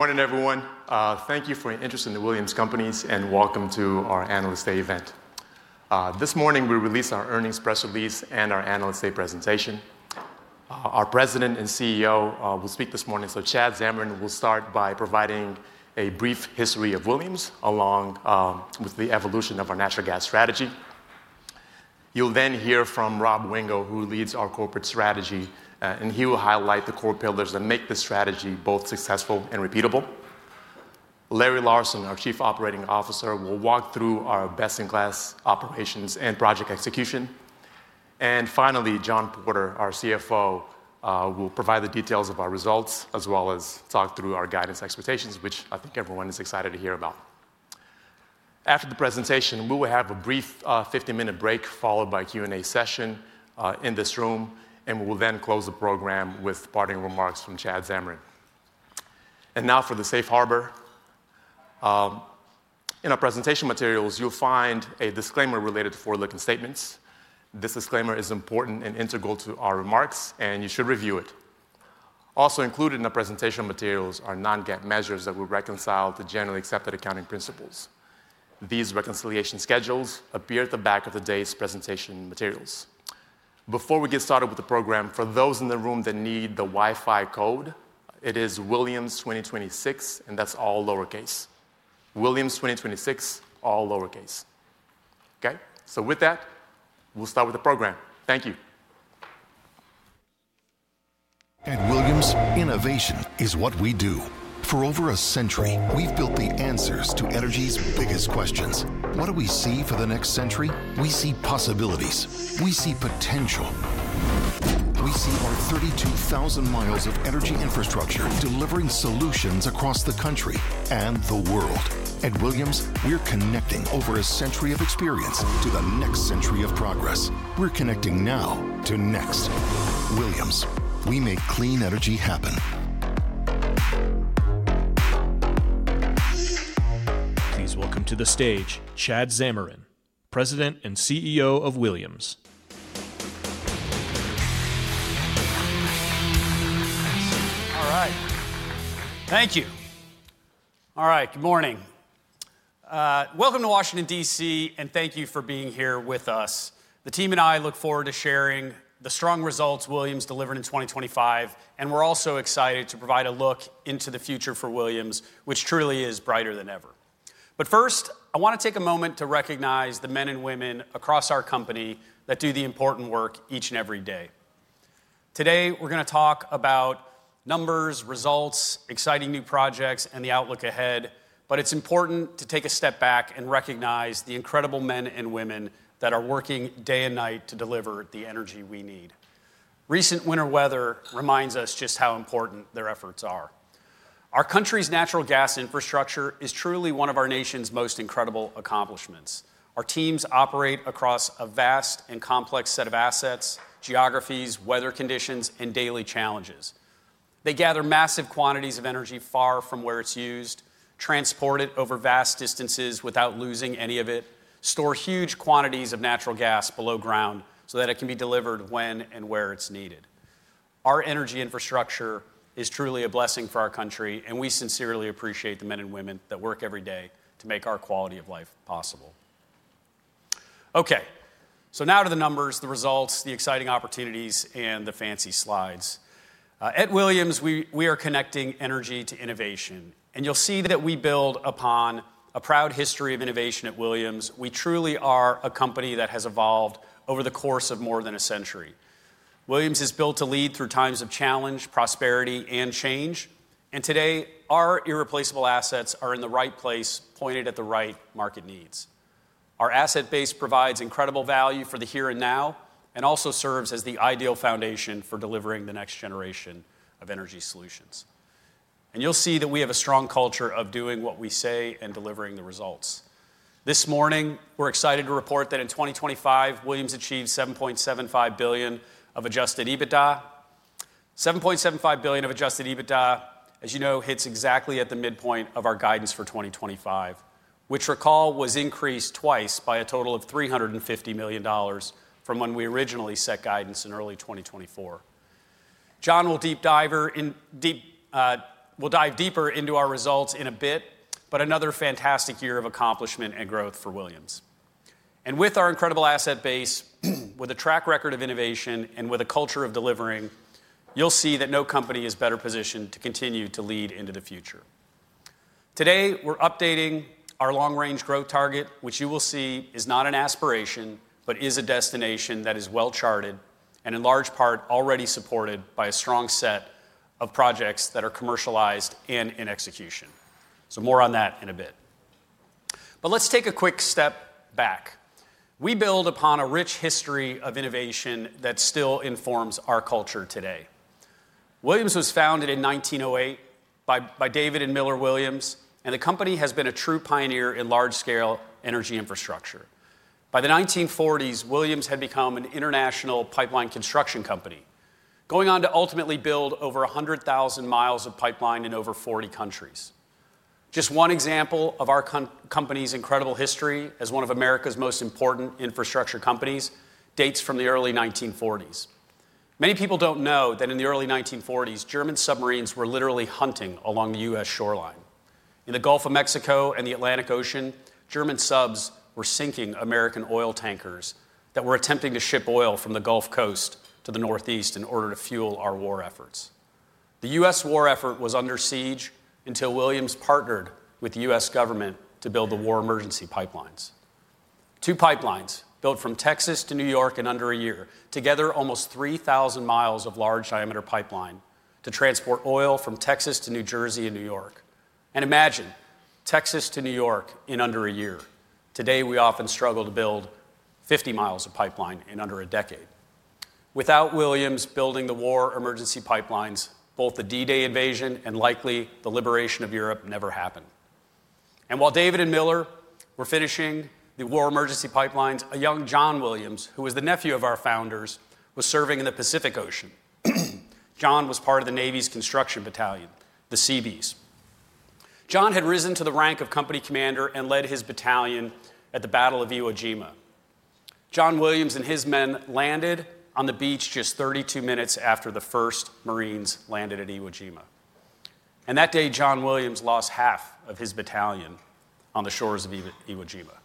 Morning, everyone. Thank you for your interest in the Williams Companies, and welcome to our Analyst Day event. This morning, we released our earnings press release and our Analyst Day presentation. Our President and CEO will speak this morning, so Chad Zamarin will start by providing a brief history of Williams, along with the evolution of our natural gas strategy. You'll then hear from Rob Wingo, who leads our corporate strategy, and he will highlight the core pillars that make this strategy both successful and repeatable. Larry Larsen, our Chief Operating Officer, will walk through our best-in-class operations and project execution. Finally, John Porter, our CFO, will provide the details of our results as well as talk through our guidance expectations, which I think everyone is excited to hear about. After the presentation, we will have a brief, 50-minute break, followed by a Q&A session in this room, and we will then close the program with parting remarks from Chad Zamarin. Now for the safe harbor. In our presentation materials, you'll find a disclaimer related to forward-looking statements. This disclaimer is important and integral to our remarks, and you should review it. Also included in the presentation materials are non-GAAP measures that we reconcile to generally accepted accounting principles. These reconciliation schedules appear at the back of the day's presentation materials. Before we get started with the program, for those in the room that need the Wi-Fi code, it is Williams2026, and that's all lowercase. Williams2026, all lowercase. Okay? So with that, we'll start with the program. Thank you. At Williams, innovation is what we do. For over a century, we've built the answers to energy's biggest questions. What do we see for the next century? We see possibilities. We see potential. We see our 32,000 miles of energy infrastructure delivering solutions across the country and the world. At Williams, we're connecting over a century of experience to the next century of progress. We're connecting now to next. Williams: We make clean energy happen. Please welcome to the stage Chad Zamarin, President and CEO of Williams. All right. Thank you. All right. Good morning, welcome to Washington, D.C., and thank you for being here with us. The team and I look forward to sharing the strong results Williams delivered in 2025, and we're also excited to provide a look into the future for Williams, which truly is brighter than ever. But first, I want to take a moment to recognize the men and women across our company that do the important work each and every day. Today, we're gonna talk about numbers, results, exciting new projects, and the outlook ahead, but it's important to take a step back and recognize the incredible men and women that are working day and night to deliver the energy we need. Recent winter weather reminds us just how important their efforts are. Our country's natural gas infrastructure is truly one of our nation's most incredible accomplishments. Our teams operate across a vast and complex set of assets, geographies, weather conditions, and daily challenges. They gather massive quantities of energy far from where it's used, transport it over vast distances without losing any of it, store huge quantities of natural gas below ground so that it can be delivered when and where it's needed. Our energy infrastructure is truly a blessing for our country, and we sincerely appreciate the men and women that work every day to make our quality of life possible. Okay, so now to the numbers, the results, the exciting opportunities, and the fancy slides. At Williams, we are connecting energy to innovation, and you'll see that we build upon a proud history of innovation at Williams. We truly are a company that has evolved over the course of more than a century. Williams is built to lead through times of challenge, prosperity, and change, and today, our irreplaceable assets are in the right place, pointed at the right market needs. Our asset base provides incredible value for the here and now and also serves as the ideal foundation for delivering the next generation of energy solutions. You'll see that we have a strong culture of doing what we say and delivering the results. This morning, we're excited to report that in 2025, Williams achieved $7.75 billion of Adjusted EBITDA. $7.75 billion of Adjusted EBITDA, as you know, hits exactly at the midpoint of our guidance for 2025, which recall was increased twice by a total of $350 million from when we originally set guidance in early 2024. John will dive deeper into our results in a bit, but another fantastic year of accomplishment and growth for Williams. With our incredible asset base, with a track record of innovation, and with a culture of delivering, you'll see that no company is better positioned to continue to lead into the future. Today, we're updating our long-range growth target, which you will see is not an aspiration, but is a destination that is well-charted and in large part already supported by a strong set of projects that are commercialized and in execution. More on that in a bit. Let's take a quick step back. We build upon a rich history of innovation that still informs our culture today. Williams was founded in 1908 by David and Miller Williams, and the company has been a true pioneer in large-scale energy infrastructure. By the 1940s, Williams had become an international pipeline construction company, going on to ultimately build over 100,000 miles of pipeline in over 40 countries. Just one example of our company's incredible history as one of America's most important infrastructure companies dates from the early 1940s. Many people don't know that in the early 1940s, German submarines were literally hunting along the U.S. shoreline. In the Gulf of Mexico and the Atlantic Ocean, German subs were sinking American oil tankers that were attempting to ship oil from the Gulf Coast to the Northeast in order to fuel our war efforts. The U.S. war effort was under siege until Williams partnered with the U.S. government to build the War Emergency Pipelines. Two pipelines, built from Texas to New York in under a year. Together, almost 3,000 miles of large diameter pipeline to transport oil from Texas to New Jersey and New York. Imagine, Texas to New York in under a year. Today, we often struggle to build 50 mi of pipeline in under a decade. Without Williams building the War Emergency Pipelines, both the D-Day invasion and likely the liberation of Europe never happened. While David and Miller were finishing the War Emergency Pipelines, a young John Williams, who was the nephew of our founders, was serving in the Pacific Ocean. John was part of the Navy's Construction Battalion, the Seabees. John had risen to the rank of company commander and led his battalion at the Battle of Iwo Jima. John Williams and his men landed on the beach just 32-minutes after the first Marines landed at Iwo Jima. That day, John Williams lost half of his battalion on the shores of Iwo, Iwo Jima.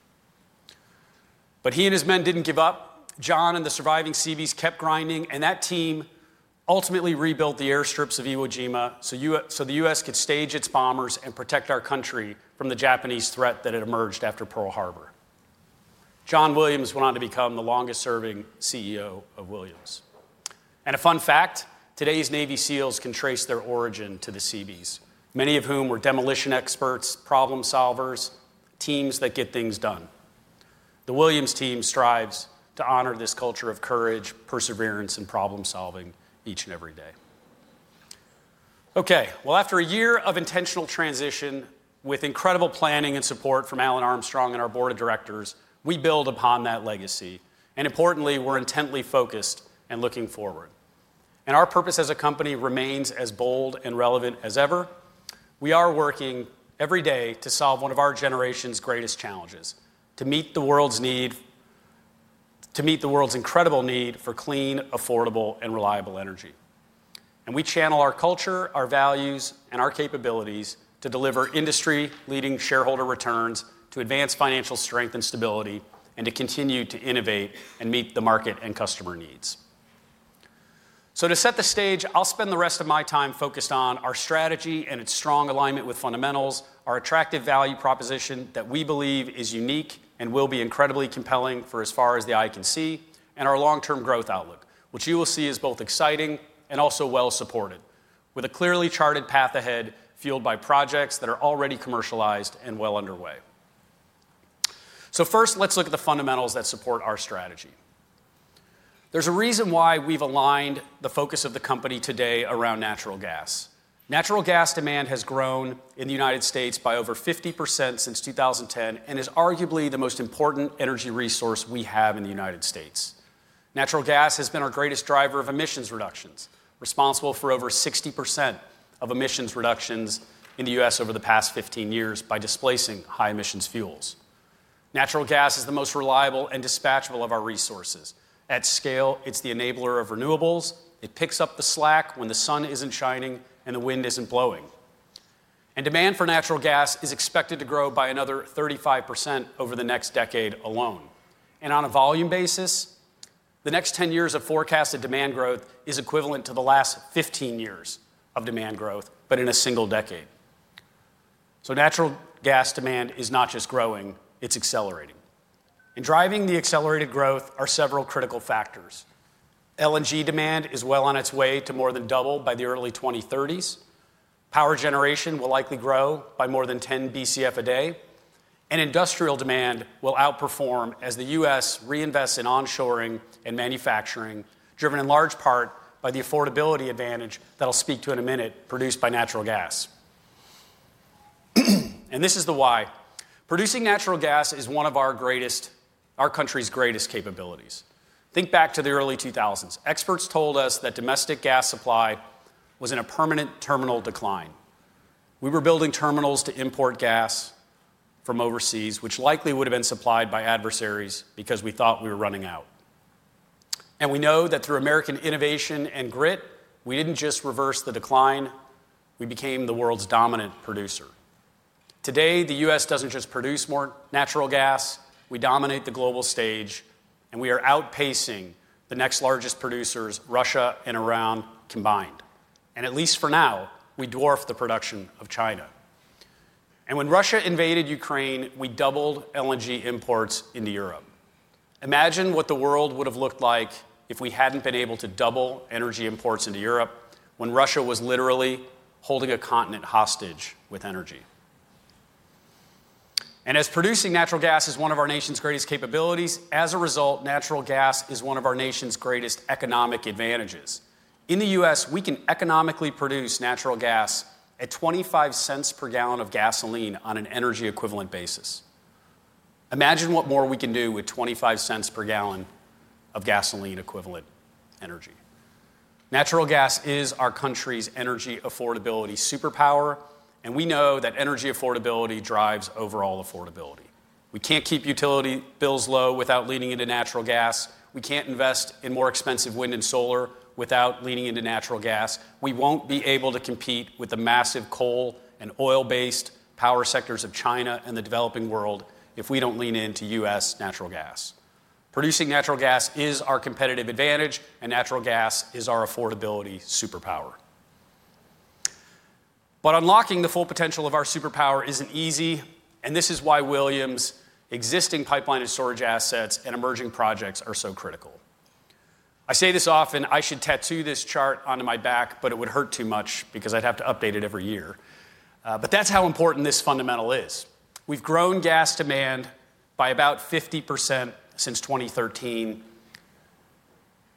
He and his men didn't give up. John and the surviving Seabees kept grinding, and that team ultimately rebuilt the airstrips of Iwo Jima, so the U.S. could stage its bombers and protect our country from the Japanese threat that had emerged after Pearl Harbor. John Williams went on to become the longest-serving CEO of Williams. A fun fact, today's Navy SEALs can trace their origin to the Seabees, many of whom were demolition experts, problem solvers, teams that get things done. The Williams team strives to honor this culture of courage, perseverance, and problem-solving each and every day. Okay, well, after a year of intentional transition with incredible planning and support from Alan Armstrong and our board of directors, we build upon that legacy, and importantly, we're intently focused and looking forward. Our purpose as a company remains as bold and relevant as ever. We are working every day to solve one of our generation's greatest challenges: to meet the world's need, to meet the world's incredible need for clean, affordable, and reliable energy. We channel our culture, our values, and our capabilities to deliver industry-leading shareholder returns, to advance financial strength and stability, and to continue to innovate and meet the market and customer needs. So to set the stage, I'll spend the rest of my time focused on our strategy and its strong alignment with fundamentals, our attractive value proposition that we believe is unique and will be incredibly compelling for as far as the eye can see, and our long-term growth outlook, which you will see is both exciting and also well-supported, with a clearly charted path ahead, fueled by projects that are already commercialized and well underway. So first, let's look at the fundamentals that support our strategy. There's a reason why we've aligned the focus of the company today around natural gas. Natural gas demand has grown in the United States by over 50% since 2010 and is arguably the most important energy resource we have in the United States. Natural gas has been our greatest driver of emissions reductions, responsible for over 60% of emissions reductions in the U.S. over the past 15 years by displacing high emissions fuels. Natural gas is the most reliable and dispatchable of our resources. At scale, it's the enabler of renewables. It picks up the slack when the sun isn't shining and the wind isn't blowing. Demand for natural gas is expected to grow by another 35% over the next decade alone. On a volume basis, the next 10 years of forecasted demand growth is equivalent to the last 15 years of demand growth, but in a single decade. Natural gas demand is not just growing, it's accelerating. Driving the accelerated growth are several critical factors. LNG demand is well on its way to more than double by the early 2030s. Power generation will likely grow by more than 10 Bcf/d. Industrial demand will outperform as the U.S. reinvests in onshoring and manufacturing, driven in large part by the affordability advantage that I'll speak to in a minute, produced by natural gas. This is the why. Producing natural gas is one of our greatest—our country's greatest capabilities. Think back to the early 2000s. Experts told us that domestic gas supply was in a permanent terminal decline. We were building terminals to import gas from overseas, which likely would have been supplied by adversaries because we thought we were running out. We know that through American innovation and grit, we didn't just reverse the decline, we became the world's dominant producer. Today, the U.S. doesn't just produce more natural gas, we dominate the global stage, and we are outpacing the next largest producers, Russia and Iran, combined. At least for now, we dwarf the production of China. When Russia invaded Ukraine, we doubled LNG imports into Europe. Imagine what the world would have looked like if we hadn't been able to double energy imports into Europe when Russia was literally holding a continent hostage with energy. As producing natural gas is one of our nation's greatest capabilities, as a result, natural gas is one of our nation's greatest economic advantages. In the U.S., we can economically produce natural gas at $0.25 per gallon of gasoline on an energy equivalent basis. Imagine what more we can do with $0.25 per gallon of gasoline equivalent energy. Natural gas is our country's energy affordability superpower, and we know that energy affordability drives overall affordability. We can't keep utility bills low without leaning into natural gas. We can't invest in more expensive wind and solar without leaning into natural gas. We won't be able to compete with the massive coal and oil-based power sectors of China and the developing world if we don't lean into U.S. natural gas. Producing natural gas is our competitive advantage, and natural gas is our affordability superpower. But unlocking the full potential of our superpower isn't easy, and this is why Williams' existing pipeline and storage assets and emerging projects are so critical. I say this often, I should tattoo this chart onto my back, but it would hurt too much because I'd have to update it every year. But that's how important this fundamental is. We've grown gas demand by about 50% since 2013,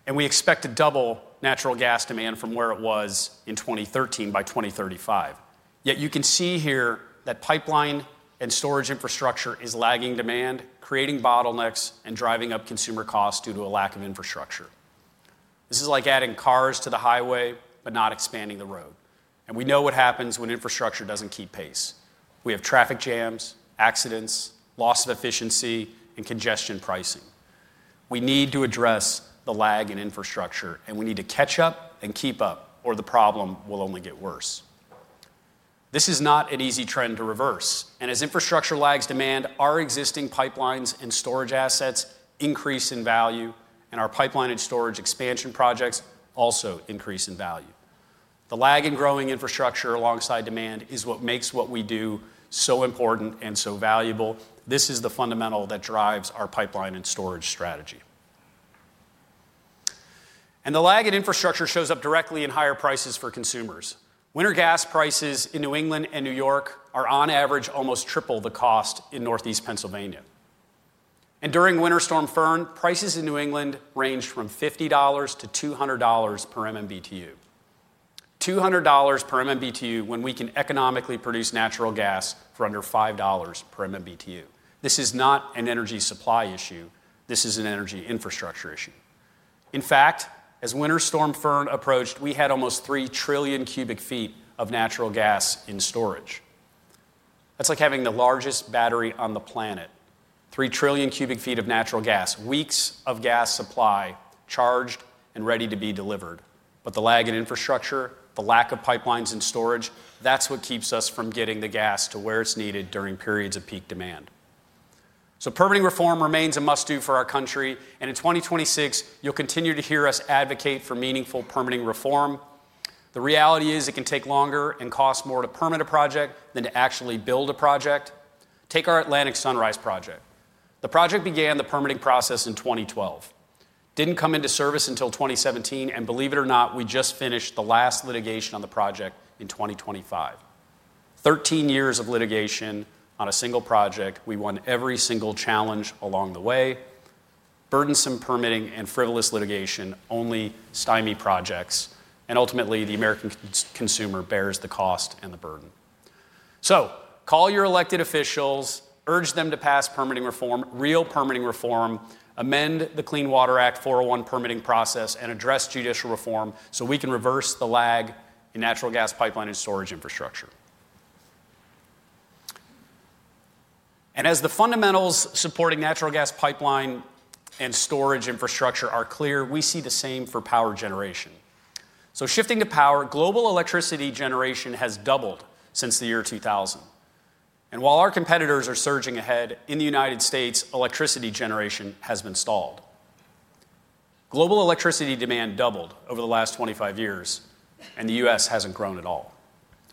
and we expect to double natural gas demand from where it was in 2013 by 2035. Yet, you can see here that pipeline and storage infrastructure is lagging demand, creating bottlenecks and driving up consumer costs due to a lack of infrastructure. This is like adding cars to the highway but not expanding the road, and we know what happens when infrastructure doesn't keep pace. We have traffic jams, accidents, loss of efficiency, and congestion pricing. We need to address the lag in infrastructure, and we need to catch up and keep up, or the problem will only get worse. This is not an easy trend to reverse, and as infrastructure lags demand, our existing pipelines and storage assets increase in value, and our pipeline and storage expansion projects also increase in value. The lag in growing infrastructure alongside demand is what makes what we do so important and so valuable. This is the fundamental that drives our pipeline and storage strategy. The lag in infrastructure shows up directly in higher prices for consumers. Winter gas prices in New England and New York are, on average, almost triple the cost in Northeast Pennsylvania. During Winter Storm Fern, prices in New England ranged from $50-$200 per MMBtu. $200 per MMBtu when we can economically produce natural gas for under $5 per MMBtu. This is not an energy supply issue. This is an energy infrastructure issue. In fact, as Winter Storm Fern approached, we had almost 3 trillion cubic feet of natural gas in storage. That's like having the largest battery on the planet. 3 trillion cubic feet of natural gas, weeks of gas supply charged and ready to be delivered. But the lag in infrastructure, the lack of pipelines and storage, that's what keeps us from getting the gas to where it's needed during periods of peak demand. So permitting reform remains a must-do for our country, and in 2026, you'll continue to hear us advocate for meaningful permitting reform. The reality is it can take longer and cost more to permit a project than to actually build a project. Take our Atlantic Sunrise project. The project began the permitting process in 2012, didn't come into service until 2017, and believe it or not, we just finished the last litigation on the project in 2025. 13 years of litigation on a single project, we won every single challenge along the way. Burdensome permitting and frivolous litigation only stymie projects, and ultimately, the American consumer bears the cost and the burden. Call your elected officials, urge them to pass permitting reform, real permitting reform, amend the Clean Water Act, 401 permitting process, and address judicial reform so we can reverse the lag in natural gas pipeline and storage infrastructure. As the fundamentals supporting natural gas pipeline and storage infrastructure are clear, we see the same for power generation. Shifting to power, global electricity generation has doubled since the year 2000. While our competitors are surging ahead, in the United States, electricity generation has been stalled. Global electricity demand doubled over the last 25 years, and the U.S. hasn't grown at all.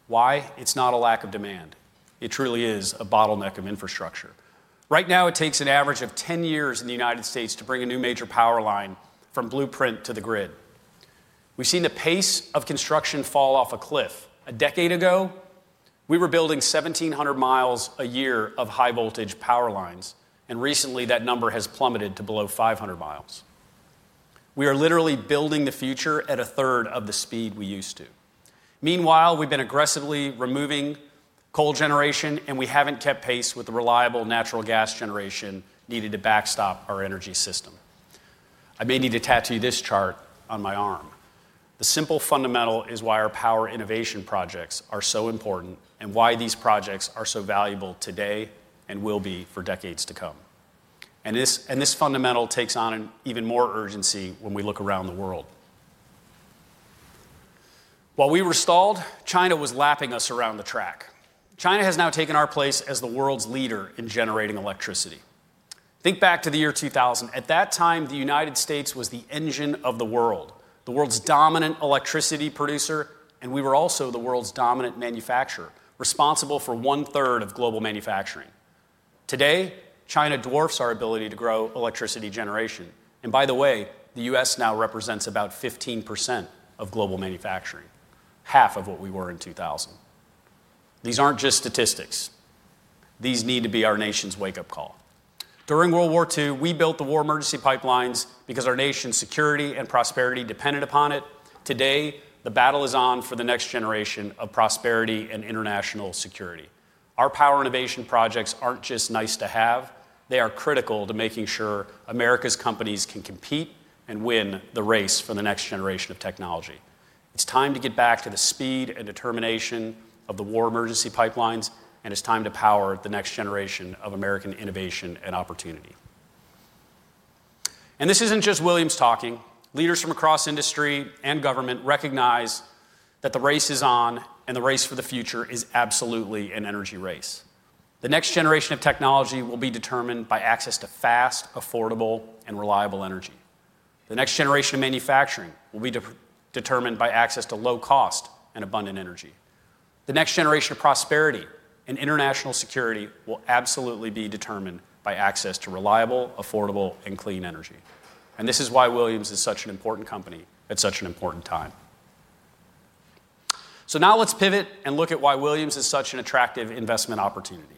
Why? It's not a lack of demand. It truly is a bottleneck of infrastructure. Right now, it takes an average of 10 years in the United States to bring a new major power line from blueprint to the grid. We've seen the pace of construction fall off a cliff. A decade ago, we were building 1,700 mi a year of high-voltage power lines, and recently, that number has plummeted to below 500 mi. We are literally building the future at a third of the speed we used to. Meanwhile, we've been aggressively removing coal generation, and we haven't kept pace with the reliable natural gas generation needed to backstop our energy system. I may need to tattoo this chart on my arm. The simple fundamental is why our power innovation projects are so important and why these projects are so valuable today and will be for decades to come. This fundamental takes on an even more urgency when we look around the world. While we were stalled, China was lapping us around the track. China has now taken our place as the world's leader in generating electricity. Think back to the year 2000. At that time, the United States was the engine of the world, the world's dominant electricity producer, and we were also the world's dominant manufacturer, responsible for one third of global manufacturing. Today, China dwarfs our ability to grow electricity generation, and by the way, the U.S. now represents about 15% of global manufacturing, half of what we were in 2000. These aren't just statistics. These need to be our nation's wake-up call. During World War II, we built the War Emergency Pipelines because our nation's security and prosperity depended upon it. Today, the battle is on for the next generation of prosperity and international security. Our power innovation projects aren't just nice to have, they are critical to making sure America's companies can compete and win the race for the next generation of technology. It's time to get back to the speed and determination of the War Emergency Pipelines, and it's time to power the next generation of American innovation and opportunity. And this isn't just Williams talking. Leaders from across industry and government recognize that the race is on, and the race for the future is absolutely an energy race. The next generation of technology will be determined by access to fast, affordable, and reliable energy. The next generation of manufacturing will be determined by access to low-cost and abundant energy. The next generation of prosperity and international security will absolutely be determined by access to reliable, affordable, and clean energy. And this is why Williams is such an important company at such an important time. So now let's pivot and look at why Williams is such an attractive investment opportunity.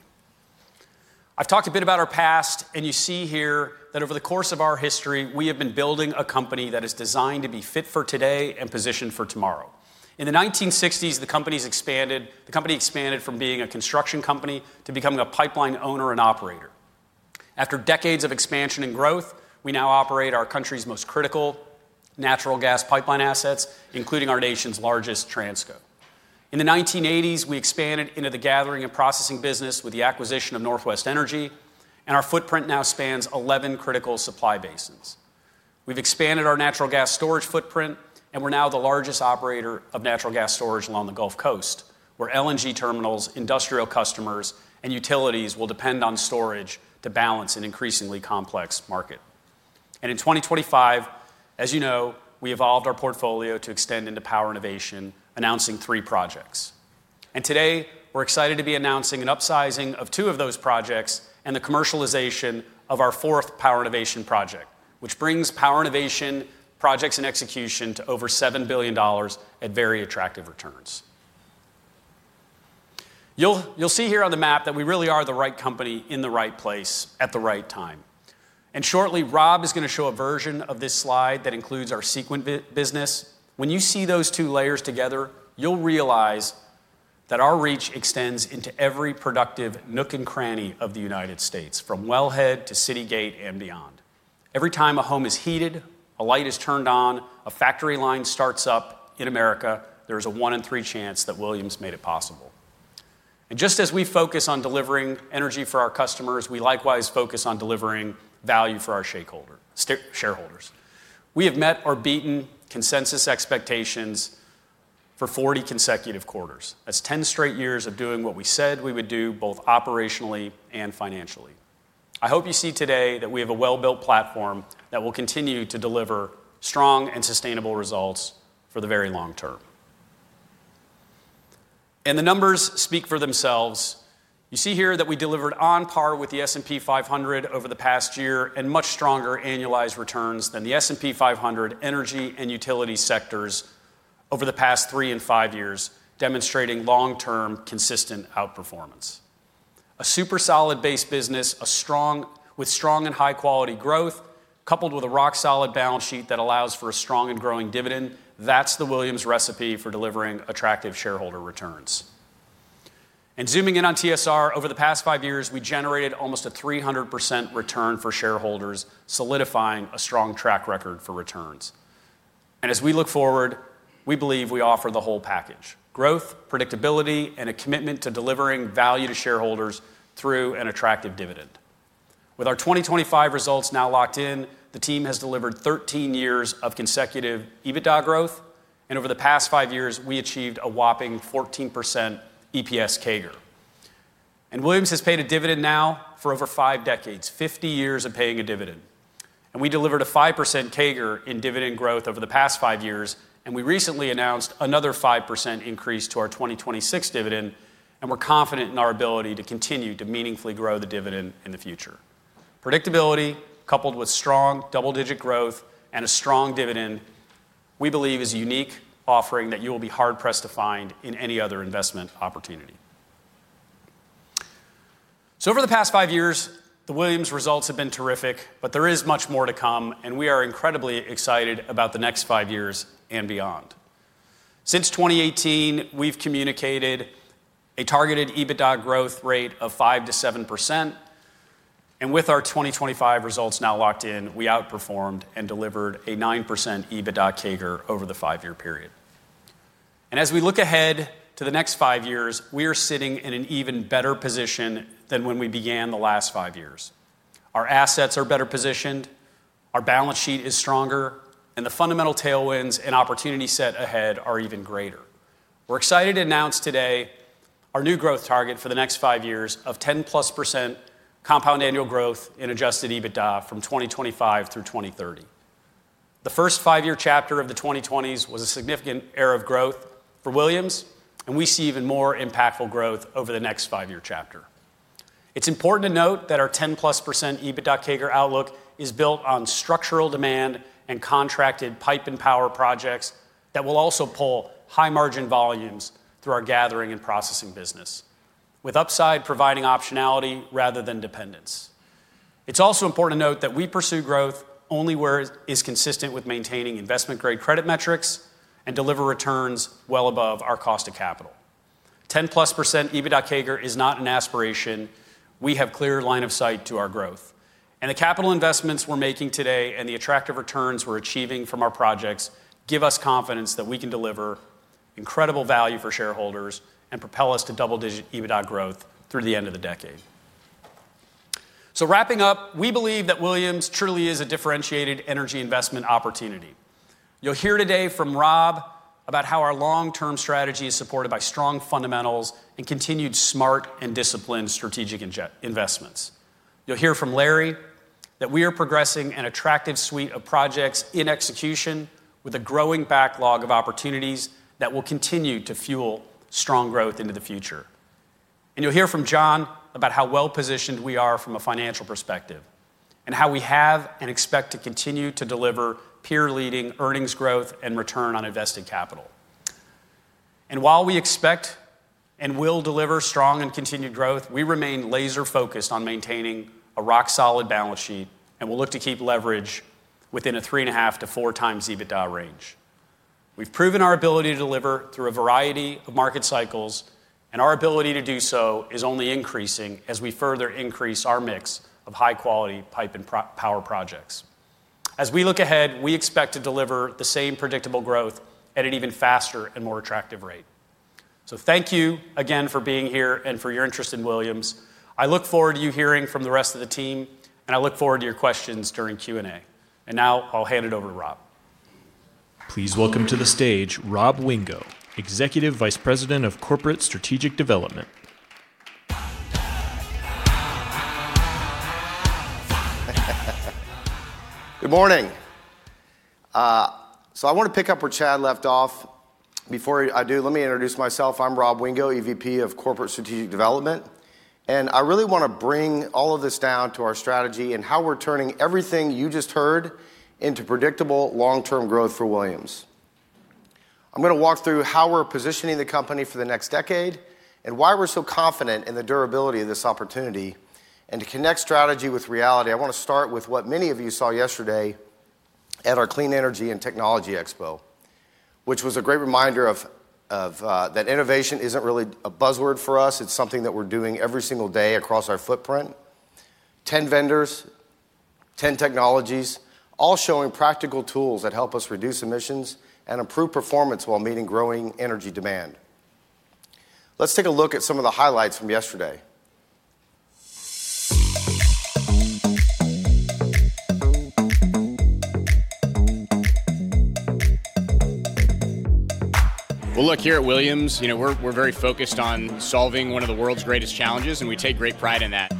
I've talked a bit about our past, and you see here that over the course of our history, we have been building a company that is designed to be fit for today and positioned for tomorrow. In the 1960s, the company expanded from being a construction company to becoming a pipeline owner and operator. After decades of expansion and growth, we now operate our country's most critical natural gas pipeline assets, including our nation's largest Transco. In the 1980s, we expanded into the gathering and processing business with the acquisition of Northwest Energy, and our footprint now spans 11 critical supply basins. We've expanded our natural gas storage footprint, and we're now the largest operator of natural gas storage along the Gulf Coast, where LNG terminals, industrial customers, and utilities will depend on storage to balance an increasingly complex market. In 2025, as you know, we evolved our portfolio to extend into power innovation, announcing three projects. Today, we're excited to be announcing an upsizing of two of those projects and the commercialization of our fourth power innovation project, which brings power innovation projects and execution to over $7 billion at very attractive returns. You'll, you'll see here on the map that we really are the right company in the right place at the right time. And shortly, Rob is gonna show a version of this slide that includes our Sequent business. When you see those two layers together, you'll realize that our reach extends into every productive nook and cranny of the United States, from wellhead to city gate and beyond. Every time a home is heated, a light is turned on, a factory line starts up in America, there's a one in three chance that Williams made it possible. And just as we focus on delivering energy for our customers, we likewise focus on delivering value for our shareholders. We have met or beaten consensus expectations for 40 consecutive quarters. That's 10 straight years of doing what we said we would do, both operationally and financially. I hope you see today that we have a well-built platform that will continue to deliver strong and sustainable results for the very long term. The numbers speak for themselves. You see here that we delivered on par with the S&P 500 over the past year and much stronger annualized returns than the S&P 500 energy and utility sectors over the past three and five years, demonstrating long-term, consistent outperformance. A super solid base business, a strong and high-quality growth, coupled with a rock-solid balance sheet that allows for a strong and growing dividend, that's the Williams recipe for delivering attractive shareholder returns. Zooming in on TSR, over the past five years, we generated almost a 300% return for shareholders, solidifying a strong track record for returns. As we look forward, we believe we offer the whole package: growth, predictability, and a commitment to delivering value to shareholders through an attractive dividend. With our 2025 results now locked in, the team has delivered 13 years of consecutive EBITDA growth, and over the past five years, we achieved a whopping 14% EPS CAGR. Williams has paid a dividend now for over five decades, 50 years of paying a dividend. We delivered a 5% CAGR in dividend growth over the past five years, and we recently announced another 5% increase to our 2026 dividend, and we're confident in our ability to continue to meaningfully grow the dividend in the future. Predictability, coupled with strong double-digit growth and a strong dividend, we believe is a unique offering that you will be hard-pressed to find in any other investment opportunity. So over the past five years, the Williams results have been terrific, but there is much more to come, and we are incredibly excited about the next five years and beyond. Since 2018, we've communicated a targeted EBITDA growth rate of 5%-7%, and with our 2025 results now locked in, we outperformed and delivered a 9% EBITDA CAGR over the five year period. As we look ahead to the next five years, we are sitting in an even better position than when we began the last five years. Our assets are better positioned, our balance sheet is stronger, and the fundamental tailwinds and opportunity set ahead are even greater. We're excited to announce today our new growth target for the next five years of 10%+ compound annual growth in Adjusted EBITDA from 2025 through 2030. The first five-year chapter of the 2020s was a significant era of growth for Williams, and we see even more impactful growth over the next five-year chapter. It's important to note that our 10%+ EBITDA CAGR outlook is built on structural demand and contracted pipe and power projects that will also pull high-margin volumes through our gathering and processing business, with upside providing optionality rather than dependence. It's also important to note that we pursue growth only where it is consistent with maintaining investment-grade credit metrics and deliver returns well above our cost of capital. 10%+ EBITDA CAGR is not an aspiration. We have clear line of sight to our growth, and the capital investments we're making today and the attractive returns we're achieving from our projects give us confidence that we can deliver incredible value for shareholders and propel us to double-digit EBITDA growth through the end of the decade. So wrapping up, we believe that Williams truly is a differentiated energy investment opportunity. You'll hear today from Rob about how our long-term strategy is supported by strong fundamentals and continued smart and disciplined strategic investments. You'll hear from Larry that we are progressing an attractive suite of projects in execution, with a growing backlog of opportunities that will continue to fuel strong growth into the future. And you'll hear from John about how well-positioned we are from a financial perspective, and how we have and expect to continue to deliver peer-leading earnings growth and return on invested capital. And while we expect and will deliver strong and continued growth, we remain laser-focused on maintaining a rock-solid balance sheet, and we'll look to keep leverage within a 3.5-4x EBITDA range. We've proven our ability to deliver through a variety of market cycles, and our ability to do so is only increasing as we further increase our mix of high-quality pipe and power projects. As we look ahead, we expect to deliver the same predictable growth at an even faster and more attractive rate. So thank you again for being here and for your interest in Williams. I look forward to you hearing from the rest of the team, and I look forward to your questions during Q&A. And now I'll hand it over to Rob. Please welcome to the stage Rob Wingo, Executive Vice President of Corporate Strategic Development. Good morning. So I wanna pick up where Chad left off. Before I do, let me introduce myself. I'm Rob Wingo, EVP of Corporate Strategic Development, and I really wanna bring all of this down to our strategy and how we're turning everything you just heard into predictable long-term growth for Williams. I'm gonna walk through how we're positioning the company for the next decade, and why we're so confident in the durability of this opportunity. To connect strategy with reality, I wanna start with what many of you saw yesterday at our Clean Energy and Technology Expo, which was a great reminder of that innovation isn't really a buzzword for us. It's something that we're doing every single day across our footprint. 10 vendors, 10 technologies, all showing practical tools that help us reduce emissions and improve performance while meeting growing energy demand. Let's take a look at some of the highlights from yesterday. Well, look, here at Williams, you know, we're very focused on solving one of the world's greatest challenges, and we take great pride in that.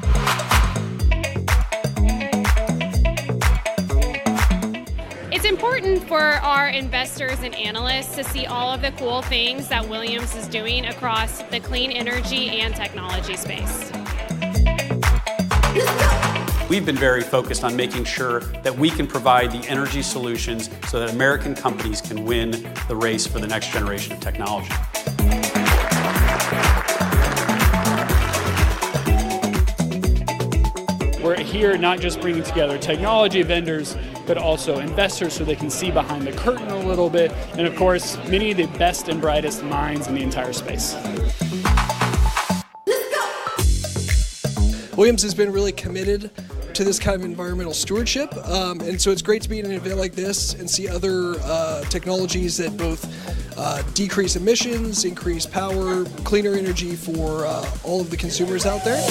It's important for our investors and analysts to see all of the cool things that Williams is doing across the clean energy and technology space. We've been very focused on making sure that we can provide the energy solutions so that American companies can win the race for the next generation of technology. We're here not just bringing together technology vendors, but also investors, so they can see behind the curtain a little bit, and of course, many of the best and brightest minds in the entire space. Williams has been really committed to this kind of environmental stewardship. And so it's great to be in an event like this and see other technologies that both decrease emissions, increase power, cleaner energy for all of the consumers out there.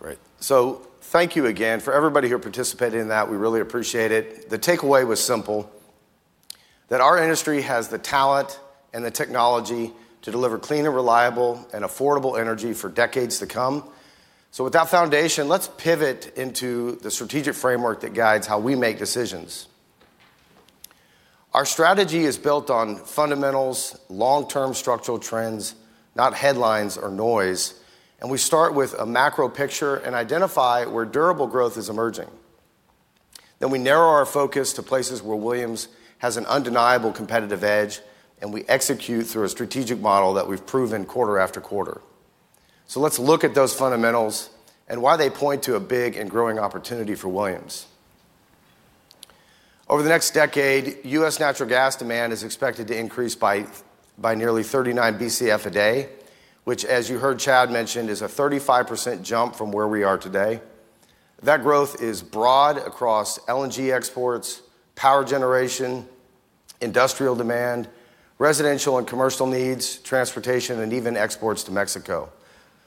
Great. So thank you again for everybody here participating in that. We really appreciate it. The takeaway was simple, that our industry has the talent and the technology to deliver clean and reliable and affordable energy for decades to come. So with that foundation, let's pivot into the strategic framework that guides how we make decisions. Our strategy is built on fundamentals, long-term structural trends, not headlines or noise, and we start with a macro picture and identify where durable growth is emerging. Then we narrow our focus to places where Williams has an undeniable competitive edge, and we execute through a strategic model that we've proven quarter after quarter. So let's look at those fundamentals and why they point to a big and growing opportunity for Williams. Over the next decade, U.S. natural gas demand is expected to increase by nearly 39 Bcf/d, which, as you heard Chad mention, is a 35% jump from where we are today. That growth is broad across LNG exports, power generation, industrial demand, residential and commercial needs, transportation, and even exports to Mexico.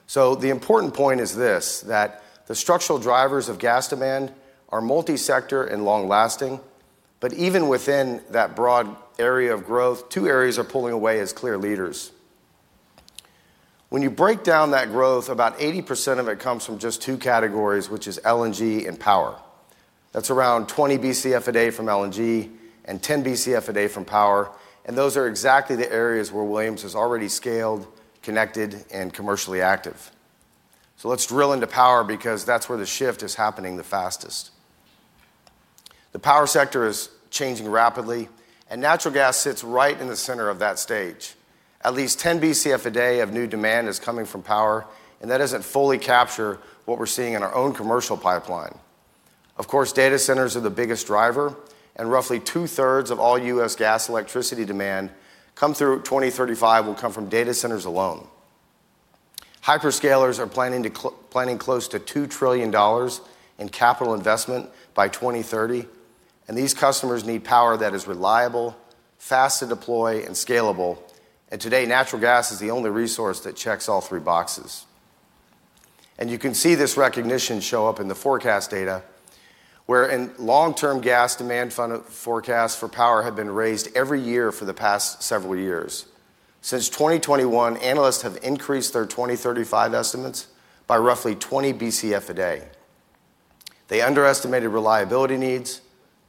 So the important point is this, that the structural drivers of gas demand are multi-sector and long-lasting, but even within that broad area of growth, two areas are pulling away as clear leaders. When you break down that growth, about 80% of it comes from just two categories, which is LNG and power. That's around 20 Bcf/d from LNG and 10 Bcf/d from power, and those are exactly the areas where Williams is already scaled, connected, and commercially active. So let's drill into power because that's where the shift is happening the fastest. The power sector is changing rapidly, and natural gas sits right in the center of that stage. At least 10 Bcf a day of new demand is coming from power, and that doesn't fully capture what we're seeing in our own commercial pipeline. Of course, data centers are the biggest driver, and roughly two-thirds of all U.S. gas electricity demand come through 2035 will come from data centers alone. Hyperscalers are planning close to $2 trillion in capital investment by 2030, and these customers need power that is reliable, fast to deploy and scalable. And today, natural gas is the only resource that checks all three boxes. You can see this recognition show up in the forecast data, where long-term gas demand forecast for power have been raised every year for the past several years. Since 2021, analysts have increased their 2035 estimates by roughly 20 Bcf/d. They underestimated reliability needs,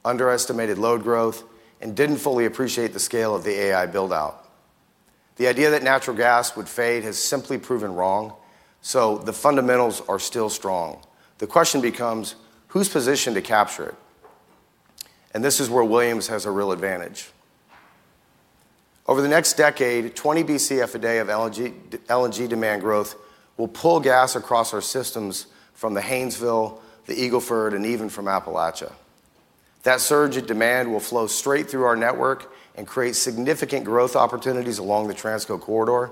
underestimated load growth, and didn't fully appreciate the scale of the AI build-out. The idea that natural gas would fade has simply proven wrong, so the fundamentals are still strong. The question becomes: who's positioned to capture it? And this is where Williams has a real advantage. Over the next decade, 20 Bcf/d of LNG demand growth will pull gas across our systems from the Haynesville, the Eagle Ford, and even from Appalachia. That surge in demand will flow straight through our network and create significant growth opportunities along the Transco corridor.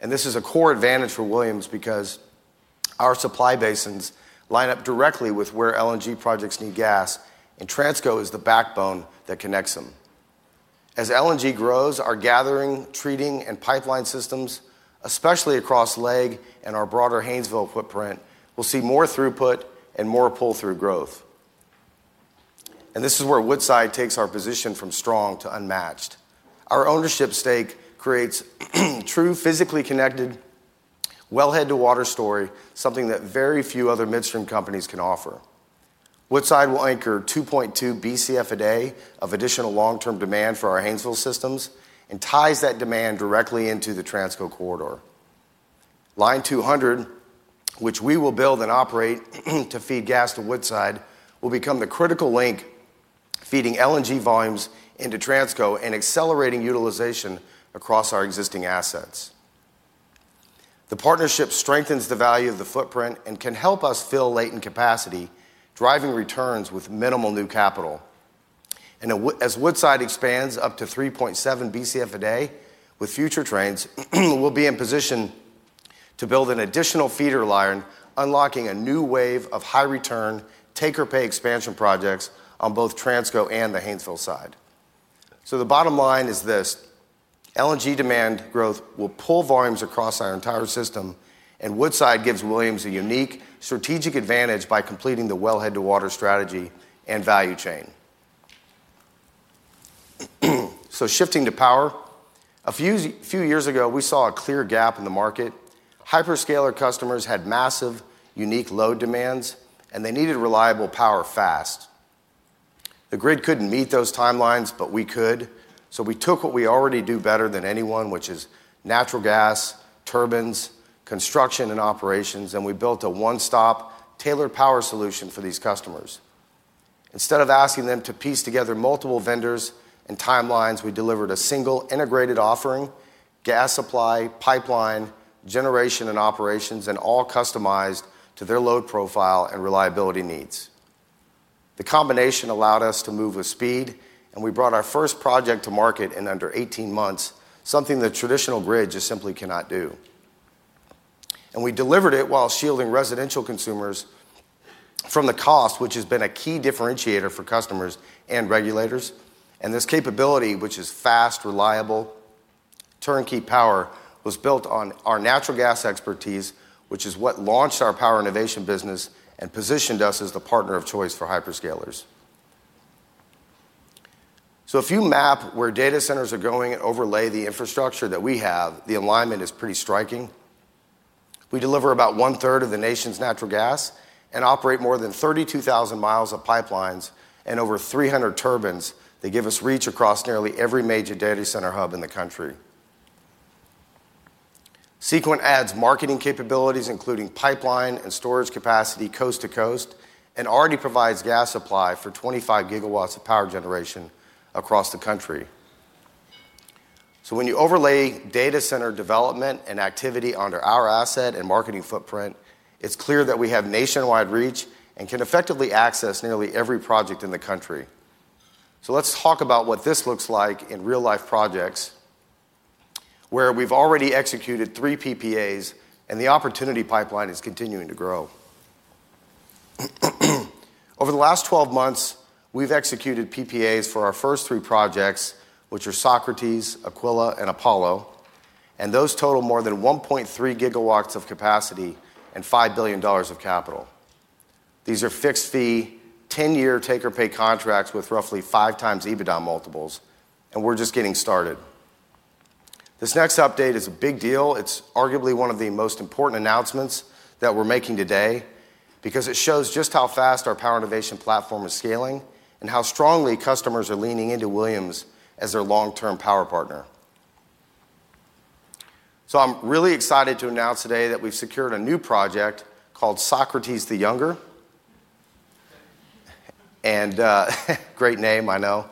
This is a core advantage for Williams because our supply basins line up directly with where LNG projects need gas, and Transco is the backbone that connects them. As LNG grows, our gathering, treating, and pipeline systems, especially across LEG and our broader Haynesville footprint, will see more throughput and more pull-through growth. This is where Woodside takes our position from strong to unmatched. Our ownership stake creates true, physically connected, wellhead-to-water story, something that very few other midstream companies can offer. Woodside will anchor 2.2 Bcf/d of additional long-term demand for our Haynesville systems and ties that demand directly into the Transco corridor. Line 200, which we will build and operate to feed gas to Woodside, will become the critical link, feeding LNG volumes into Transco and accelerating utilization across our existing assets. The partnership strengthens the value of the footprint and can help us fill latent capacity, driving returns with minimal new capital. As Woodside expands up to 3.7 Bcf a day, with future trains, we'll be in position to build an additional feeder line, unlocking a new wave of high return, take-or-pay expansion projects on both Transco and the Haynesville side. So the bottom line is this: LNG demand growth will pull volumes across our entire system, and Woodside gives Williams a unique strategic advantage by completing the wellhead-to-water strategy and value chain. So shifting to power. A few, few years ago, we saw a clear gap in the market. Hyperscaler customers had massive, unique load demands, and they needed reliable power fast. The grid couldn't meet those timelines, but we could. So we took what we already do better than anyone, which is natural gas, turbines, construction, and operations, and we built a one-stop tailored power solution for these customers. Instead of asking them to piece together multiple vendors and timelines, we delivered a single integrated offering, gas supply, pipeline, generation, and operations, and all customized to their load profile and reliability needs. The combination allowed us to move with speed, and we brought our first project to market in under 18 months, something the traditional grid just simply cannot do. And we delivered it while shielding residential consumers from the cost, which has been a key differentiator for customers and regulators. And this capability, which is fast, reliable, turnkey power, was built on our natural gas expertise, which is what launched our power innovation business and positioned us as the partner of choice for hyperscalers. So if you map where data centers are going and overlay the infrastructure that we have, the alignment is pretty striking. We deliver about one-third of the nation's natural gas and operate more than 32,000 miles of pipelines and over 300 turbines that give us reach across nearly every major data center hub in the country. Sequent adds marketing capabilities, including pipeline and storage capacity, coast to coast, and already provides gas supply for 25 GW of power generation across the country. So when you overlay data center development and activity under our asset and marketing footprint, it's clear that we have nationwide reach and can effectively access nearly every project in the country. So let's talk about what this looks like in real-life projects, where we've already executed 3 PPAs and the opportunity pipeline is continuing to grow. Over the last 12 months, we've executed PPAs for our first three projects, which are Socrates, Aquila, and Apollo, and those total more than 1.3 GW of capacity and $5 billion of capital. These are fixed-fee, 10-year take-or-pay contracts with roughly 5x EBITDA multiples, and we're just getting started. This next update is a big deal. It's arguably one of the most important announcements that we're making today, because it shows just how fast our Power Innovation platform is scaling and how strongly customers are leaning into Williams as their long-term power partner. So I'm really excited to announce today that we've secured a new project called Socrates the Younger. And, great name, I know.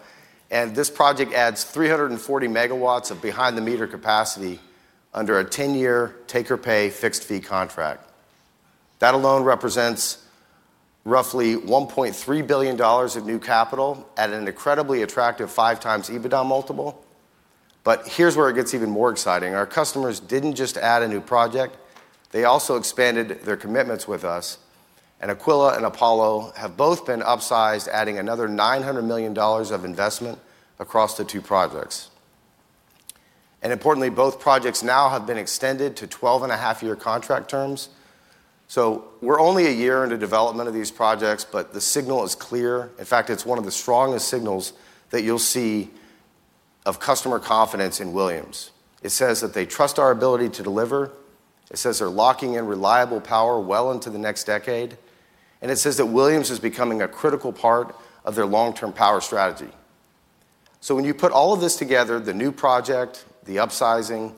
And this project adds 340 MW of behind-the-meter capacity under a 10-year take-or-pay fixed fee contract. That alone represents roughly $1.3 billion of new capital at an incredibly attractive 5x EBITDA multiple. But here's where it gets even more exciting. Our customers didn't just add a new project, they also expanded their commitments with us, and Aquila and Apollo have both been upsized, adding another $900 million of investment across the two projects. And importantly, both projects now have been extended to 12.5-year contract terms. So we're only a year into development of these projects, but the signal is clear. In fact, it's one of the strongest signals that you'll see of customer confidence in Williams. It says that they trust our ability to deliver, it says they're locking in reliable power well into the next decade, and it says that Williams is becoming a critical part of their long-term power strategy. So when you put all of this together, the new project, the upsizing,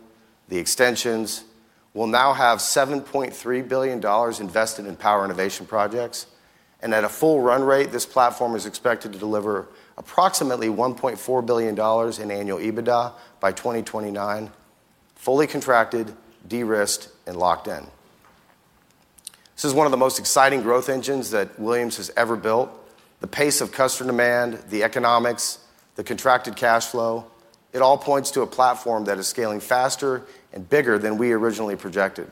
the extensions, we'll now have $7.3 billion invested in Power Innovation projects. And at a full run rate, this platform is expected to deliver approximately $1.4 billion in Annual EBITDA by 2029, fully contracted, de-risked, and locked in. This is one of the most exciting growth engines that Williams has ever built. The pace of customer demand, the economics, the contracted cash flow, it all points to a platform that is scaling faster and bigger than we originally projected.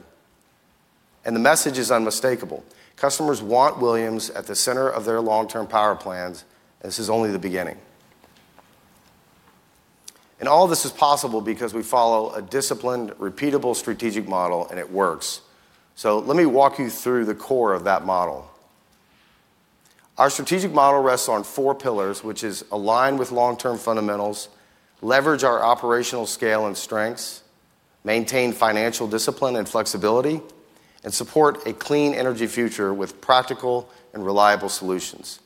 And the message is unmistakable: customers want Williams at the center of their long-term power plans, and this is only the beginning. And all of this is possible because we follow a disciplined, repeatable, strategic model, and it works. So let me walk you through the core of that model. Our strategic model rests on four pillars, which align with long-term fundamentals, leverage our operational scale and strengths, maintain financial discipline and flexibility, and support a clean energy future with practical and reliable solutions.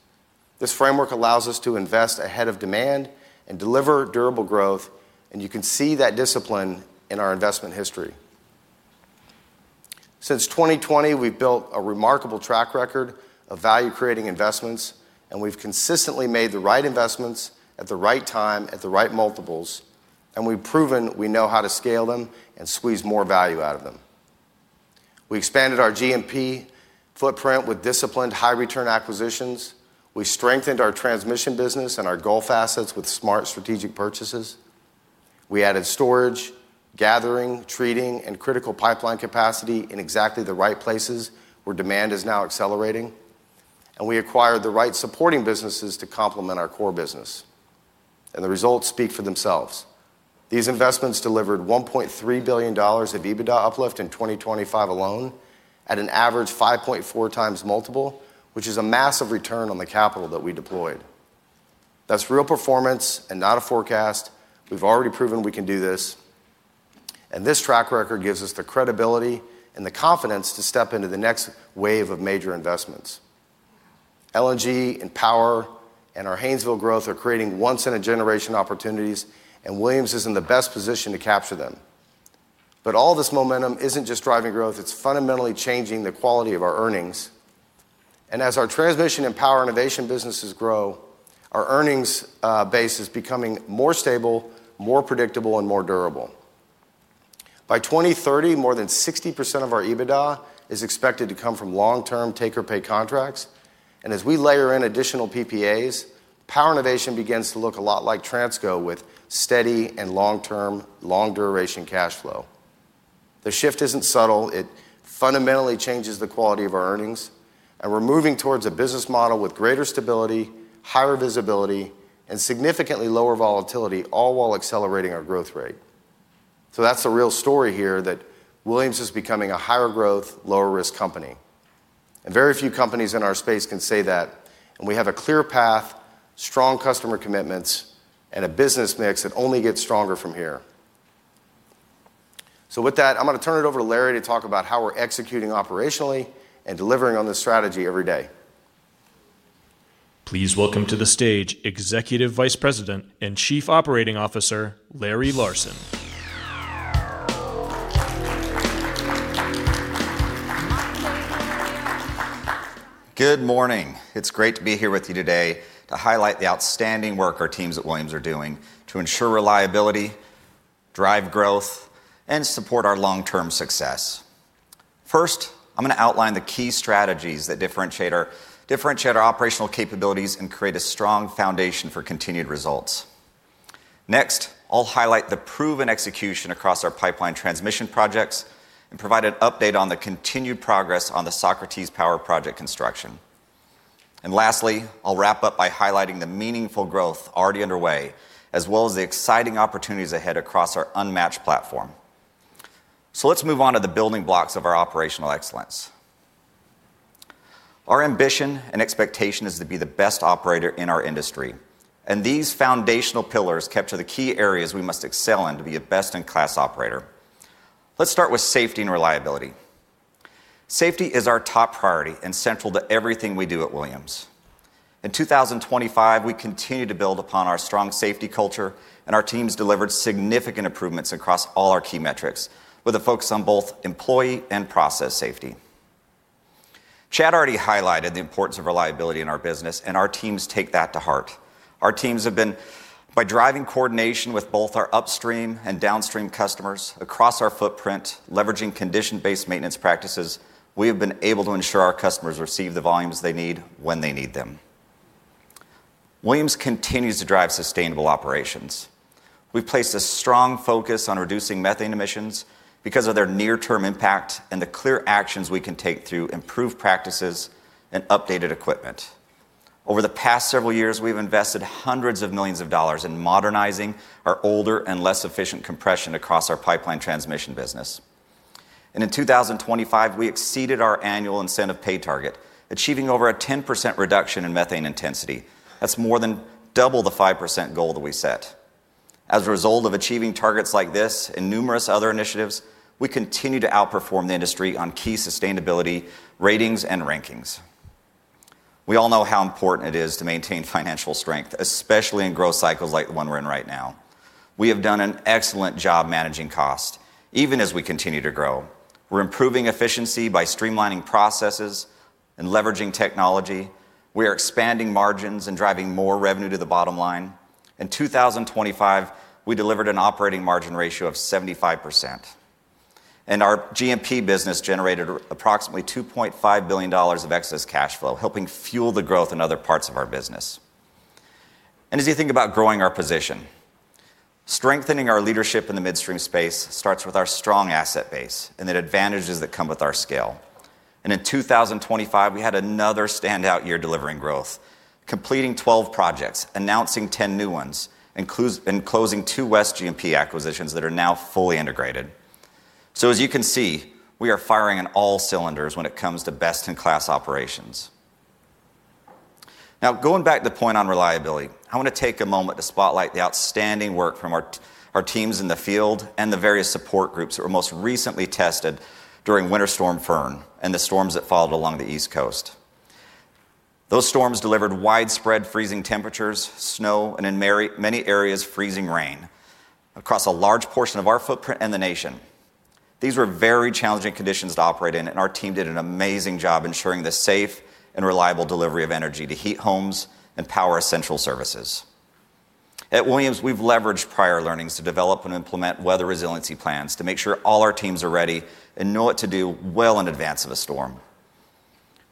This framework allows us to invest ahead of demand and deliver durable growth, and you can see that discipline in our investment history. Since 2020, we've built a remarkable track record of value-creating investments, and we've consistently made the right investments at the right time, at the right multiples, and we've proven we know how to scale them and squeeze more value out of them. We expanded our G&P footprint with disciplined, high-return acquisitions. We strengthened our transmission business and our Gulf assets with smart strategic purchases. We added storage, gathering, treating, and critical pipeline capacity in exactly the right places where demand is now accelerating, and we acquired the right supporting businesses to complement our core business. The results speak for themselves. These investments delivered $1.3 billion of EBITDA uplift in 2025 alone, at an average 5.4x multiple, which is a massive return on the capital that we deployed. That's real performance and not a forecast. We've already proven we can do this, and this track record gives us the credibility and the confidence to step into the next wave of major investments. LNG and Power and our Haynesville growth are creating once-in-a-generation opportunities, and Williams is in the best position to capture them. But all this momentum isn't just driving growth, it's fundamentally changing the quality of our earnings. As our transmission and Power Innovation businesses grow, our earnings base is becoming more stable, more predictable, and more durable. By 2030, more than 60% of our EBITDA is expected to come from long-term take-or-pay contracts, and as we layer in additional PPAs, Power Innovation begins to look a lot like Transco, with steady and long-term, long-duration cash flow. The shift isn't subtle. It fundamentally changes the quality of our earnings, and we're moving towards a business model with greater stability, higher visibility, and significantly lower volatility, all while accelerating our growth rate. That's the real story here, that Williams is becoming a higher-growth, lower-risk company. Very few companies in our space can say that, and we have a clear path, strong customer commitments, and a business mix that only gets stronger from here. With that, I'm going to turn it over to Larry to talk about how we're executing operationally and delivering on this strategy every day. Please welcome to the stage Executive Vice President and Chief Operating Officer, Larry Larson. Good morning. It's great to be here with you today to highlight the outstanding work our teams at Williams are doing to ensure reliability, drive growth, and support our long-term success. First, I'm going to outline the key strategies that differentiate our operational capabilities and create a strong foundation for continued results. Next, I'll highlight the proven execution across our pipeline transmission projects and provide an update on the continued progress on the Socrates power project construction. And lastly, I'll wrap up by highlighting the meaningful growth already underway, as well as the exciting opportunities ahead across our unmatched platform. So let's move on to the building blocks of our operational excellence. Our ambition and expectation is to be the best operator in our industry, and these foundational pillars capture the key areas we must excel in to be a best-in-class operator. Let's start with safety and reliability. Safety is our top priority and central to everything we do at Williams. In 2025, we continued to build upon our strong safety culture, and our teams delivered significant improvements across all our key metrics, with a focus on both employee and process safety. Chad already highlighted the importance of reliability in our business, and our teams take that to heart. Our teams have been, by driving coordination with both our upstream and downstream customers across our footprint, leveraging condition-based maintenance practices, we have been able to ensure our customers receive the volumes they need, when they need them. Williams continues to drive sustainable operations. We've placed a strong focus on reducing methane emissions because of their near-term impact and the clear actions we can take through improved practices and updated equipment. Over the past several years, we've invested hundreds of millions of dollars in modernizing our older and less efficient compression across our pipeline transmission business. In 2025, we exceeded our annual incentive pay target, achieving over a 10% reduction in methane intensity. That's more than double the 5% goal that we set. As a result of achieving targets like this and numerous other initiatives, we continue to outperform the industry on key sustainability ratings and rankings. We all know how important it is to maintain financial strength, especially in growth cycles like the one we're in right now. We have done an excellent job managing cost, even as we continue to grow. We're improving efficiency by streamlining processes and leveraging technology. We are expanding margins and driving more revenue to the bottom line. In 2025, we delivered an operating margin ratio of 75%, and our G&P business generated approximately $2.5 billion of excess cash flow, helping fuel the growth in other parts of our business. As you think about growing our position, strengthening our leadership in the midstream space starts with our strong asset base and the advantages that come with our scale. In 2025, we had another standout year delivering growth, completing 12 projects, announcing 10 new ones, and closing two West G&P acquisitions that are now fully integrated. So as you can see, we are firing on all cylinders when it comes to best-in-class operations. Now, going back to the point on reliability, I want to take a moment to spotlight the outstanding work from our our teams in the field and the various support groups that were most recently tested during Winter Storm Fern and the storms that followed along the East Coast. Those storms delivered widespread freezing temperatures, snow, and in many, many areas, freezing rain across a large portion of our footprint and the nation. These were very challenging conditions to operate in, and our team did an amazing job ensuring the safe and reliable delivery of energy to heat homes and power essential services. At Williams, we've leveraged prior learnings to develop and implement weather resiliency plans to make sure all our teams are ready and know what to do well in advance of a storm.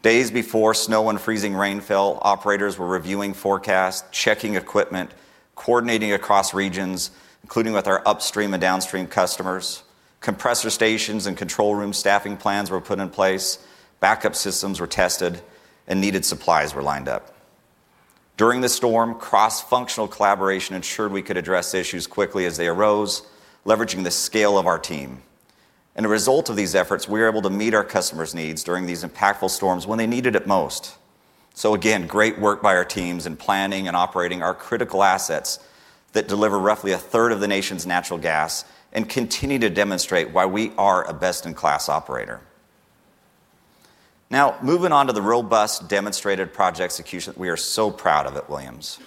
Days before snow and freezing rain fell, operators were reviewing forecasts, checking equipment, coordinating across regions, including with our upstream and downstream customers. Compressor stations and control room staffing plans were put in place, backup systems were tested, and needed supplies were lined up. During the storm, cross-functional collaboration ensured we could address issues quickly as they arose, leveraging the scale of our team. As a result of these efforts, we were able to meet our customers' needs during these impactful storms when they needed it most. So again, great work by our teams in planning and operating our critical assets that deliver roughly a third of the nation's natural gas and continue to demonstrate why we are a best-in-class operator. Now, moving on to the robust, demonstrated project execution. We are so proud of it, Williams.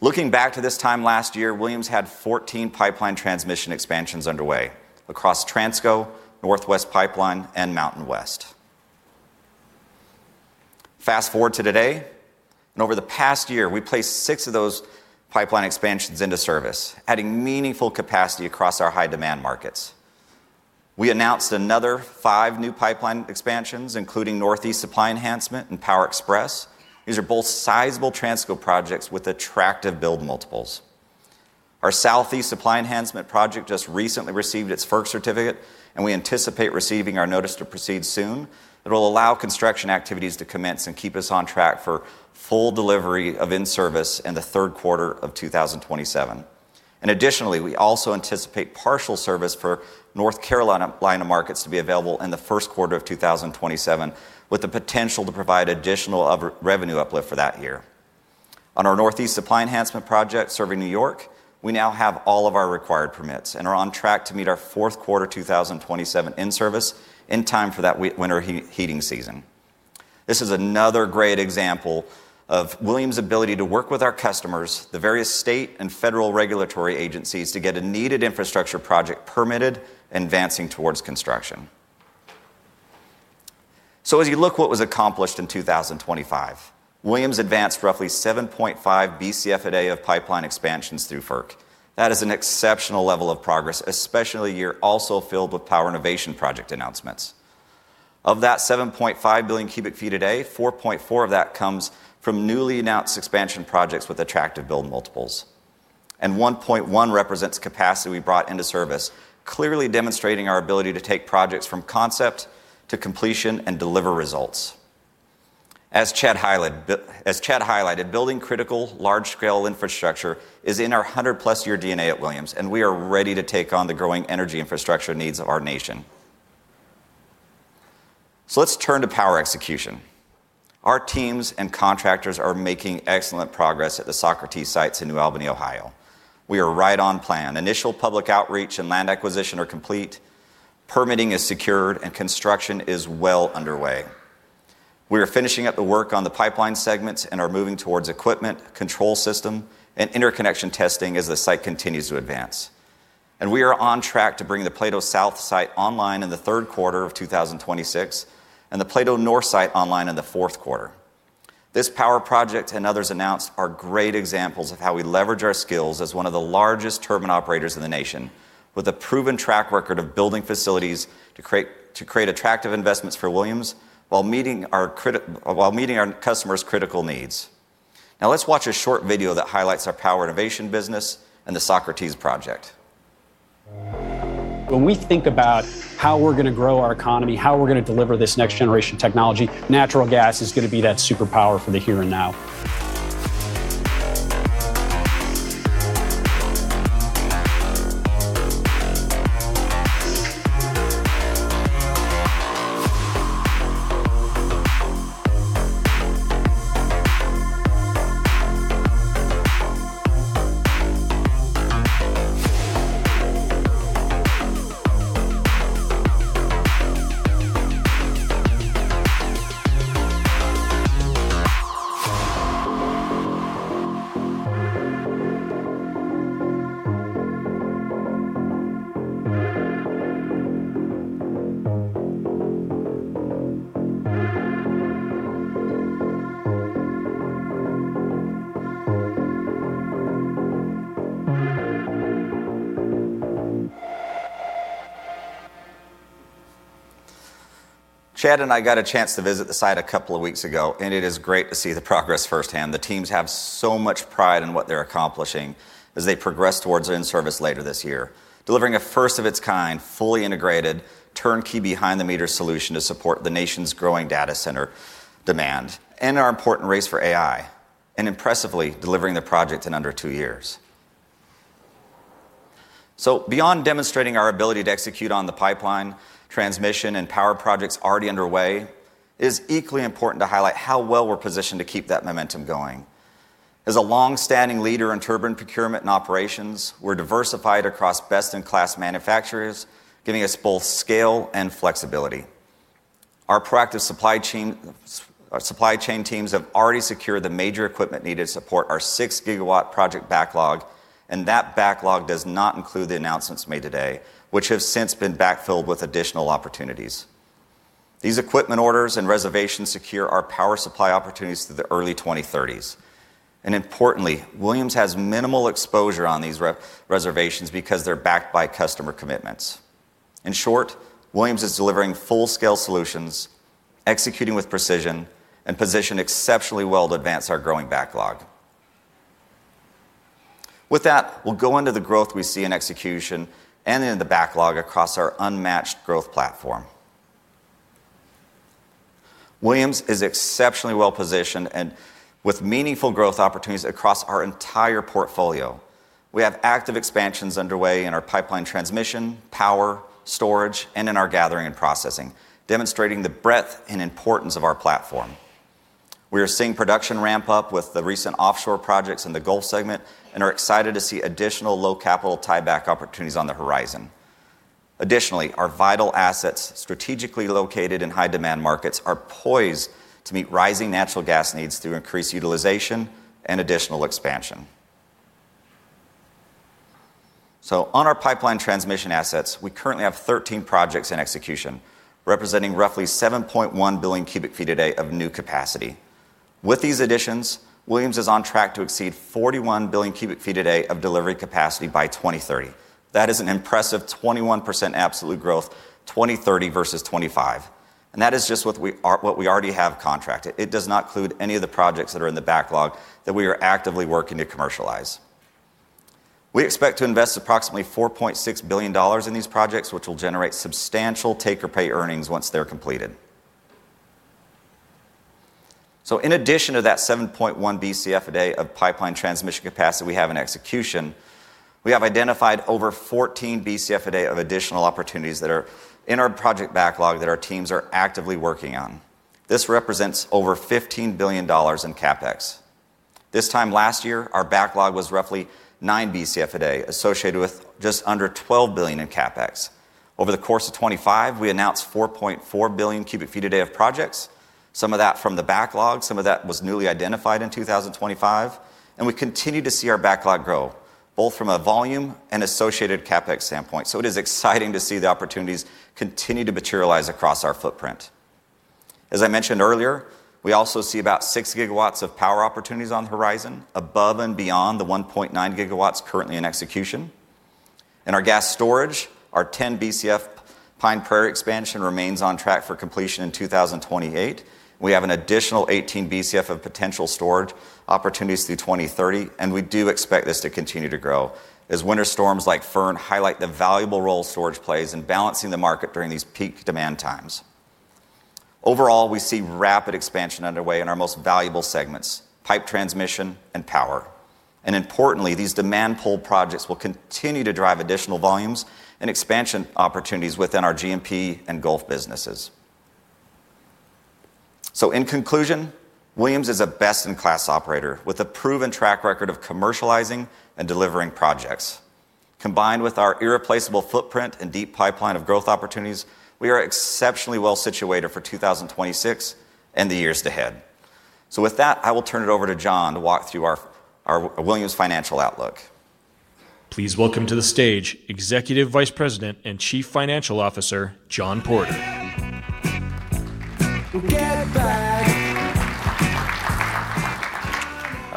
Looking back to this time last year, Williams had 14 pipeline transmission expansions underway across Transco, Northwest Pipeline, and MountainWest. Fast-forward to today, and over the past year, we placed six of those pipeline expansions into service, adding meaningful capacity across our high-demand markets. We announced another five new pipeline expansions, including Northeast Supply Enhancement and Power Express. These are both sizable Transco projects with attractive build multiples. Our Southeast Supply Enhancement project just recently received its FERC certificate, and we anticipate receiving our notice to proceed soon. It'll allow construction activities to commence and keep us on track for full delivery of in-service in the third quarter of 2027. Additionally, we also anticipate partial service for North Carolina Line markets to be available in the first quarter of 2027, with the potential to provide additional revenue uplift for that year. On our Northeast Supply Enhancement project serving New York, we now have all of our required permits and are on track to meet our fourth quarter 2027 in-service in time for that winter heating season. This is another great example of Williams' ability to work with our customers, the various state and federal regulatory agencies, to get a needed infrastructure project permitted and advancing towards construction. So as you look what was accomplished in 2025, Williams advanced roughly 7.5 Bcf a day of pipeline expansions through FERC. That is an exceptional level of progress, especially a year also filled with power innovation project announcements. Of that 7.5 billion cubic feet a day, 4.4 of that comes from newly announced expansion projects with attractive build multiples, and 1.1 represents capacity we brought into service, clearly demonstrating our ability to take projects from concept to completion and deliver results. As Chad highlighted, building critical, large-scale infrastructure is in our 100+ year DNA at Williams, and we are ready to take on the growing energy infrastructure needs of our nation. So let's turn to power execution. Our teams and contractors are making excellent progress at the Socrates sites in New Albany, Ohio. We are right on plan. Initial public outreach and land acquisition are complete, permitting is secured, and construction is well underway. We are finishing up the work on the pipeline segments and are moving towards equipment, control system, and interconnection testing as the site continues to advance. We are on track to bring the Plato South site online in the third quarter of 2026, and the Plato North site online in the fourth quarter. This power project and others announced are great examples of how we leverage our skills as one of the largest turbine operators in the nation, with a proven track record of building facilities to create attractive investments for Williams, while meeting our customers' critical needs. Now, let's watch a short video that highlights our power innovation business and the Socrates project. When we think about how we're gonna grow our economy, how we're gonna deliver this next-generation technology, natural gas is gonna be that superpower for the here and now. Chad and I got a chance to visit the site a couple of weeks ago, and it is great to see the progress firsthand. The teams have so much pride in what they're accomplishing as they progress towards in-service later this year, delivering a first-of-its-kind, fully integrated, turnkey, behind-the-meter solution to support the nation's growing data center demand and our important race for AI, and impressively, delivering the project in under two years. So beyond demonstrating our ability to execute on the pipeline, transmission, and power projects already underway, it is equally important to highlight how well we're positioned to keep that momentum going. As a long-standing leader in turbine procurement and operations, we're diversified across best-in-class manufacturers, giving us both scale and flexibility. Our proactive supply chain, our supply chain teams have already secured the major equipment needed to support our 6 GW project backlog, and that backlog does not include the announcements made today, which have since been backfilled with additional opportunities. These equipment orders and reservations secure our power supply opportunities through the early 2030s. Importantly, Williams has minimal exposure on these re-reservations because they're backed by customer commitments. In short, Williams is delivering full-scale solutions, executing with precision, and positioned exceptionally well to advance our growing backlog. With that, we'll go into the growth we see in execution and in the backlog across our unmatched growth platform. Williams is exceptionally well-positioned and with meaningful growth opportunities across our entire portfolio. We have active expansions underway in our pipeline transmission, power, storage, and in our gathering and processing, demonstrating the breadth and importance of our platform. We are seeing production ramp up with the recent offshore projects in the Gulf segment and are excited to see additional low-capital tieback opportunities on the horizon. Additionally, our vital assets, strategically located in high-demand markets, are poised to meet rising natural gas needs through increased utilization and additional expansion. On our pipeline transmission assets, we currently have 13 projects in execution, representing roughly 7.1 billion cubic feet a day of new capacity. With these additions, Williams is on track to exceed 41 billion cubic feet a day of delivery capacity by 2030. That is an impressive 21% absolute growth, 2030 versus 2025, and that is just what we already have contracted. It does not include any of the projects that are in the backlog that we are actively working to commercialize. We expect to invest approximately $4.6 billion in these projects, which will generate substantial take-or-pay earnings once they're completed. In addition to that 7.1 Bcf/d of pipeline transmission capacity we have in execution, we have identified over 14 Bcf/d of additional opportunities that are in our project backlog that our teams are actively working on. This represents over $15 billion in CapEx. This time last year, our backlog was roughly 9 Bcf/d, associated with just under $12 billion in CapEx. Over the course of 2025, we announced 4.4 billion cubic feet a day of projects, some of that from the backlog, some of that was newly identified in 2025, and we continue to see our backlog grow, both from a volume and associated CapEx standpoint. It is exciting to see the opportunities continue to materialize across our footprint. As I mentioned earlier, we also see about 6 GW of power opportunities on the horizon, above and beyond the 1.9 GW currently in execution. In our gas storage, our 10 Bcf Pine Prairie expansion remains on track for completion in 2028. We have an additional 18 Bcf of potential storage opportunities through 2030, and we do expect this to continue to grow as winter storms like Fern highlight the valuable role storage plays in balancing the market during these peak demand times. Overall, we see rapid expansion underway in our most valuable segments, pipe transmission and power. Importantly, these demand pull projects will continue to drive additional volumes and expansion opportunities within our G&P and Gulf businesses. So in conclusion, Williams is a best-in-class operator with a proven track record of commercializing and delivering projects. Combined with our irreplaceable footprint and deep pipeline of growth opportunities, we are exceptionally well situated for 2026 and the years ahead. So with that, I will turn it over to John to walk through our Williams financial outlook. Please welcome to the stage Executive Vice President and Chief Financial Officer, John Porter. All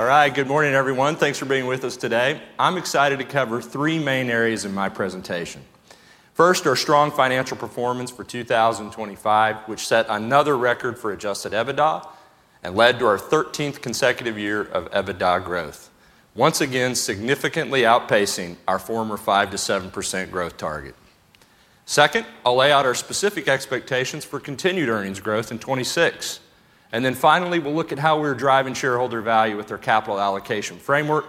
right. Good morning, everyone. Thanks for being with us today. I'm excited to cover three main areas in my presentation. First, our strong financial performance for 2025, which set another record for Adjusted EBITDA and led to our 13th consecutive year of EBITDA growth. Once again, significantly outpacing our former 5%-7% growth target. Second, I'll lay out our specific expectations for continued earnings growth in 2026. And then finally, we'll look at how we're driving shareholder value with our capital allocation framework,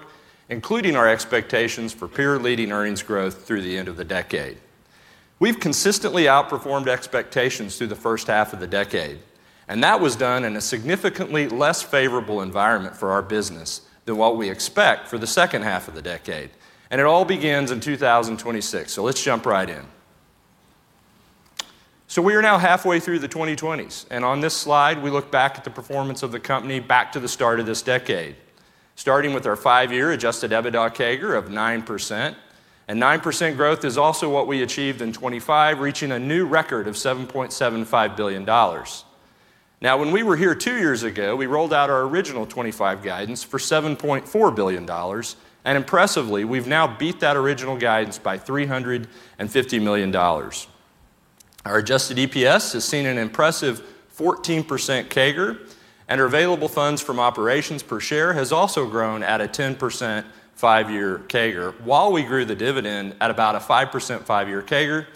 including our expectations for peer-leading earnings growth through the end of the decade. We've consistently outperformed expectations through the first half of the decade, and that was done in a significantly less favorable environment for our business than what we expect for the second half of the decade, and it all begins in 2026. So let's jump right in. We are now halfway through the 2020s, and on this slide, we look back at the performance of the company back to the start of this decade. Starting with our five year Adjusted EBITDA CAGR of 9%, and 9% growth is also what we achieved in 2025, reaching a new record of $7.75 billion. Now, when we were here two years ago, we rolled out our original 2025 guidance for $7.4 billion, and impressively, we've now beat that original guidance by $350 million. Our Adjusted EPS has seen an impressive 14% CAGR, and our available funds from operations per share has also grown at a 10% five year CAGR, while we grew the dividend at about a 5% five year CAGR.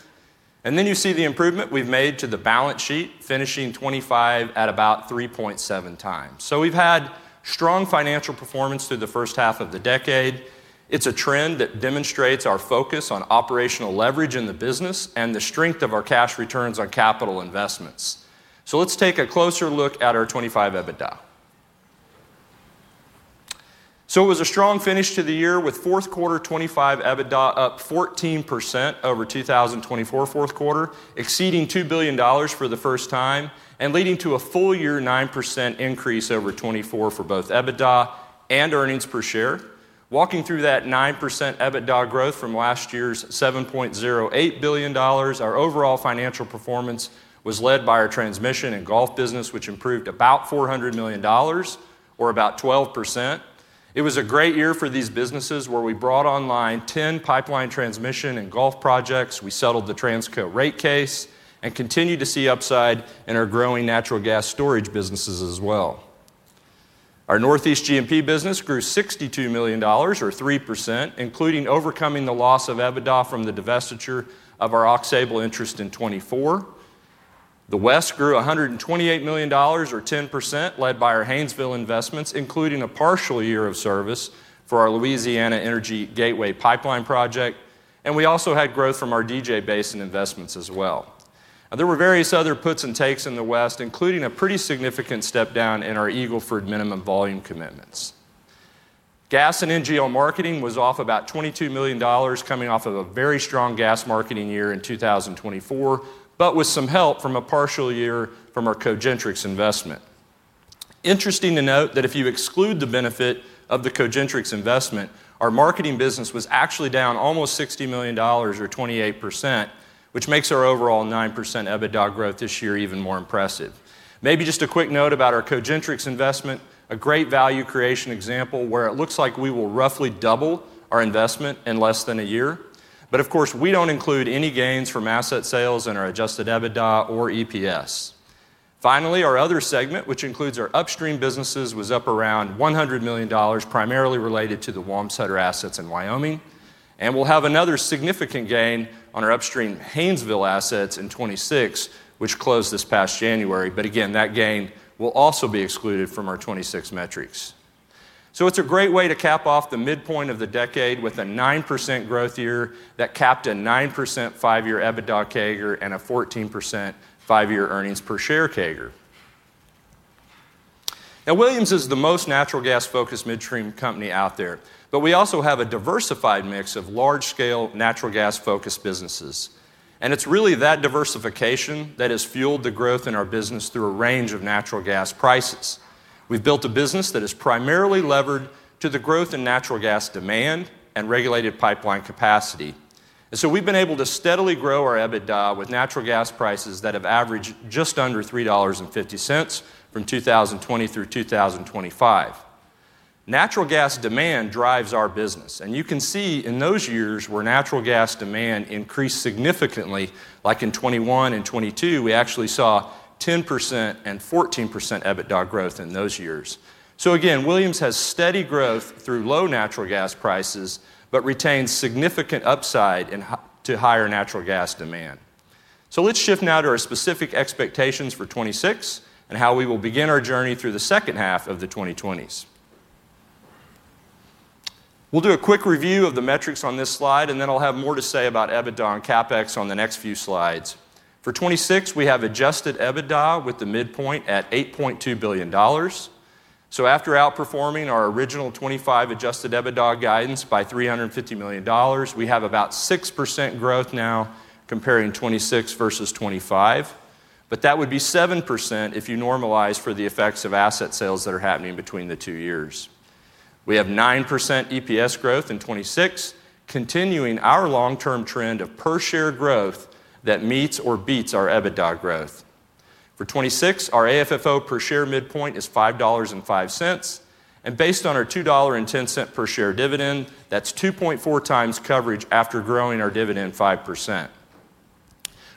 Then you see the improvement we've made to the balance sheet, finishing 2025 at about 3.7x. We've had strong financial performance through the first half of the decade. It's a trend that demonstrates our focus on operational leverage in the business and the strength of our cash returns on capital investments. Let's take a closer look at our 2025 EBITDA. It was a strong finish to the year with fourth quarter 2025 EBITDA up 14% over 2024 fourth quarter, exceeding $2 billion for the first time and leading to a full year 9% increase over 2024 for both EBITDA and earnings per share. Walking through that 9% EBITDA growth from last year's $7.08 billion, our overall financial performance was led by our transmission and Gulf business, which improved about $400 million, or about 12%. It was a great year for these businesses, where we brought online 10 pipeline transmission and Gulf projects. We settled the Transco rate case and continued to see upside in our growing natural gas storage businesses as well. Our Northeast G&P business grew $62 million, or 3%, including overcoming the loss of EBITDA from the divestiture of our Aux Sable interest in 2024. The West grew $128 million, or 10%, led by our Haynesville investments, including a partial year of service for our Louisiana Energy Gateway Pipeline project, and we also had growth from our DJ Basin investments as well. There were various other puts and takes in the West, including a pretty significant step down in our Eagle Ford minimum volume commitments. Gas and NGL marketing was off about $22 million, coming off of a very strong gas marketing year in 2024, but with some help from a partial year from our Cogentrix investment. Interesting to note that if you exclude the benefit of the Cogentrix investment, our marketing business was actually down almost $60 million or 28%, which makes our overall 9% EBITDA growth this year even more impressive. Maybe just a quick note about our Cogentrix investment, a great value creation example where it looks like we will roughly double our investment in less than a year. But of course, we don't include any gains from asset sales in our Adjusted EBITDA or EPS. Finally, our other segment, which includes our upstream businesses, was up around $100 million, primarily related to the Wamsutter assets in Wyoming. We'll have another significant gain on our upstream Haynesville assets in 2026, which closed this past January. Again, that gain will also be excluded from our 2026 metrics. It's a great way to cap off the midpoint of the decade with a 9% growth year that capped a 9% five-year EBITDA CAGR and a 14% five-year earnings per share CAGR. Now, Williams is the most natural gas-focused midstream company out there, but we also have a diversified mix of large-scale natural gas-focused businesses, and it's really that diversification that has fueled the growth in our business through a range of natural gas prices. We've built a business that is primarily levered to the growth in natural gas demand and regulated pipeline capacity. So we've been able to steadily grow our EBITDA with natural gas prices that have averaged just under $3.50 from 2020 through 2025. Natural gas demand drives our business, and you can see in those years where natural gas demand increased significantly, like in 2021 and 2022, we actually saw 10% and 14% EBITDA growth in those years. So again, Williams has steady growth through low natural gas prices, but retains significant upside into higher natural gas demand. So let's shift now to our specific expectations for 2026 and how we will begin our journey through the second half of the 2020s. We'll do a quick review of the metrics on this slide, and then I'll have more to say about EBITDA and CapEx on the next few slides. For 2026, we have Adjusted EBITDA with the midpoint at $8.2 billion. So after outperforming our original 2025 Adjusted EBITDA guidance by $350 million, we have about 6% growth now comparing 2026 versus 2025. But that would be 7% if you normalize for the effects of asset sales that are happening between the two years. We have 9% EPS growth in 2026, continuing our long-term trend of per-share growth that meets or beats our EBITDA growth. For 2026, our AFFO per share midpoint is $5.05, and based on our $2.10 per share dividend, that's 2.4x coverage after growing our dividend 5%.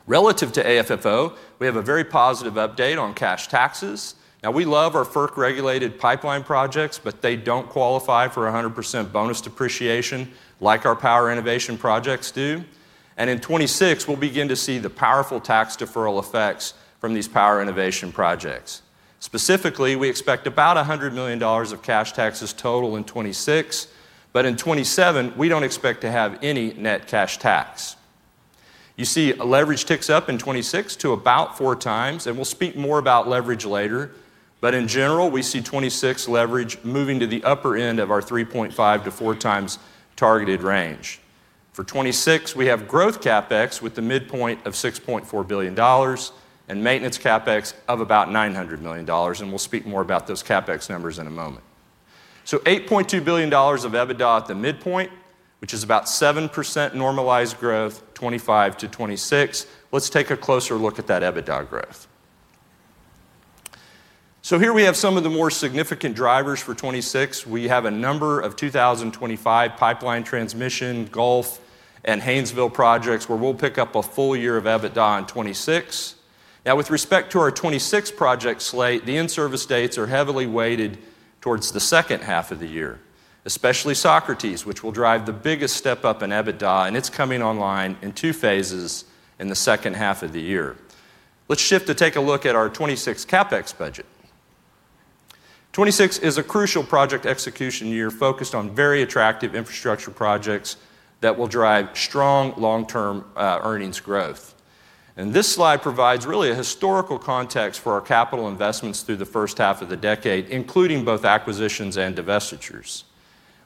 Relative to AFFO, we have a very positive update on cash taxes. Now, we love our FERC-regulated pipeline projects, but they don't qualify for 100% bonus depreciation like our power innovation projects do. And in 2026, we'll begin to see the powerful tax deferral effects from these power innovation projects. Specifically, we expect about $100 million of cash taxes total in 2026, but in 2027, we don't expect to have any net cash tax. You see, leverage ticks up in 2026 to about 4x, and we'll speak more about leverage later. But in general, we see 2026 leverage moving to the upper end of our 3.5x-4x targeted range. For 2026, we have growth CapEx with the midpoint of $6.4 billion and maintenance CapEx of about $900 million, and we'll speak more about those CapEx numbers in a moment. So $8.2 billion of EBITDA at the midpoint, which is about 7% normalized growth, 2025-2026. Let's take a closer look at that EBITDA growth. So here we have some of the more significant drivers for 2026. We have a number of 2025 pipeline transmission, Gulf and Haynesville projects, where we'll pick up a full year of EBITDA in 2026. Now, with respect to our 2026 project slate, the in-service dates are heavily weighted towards the second half of the year, especially Socrates, which will drive the biggest step-up in EBITDA, and it's coming online in two phases in the second half of the year. Let's shift to take a look at our 2026 CapEx budget. 2026 is a crucial project execution year focused on very attractive infrastructure projects that will drive strong long-term earnings growth. This slide provides really a historical context for our capital investments through the first half of the decade, including both acquisitions and divestitures.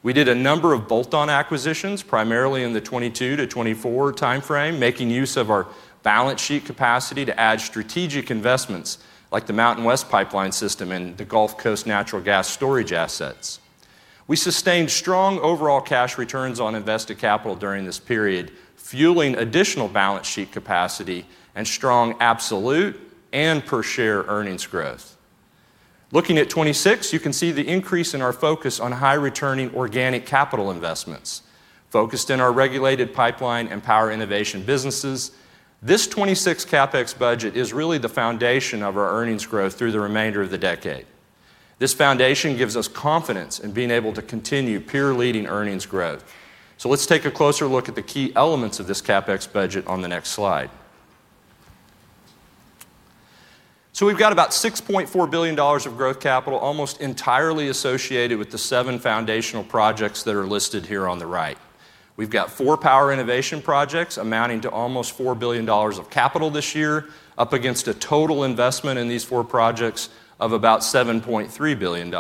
We did a number of bolt-on acquisitions, primarily in the 2022-2024 timeframe, making use of our balance sheet capacity to add strategic investments like the MountainWest Pipeline system and the Gulf Coast natural gas storage assets. We sustained strong overall cash returns on invested capital during this period, fueling additional balance sheet capacity and strong absolute and per-share earnings growth. Looking at 2026, you can see the increase in our focus on high-returning organic capital investments, focused in our regulated pipeline and power innovation businesses. This 2026 CapEx budget is really the foundation of our earnings growth through the remainder of the decade. This foundation gives us confidence in being able to continue peer-leading earnings growth. So let's take a closer look at the key elements of this CapEx budget on the next slide. So we've got about $6.4 billion of growth capital, almost entirely associated with the seven foundational projects that are listed here on the right. We've got four power innovation projects amounting to almost $4 billion of capital this year, up against a total investment in these four projects of about $7.3 billion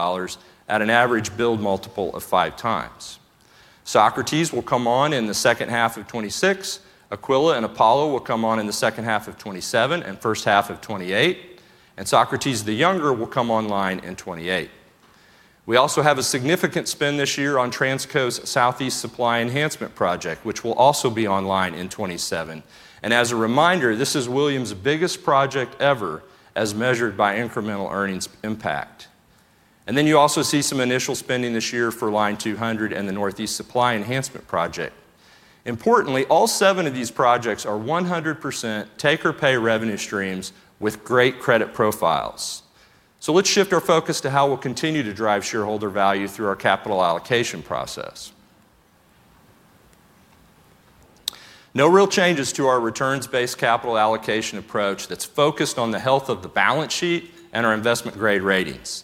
at an average build multiple of 5x. Socrates will come on in the second half of 2026. Aquila and Apollo will come on in the second half of 2027 and first half of 2028, and Socrates the Younger will come online in 2028. We also have a significant spend this year on Transco's Southeast Supply Enhancement Project, which will also be online in 2027. As a reminder, this is Williams' biggest project ever, as measured by incremental earnings impact. Then you also see some initial spending this year for Line 200 and the Northeast Supply Enhancement Project. Importantly, all seven of these projects are 100% take or pay revenue streams with great credit profiles. So let's shift our focus to how we'll continue to drive shareholder value through our capital allocation process. No real changes to our returns-based capital allocation approach that's focused on the health of the balance sheet and our investment-grade ratings.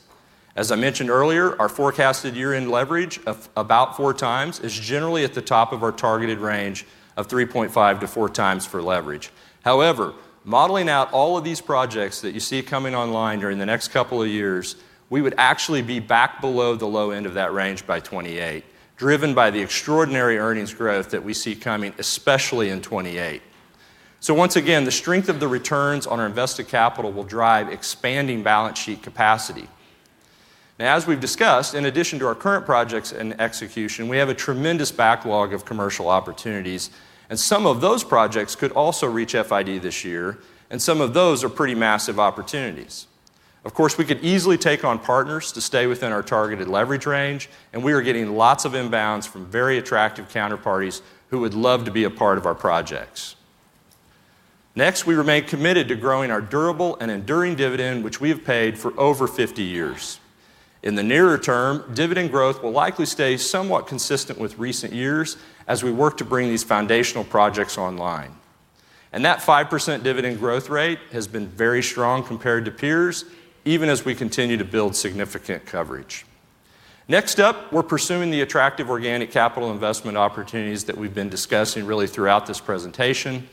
As I mentioned earlier, our forecasted year-end leverage of about 4x is generally at the top of our targeted range of 3.5x-4x for leverage. However, modeling out all of these projects that you see coming online during the next couple of years, we would actually be back below the low end of that range by 2028, driven by the extraordinary earnings growth that we see coming, especially in 2028. So once again, the strength of the returns on our invested capital will drive expanding balance sheet capacity. Now, as we've discussed, in addition to our current projects and execution, we have a tremendous backlog of commercial opportunities, and some of those projects could also reach FID this year, and some of those are pretty massive opportunities. Of course, we could easily take on partners to stay within our targeted leverage range, and we are getting lots of inbounds from very attractive counterparties who would love to be a part of our projects. Next, we remain committed to growing our durable and enduring dividend, which we have paid for over 50 years. In the nearer term, dividend growth will likely stay somewhat consistent with recent years as we work to bring these foundational projects online. And that 5% dividend growth rate has been very strong compared to peers, even as we continue to build significant coverage. Next up, we're pursuing the attractive organic capital investment opportunities that we've been discussing really throughout this presentation.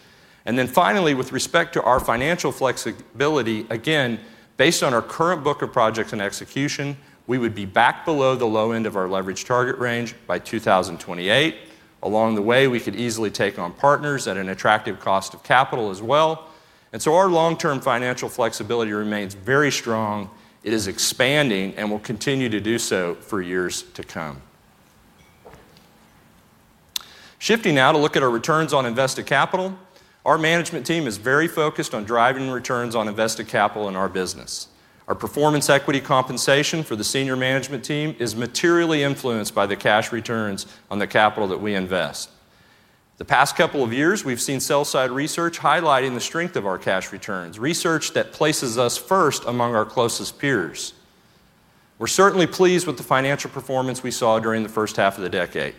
And then finally, with respect to our financial flexibility, again, based on our current book of projects and execution, we would be back below the low end of our leverage target range by 2028. Along the way, we could easily take on partners at an attractive cost of capital as well. And so our long-term financial flexibility remains very strong, it is expanding, and will continue to do so for years to come. Shifting now to look at our returns on invested capital, our management team is very focused on driving returns on invested capital in our business. Our performance equity compensation for the senior management team is materially influenced by the cash returns on the capital that we invest. The past couple of years, we've seen sell-side research highlighting the strength of our cash returns, research that places us first among our closest peers. We're certainly pleased with the financial performance we saw during the first half of the decade;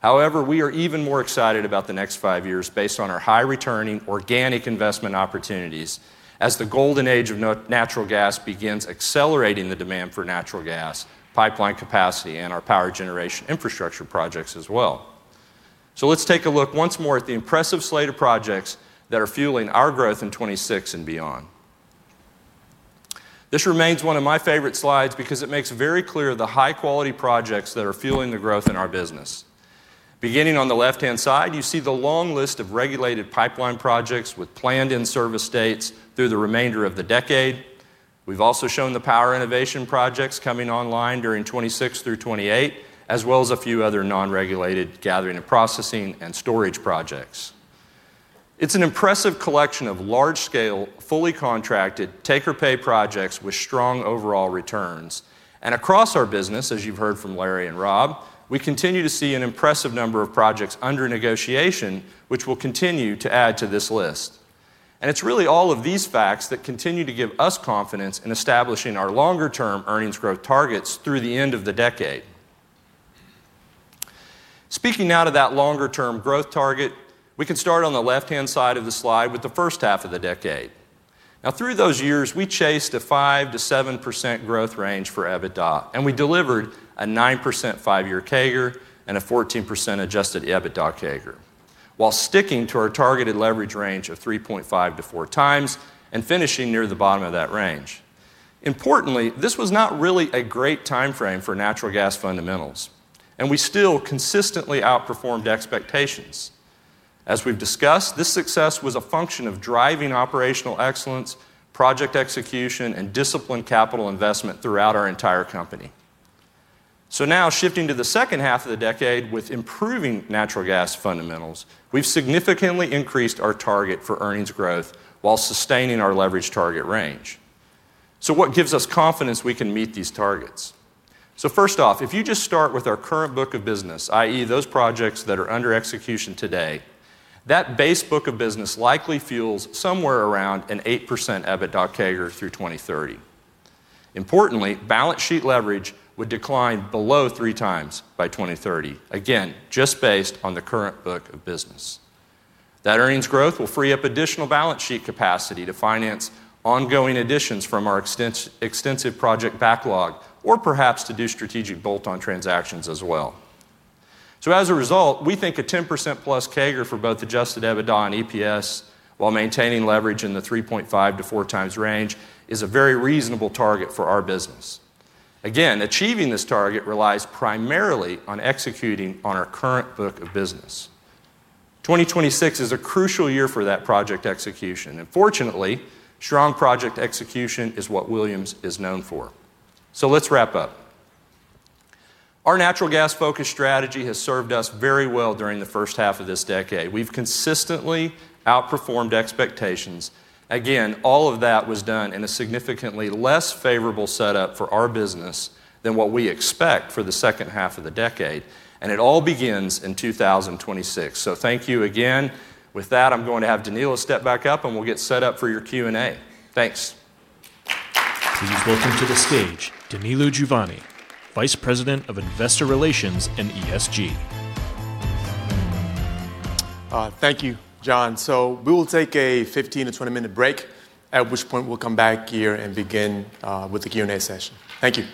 however, we are even more excited about the next five years based on our high returning organic investment opportunities as the golden age of natural gas begins accelerating the demand for natural gas, pipeline capacity, and our power generation infrastructure projects as well. Let's take a look once more at the impressive slate of projects that are fueling our growth in 2026 and beyond. This remains one of my favorite slides because it makes very clear the high-quality projects that are fueling the growth in our business. Beginning on the left-hand side, you see the long list of regulated pipeline projects with planned in-service dates through the remainder of the decade. We've also shown the power innovation projects coming online during 2026 through 2028, as well as a few other non-regulated gathering and processing and storage projects. It's an impressive collection of large-scale, fully contracted, take-or-pay projects with strong overall returns. And across our business, as you've heard from Larry and Rob, we continue to see an impressive number of projects under negotiation, which we'll continue to add to this list. And it's really all of these facts that continue to give us confidence in establishing our longer-term earnings growth targets through the end of the decade. Speaking now to that longer-term growth target, we can start on the left-hand side of the slide with the first half of the decade. Now, through those years, we chased a 5%-7% growth range for EBITDA, and we delivered a 9% five year CAGR and a 14% Adjusted EBITDA CAGR, while sticking to our targeted leverage range of 3.5x-4x and finishing near the bottom of that range. Importantly, this was not really a great time frame for natural gas fundamentals, and we still consistently outperformed expectations. As we've discussed, this success was a function of driving operational excellence, project execution, and disciplined capital investment throughout our entire company. So now shifting to the second half of the decade with improving natural gas fundamentals, we've significantly increased our target for earnings growth while sustaining our leverage target range. So what gives us confidence we can meet these targets? So first off, if you just start with our current book of business, i.e., those projects that are under execution today, that base book of business likely fuels somewhere around an 8% EBITDA CAGR through 2030. Importantly, balance sheet leverage would decline below 3x by 2030, again, just based on the current book of business. That earnings growth will free up additional balance sheet capacity to finance ongoing additions from our extensive project backlog, or perhaps to do strategic bolt-on transactions as well. So as a result, we think a 10%+ CAGR for both Adjusted EBITDA and EPS, while maintaining leverage in the 3.5x-4x range, is a very reasonable target for our business. Again, achieving this target relies primarily on executing on our current book of business. 2026 is a crucial year for that project execution, and fortunately, strong project execution is what Williams is known for. So let's wrap up. Our natural gas-focused strategy has served us very well during the first half of this decade. We've consistently outperformed expectations. Again, all of that was done in a significantly less favorable setup for our business than what we expect for the second half of the decade, and it all begins in 2026. So thank you again. With that, I'm going to have Danilo step back up, and we'll get set up for your Q&A. Thanks. Please welcome to the stage Danilo Juvane, Vice President of Investor Relations and ESG. Thank you, John. So we will take a 15-20-minute break, at which point we'll come back here and begin with the Q&A session. Thank you.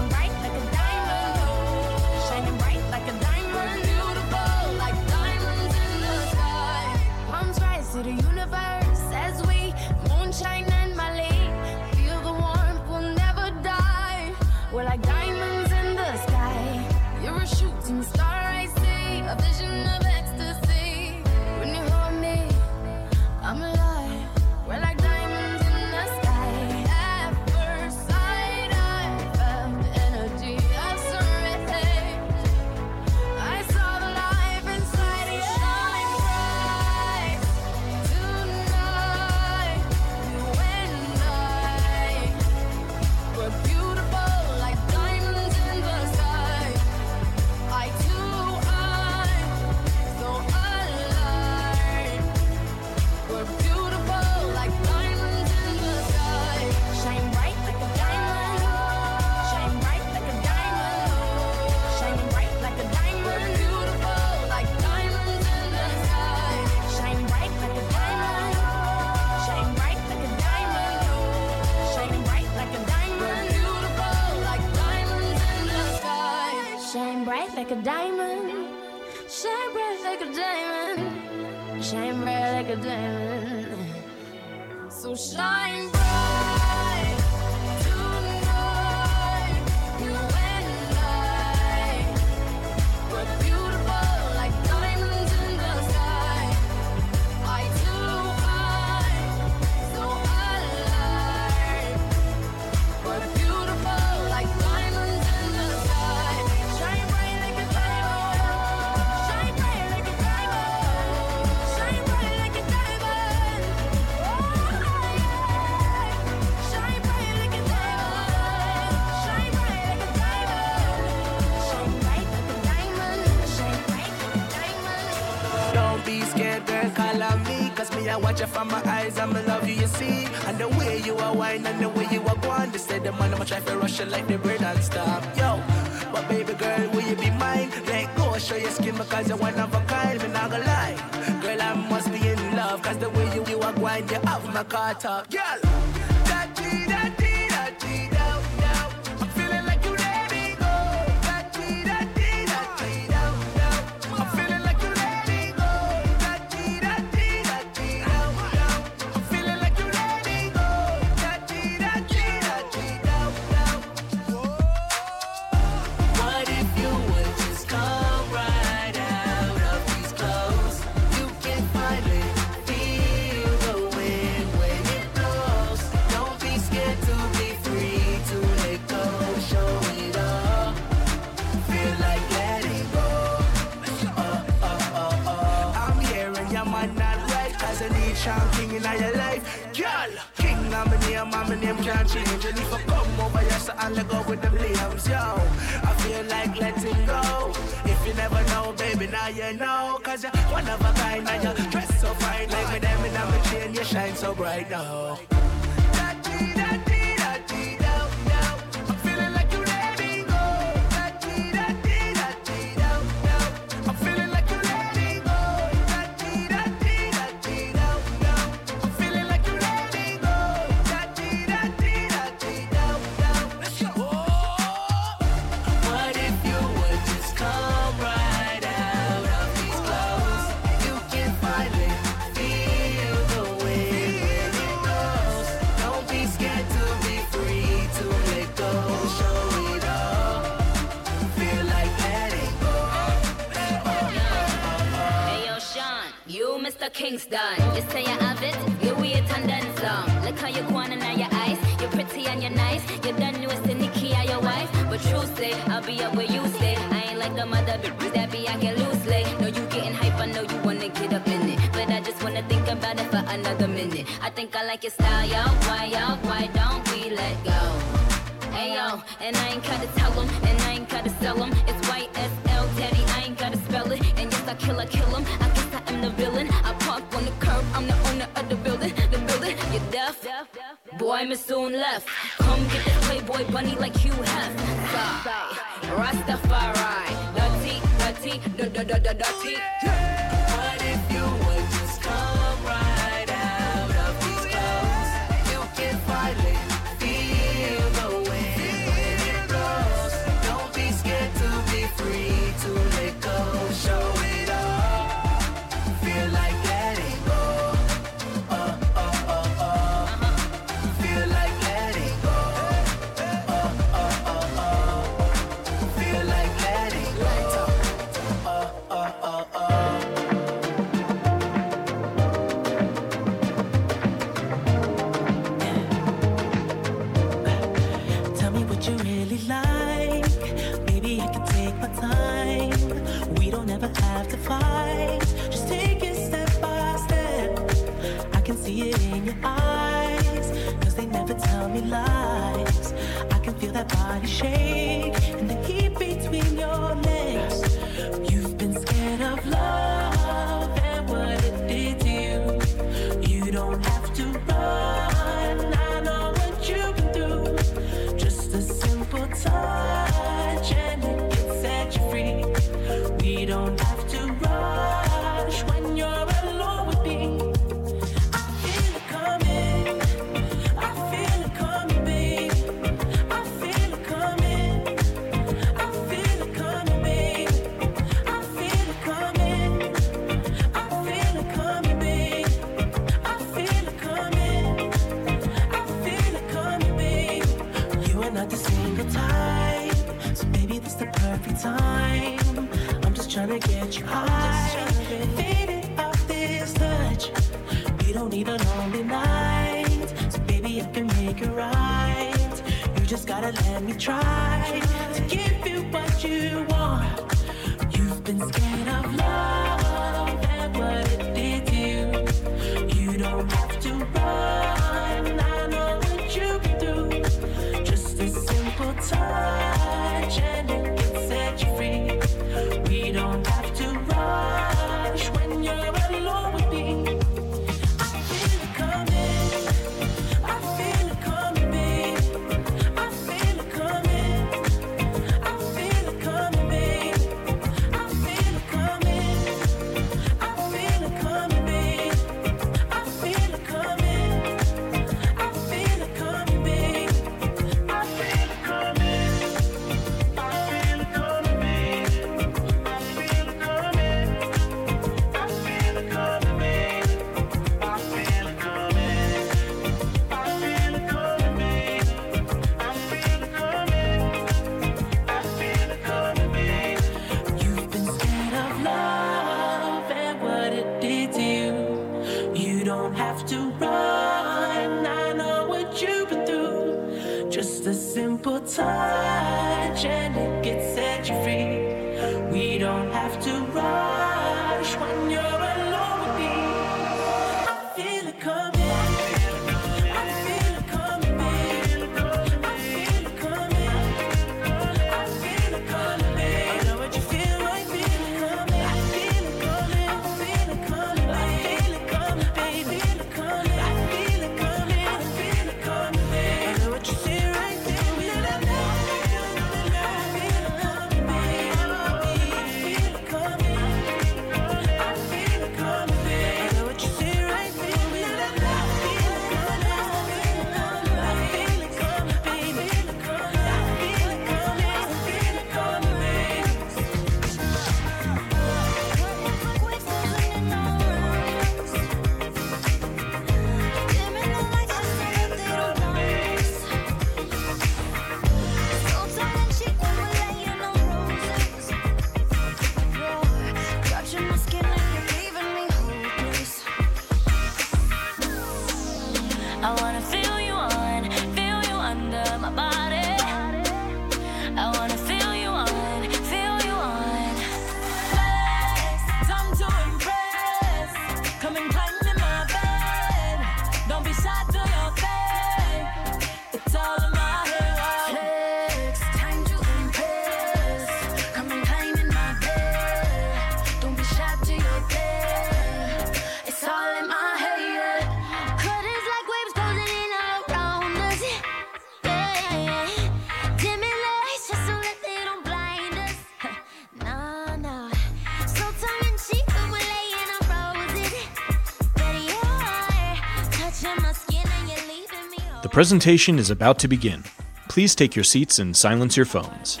The presentation is about to begin. Please take your seats and silence your phones.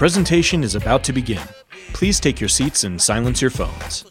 The presentation is about to begin. Please take your seats and silence your phones.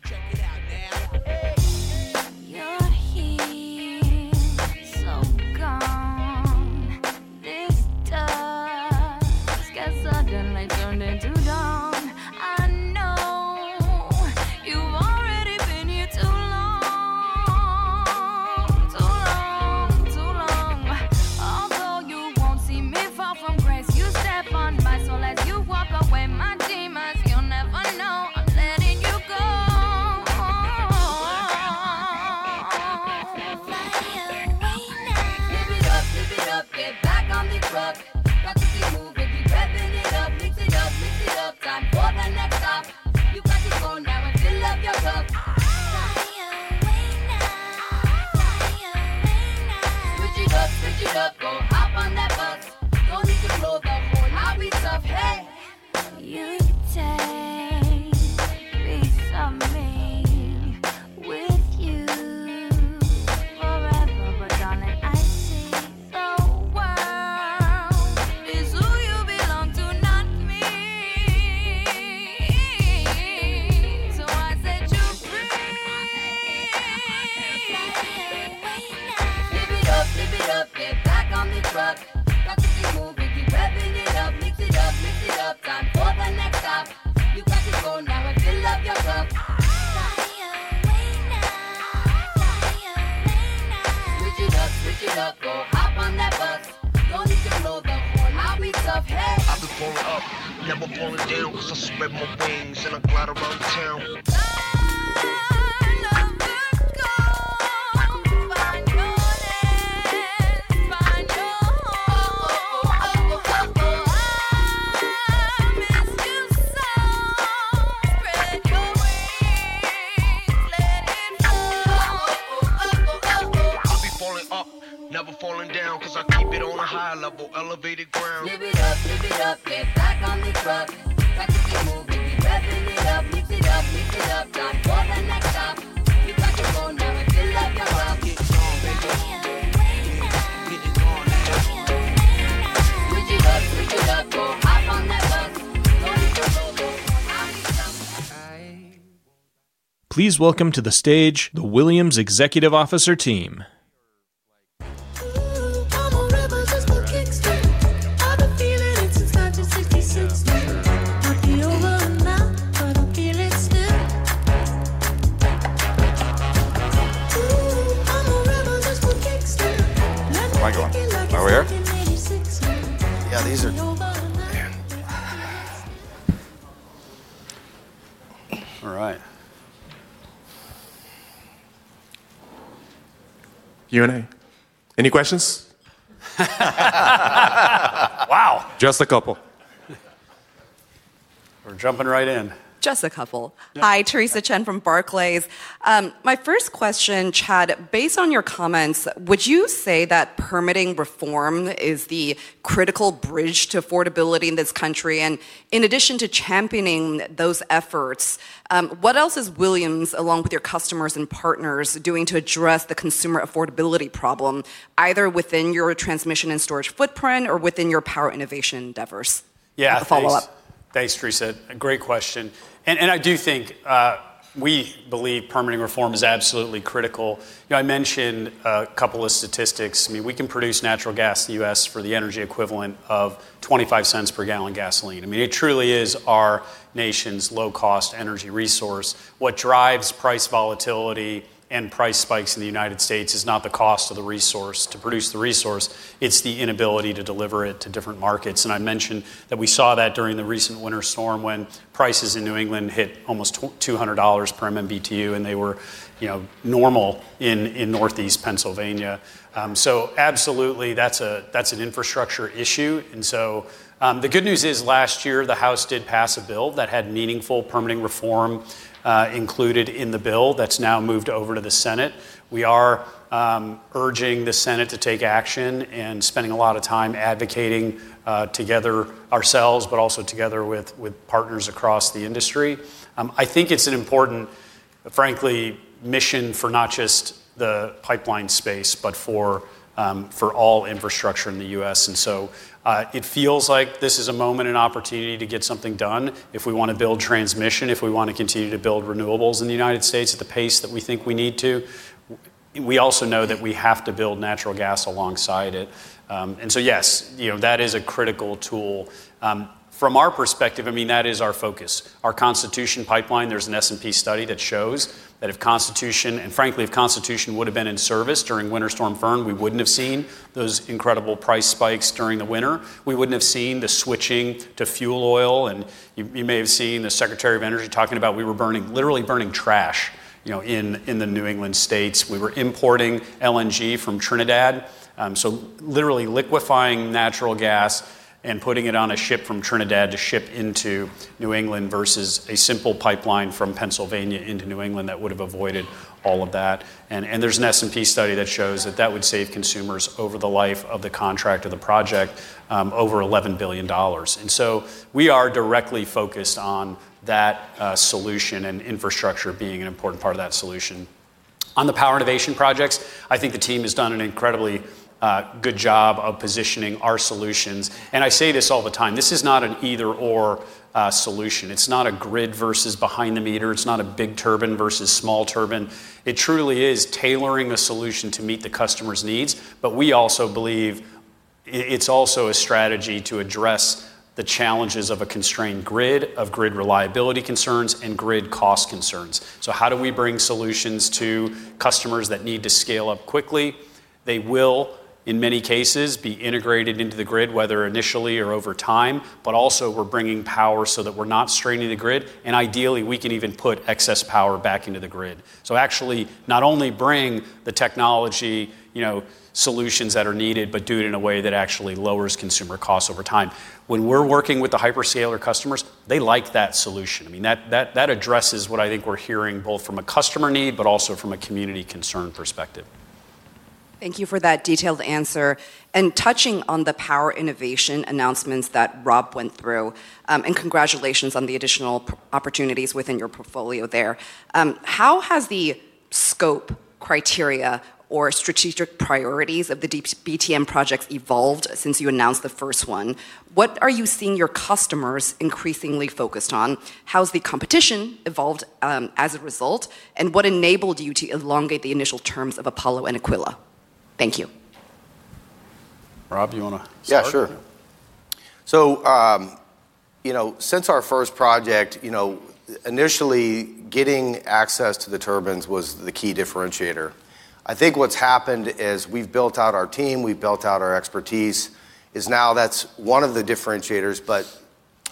Please welcome to the stage the Williams executive officer team. We're jumping right in. Just a couple. Yeah. Hi, Teresa Chen from Barclays. My first question, Chad, based on your comments, would you say that permitting reform is the critical bridge to affordability in this country? And in addition to championing those efforts, what else is Williams, along with your customers and partners, doing to address the consumer affordability problem, either within your transmission and storage footprint or within your power innovation endeavors? Yeah, thanks- Follow up. Thanks, Teresa. A great question, and I do think we believe permitting reform is absolutely critical. You know, I mentioned a couple of statistics. I mean, we can produce natural gas in the U.S. for the energy equivalent of $0.25 per gallon gasoline. I mean, it truly is our nation's low-cost energy resource. What drives price volatility and price spikes in the United States is not the cost of the resource to produce the resource, it's the inability to deliver it to different markets. And I mentioned that we saw that during the recent winter storm, when prices in New England hit almost $200 per MMBtu, and they were, you know, normal in northeast Pennsylvania. So absolutely, that's an infrastructure issue. And so, the good news is, last year, the House did pass a bill that had meaningful permitting reform, included in the bill. That's now moved over to the Senate. We are, urging the Senate to take action and spending a lot of time advocating, together ourselves, but also together with, with partners across the industry. I think it's an important, frankly, mission for not just the pipeline space, but for, for all infrastructure in the U.S. And so, it feels like this is a moment and opportunity to get something done if we want to build transmission, if we want to continue to build renewables in the United States at the pace that we think we need to. We also know that we have to build natural gas alongside it. And so yes, you know, that is a critical tool. From our perspective, I mean, that is our focus. Our Constitution Pipeline, there's an S&P study that shows that if Constitution... and frankly, if Constitution would have been in service during Winter Storm Fern, we wouldn't have seen those incredible price spikes during the winter. We wouldn't have seen the switching to fuel oil, and you may have seen the Secretary of Energy talking about we were burning, literally burning trash, you know, in the New England states. We were importing LNG from Trinidad. So literally liquefying natural gas and putting it on a ship from Trinidad to ship into New England, versus a simple pipeline from Pennsylvania into New England. That would have avoided all of that. And there's an S&P study that shows that that would save consumers over the life of the contract or the project, over $11 billion. And so we are directly focused on that solution, and infrastructure being an important part of that solution. On the power innovation projects, I think the team has done an incredibly good job of positioning our solutions. And I say this all the time, this is not an either/or solution. It's not a grid versus behind the meter. It's not a big turbine versus small turbine. It truly is tailoring a solution to meet the customer's needs. But we also believe it's also a strategy to address the challenges of a constrained grid, of grid reliability concerns, and grid cost concerns. So how do we bring solutions to customers that need to scale up quickly? They will, in many cases, be integrated into the grid, whether initially or over time, but also we're bringing power so that we're not straining the grid, and ideally, we can even put excess power back into the grid. So actually not only bring the technology, you know, solutions that are needed, but do it in a way that actually lowers consumer costs over time. When we're working with the hyperscaler customers, they like that solution. I mean, that addresses what I think we're hearing, both from a customer need, but also from a community concern perspective. Thank you for that detailed answer. Touching on the power innovation announcements that Rob went through, and congratulations on the additional opportunities within your portfolio there. How has the scope, criteria, or strategic priorities of the deep BTM projects evolved since you announced the first one? What are you seeing your customers increasingly focused on? How's the competition evolved as a result? What enabled you to elongate the initial terms of Apollo and Aquila? Thank you. Rob, you want to start? Yeah, sure. So, you know, since our first project, you know, initially, getting access to the turbines was the key differentiator. I think what's happened is, we've built out our team, we've built out our expertise; now that's one of the differentiators, but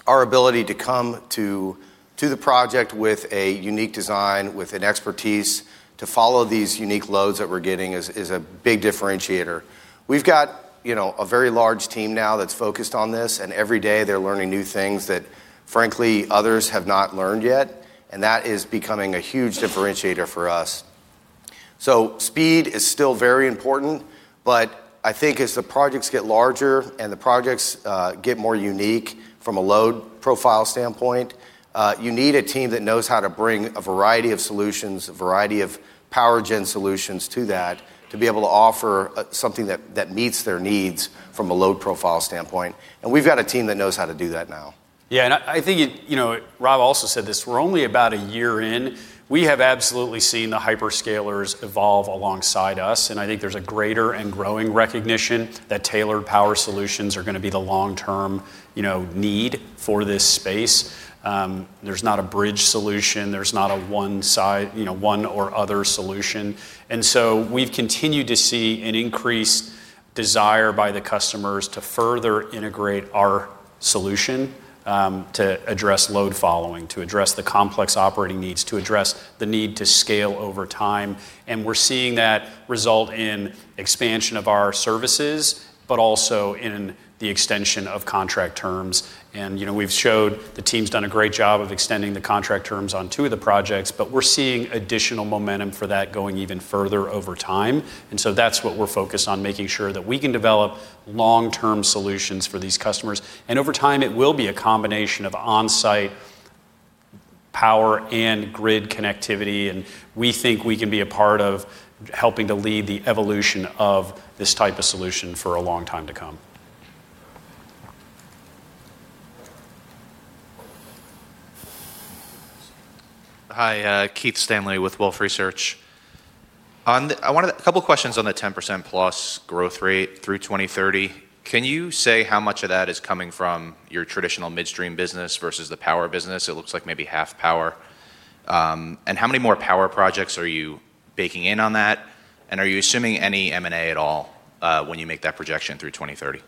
our ability to come to the project with a unique design, with an expertise, to follow these unique loads that we're getting is a big differentiator. We've got, you know, a very large team now that's focused on this, and every day they're learning new things that, frankly, others have not learned yet, and that is becoming a huge differentiator for us. So speed is still very important, but I think as the projects get larger and the projects get more unique from a load profile standpoint, you need a team that knows how to bring a variety of solutions, a variety of power gen solutions to that, to be able to offer something that meets their needs from a load profile standpoint. And we've got a team that knows how to do that now. Yeah, and I think it-- You know, Rob also said this, we're only about a year in. We have absolutely seen the hyperscalers evolve alongside us, and I think there's a greater and growing recognition that tailored power solutions are going to be the long-term, you know, need for this space. There's not a bridge solution, there's not a one side, you know, one or other solution. And so we've continued to see an increase desire by the customers to further integrate our solution, to address load following, to address the complex operating needs, to address the need to scale over time. And we're seeing that result in expansion of our services, but also in the extension of contract terms. And, you know, we've showed the team's done a great job of extending the contract terms on two of the projects, but we're seeing additional momentum for that going even further over time. And so that's what we're focused on, making sure that we can develop long-term solutions for these customers. And over time, it will be a combination of on-site power and grid connectivity, and we think we can be a part of helping to lead the evolution of this type of solution for a long time to come. Hi, Keith Stanley with Wolfe Research. I wanted a couple questions on the 10%+ growth rate through 2030. Can you say how much of that is coming from your traditional midstream business versus the power business? It looks like maybe half power. And how many more power projects are you baking in on that? And are you assuming any M&A at all, when you make that projection through 2030?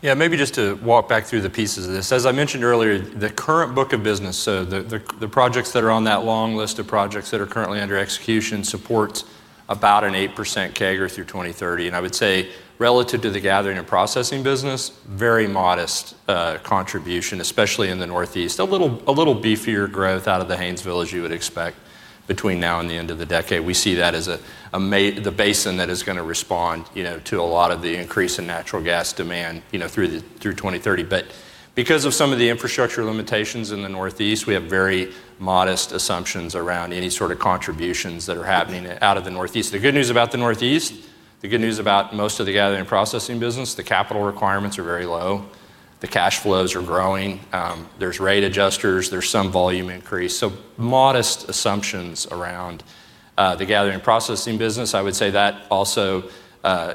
Yeah, maybe just to walk back through the pieces of this. As I mentioned earlier, the current book of business, so the projects that are on that long list of projects that are currently under execution, supports about an 8% CAGR through 2030. And I would say relative to the gathering and processing business, very modest contribution, especially in the Northeast. A little, a little beefier growth out of the Haynesville, as you would expect, between now and the end of the decade. We see that as the basin that is going to respond, you know, to a lot of the increase in natural gas demand, you know, through 2030. But because of some of the infrastructure limitations in the Northeast, we have very modest assumptions around any sort of contributions that are happening out of the Northeast. The good news about the Northeast, the good news about most of the gathering and processing business, the capital requirements are very low, the cash flows are growing, there's rate adjusters, there's some volume increase, so modest assumptions around the gathering and processing business. I would say that also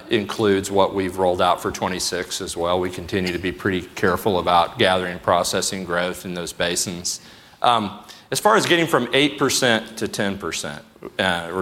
includes what we've rolled out for 2026 as well. We continue to be pretty careful about gathering and processing growth in those basins. As far as getting from 8%-10%, or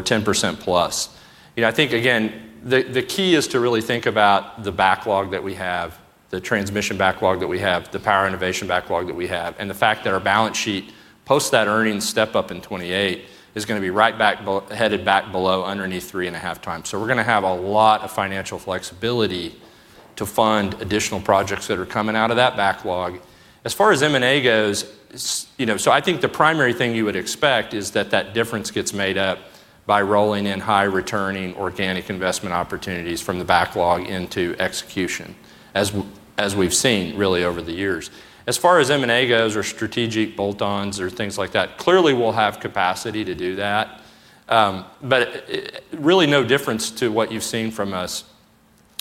10%+, you know, I think, again, the key is to really think about the backlog that we have, the transmission backlog that we have, the power innovation backlog that we have, and the fact that our balance sheet, post that earnings step-up in 2028, is going to be right back headed back below, underneath 3.5x. So we're going to have a lot of financial flexibility to fund additional projects that are coming out of that backlog. As far as M&A goes, you know, so I think the primary thing you would expect is that that difference gets made up by rolling in high-returning organic investment opportunities from the backlog into execution, as we've seen really over the years. As far as M&A goes, or strategic bolt-ons, or things like that, clearly, we'll have capacity to do that. But really no difference to what you've seen from us.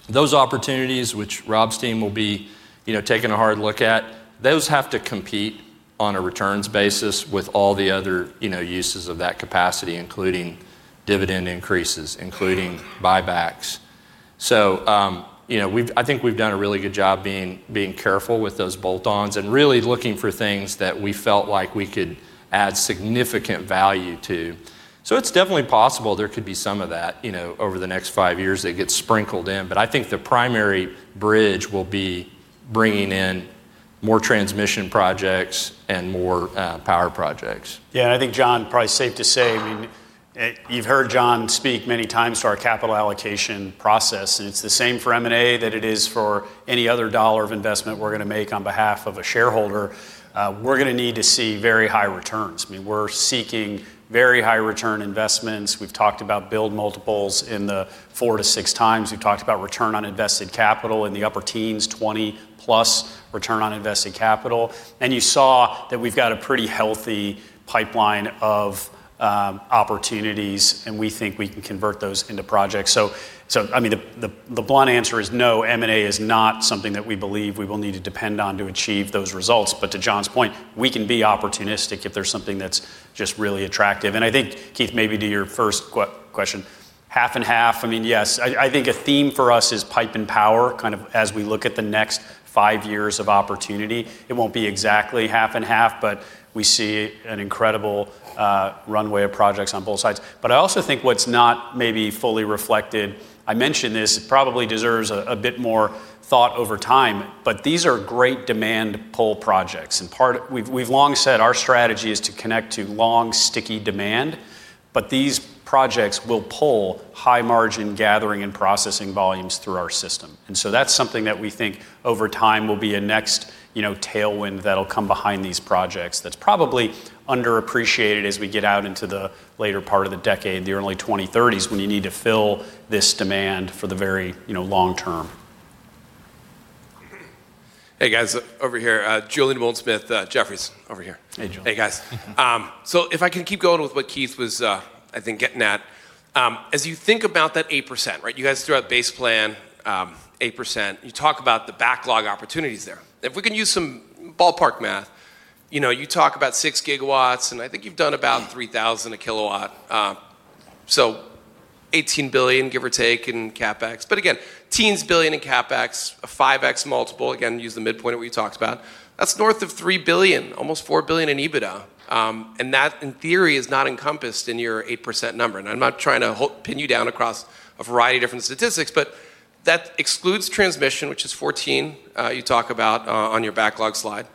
Those opportunities, which Rob's team will be, you know, taking a hard look at, those have to compete on a returns basis with all the other, you know, uses of that capacity, including dividend increases, including buybacks. So, you know, we've. I think we've done a really good job being careful with those bolt-ons and really looking for things that we felt like we could add significant value to. So it's definitely possible there could be some of that, you know, over the next five years that gets sprinkled in, but I think the primary bridge will be bringing in more transmission projects and more power projects. Yeah, and I think, John, probably safe to say, I mean, you've heard John speak many times to our capital allocation process, and it's the same for M&A that it is for any other dollar of investment we're going to make on behalf of a shareholder. We're going to need to see very high returns. I mean, we're seeking very high return investments. We've talked about build multiples in the 4x-6x. We've talked about return on invested capital in the upper teens, 20+ return on invested capital. And you saw that we've got a pretty healthy pipeline of opportunities, and we think we can convert those into projects. So, so, I mean, the, the, the blunt answer is no, M&A is not something that we believe we will need to depend on to achieve those results. But to John's point, we can be opportunistic if there's something that's just really attractive. And I think, Keith, maybe to your first question, half and half, I mean, yes. I think a theme for us is pipe and power, kind of as we look at the next five years of opportunity. It won't be exactly half and half, but we see an incredible runway of projects on both sides. But I also think what's not maybe fully reflected. I mentioned this. It probably deserves a bit more thought over time, but these are great demand pull projects. And part. We've long said our strategy is to connect to long, sticky demand, but these projects will pull high-margin gathering and processing volumes through our system. And so that's something that we think over time will be a next, you know, tailwind that'll come behind these projects that's probably underappreciated as we get out into the later part of the decade, the early 2030s, when you need to fill this demand for the very, you know, long term. Hey, guys. Over here. Julien Dumoulin-Smith, Jefferies. Over here. Hey, Julian. Hey, guys. So if I can keep going with what Keith was, I think, getting at. As you think about that 8%, right? You guys threw out base plan, 8%. You talk about the backlog opportunities there. If we can use some ballpark math, you know, you talk about 6 GW, and I think you've done about 3,000 a kilowatt, so $18 billion, give or take, in CapEx. But again, teens billion in CapEx, a 5x multiple, again, use the midpoint what we talked about. That's north of $3 billion, almost $4 billion in EBITDA, and that, in theory, is not encompassed in your 8% number. And I'm not trying to hold—pin you down across a variety of different statistics, but that excludes transmission, which is 14. You talk about on your backlog slide.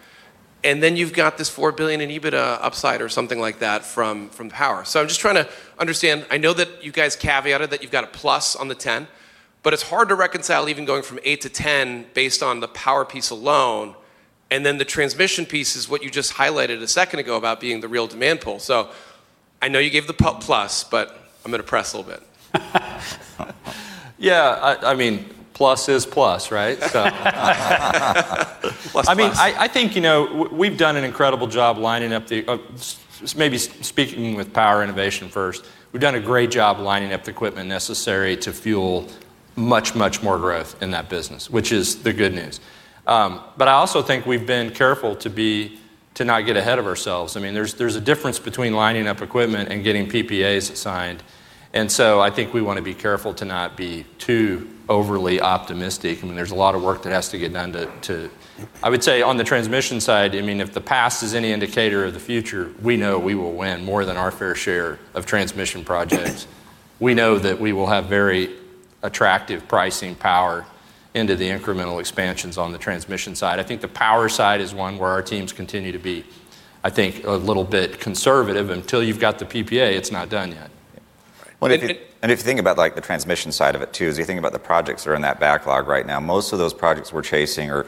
And then you've got this $4 billion in EBITDA upside or something like that from power. So I'm just trying to understand. I know that you guys caveated that you've got a plus on the 10, but it's hard to reconcile even going from eight to 10 based on the power piece alone, and then the transmission piece is what you just highlighted a second ago about being the real demand pull. So I know you gave the plus, but I'm gonna press a little bit. Yeah, I mean, plus is plus, right? So- Plus, plus. I mean, I think, you know, we've done an incredible job lining up the maybe speaking with power innovation first. We've done a great job lining up the equipment necessary to fuel much, much more growth in that business, which is the good news. But I also think we've been careful to not get ahead of ourselves. I mean, there's a difference between lining up equipment and getting PPAs signed, and so I think we wanna be careful to not be too overly optimistic. I mean, there's a lot of work that has to get done to I would say, on the transmission side, I mean, if the past is any indicator of the future, we know we will win more than our fair share of transmission projects. We know that we will have very attractive pricing power into the incremental expansions on the transmission side. I think the power side is one where our teams continue to be, I think, a little bit conservative. Until you've got the PPA, it's not done yet. Well, and if, and if you think about, like, the transmission side of it, too, is you think about the projects that are in that backlog right now, most of those projects we're chasing are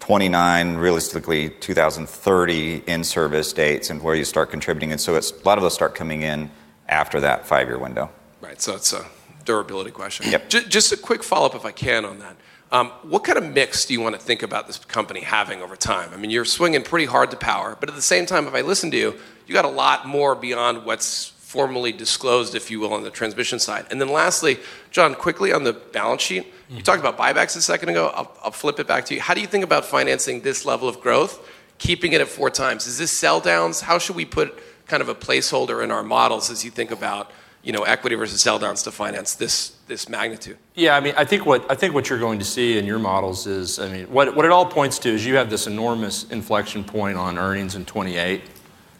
2029, realistically 2030 in-service dates and where you start contributing, and so it's a lot of those start coming in after that five-year window. Right. So it's a durability question. Yep. Just a quick follow-up, if I can, on that. What kind of mix do you wanna think about this company having over time? I mean, you're swinging pretty hard to power, but at the same time, if I listen to you, you've got a lot more beyond what's formally disclosed, if you will, on the transmission side. And then lastly, John, quickly on the balance sheet. You talked about buybacks a second ago. I'll flip it back to you. How do you think about financing this level of growth, keeping it at 4x? Is this sell-downs? How should we put kind of a placeholder in our models as you think about, you know, equity versus sell-downs to finance this, this magnitude? Yeah, I mean, I think what you're going to see in your models is, I mean... What it all points to is you have this enormous inflection point on earnings in 2028.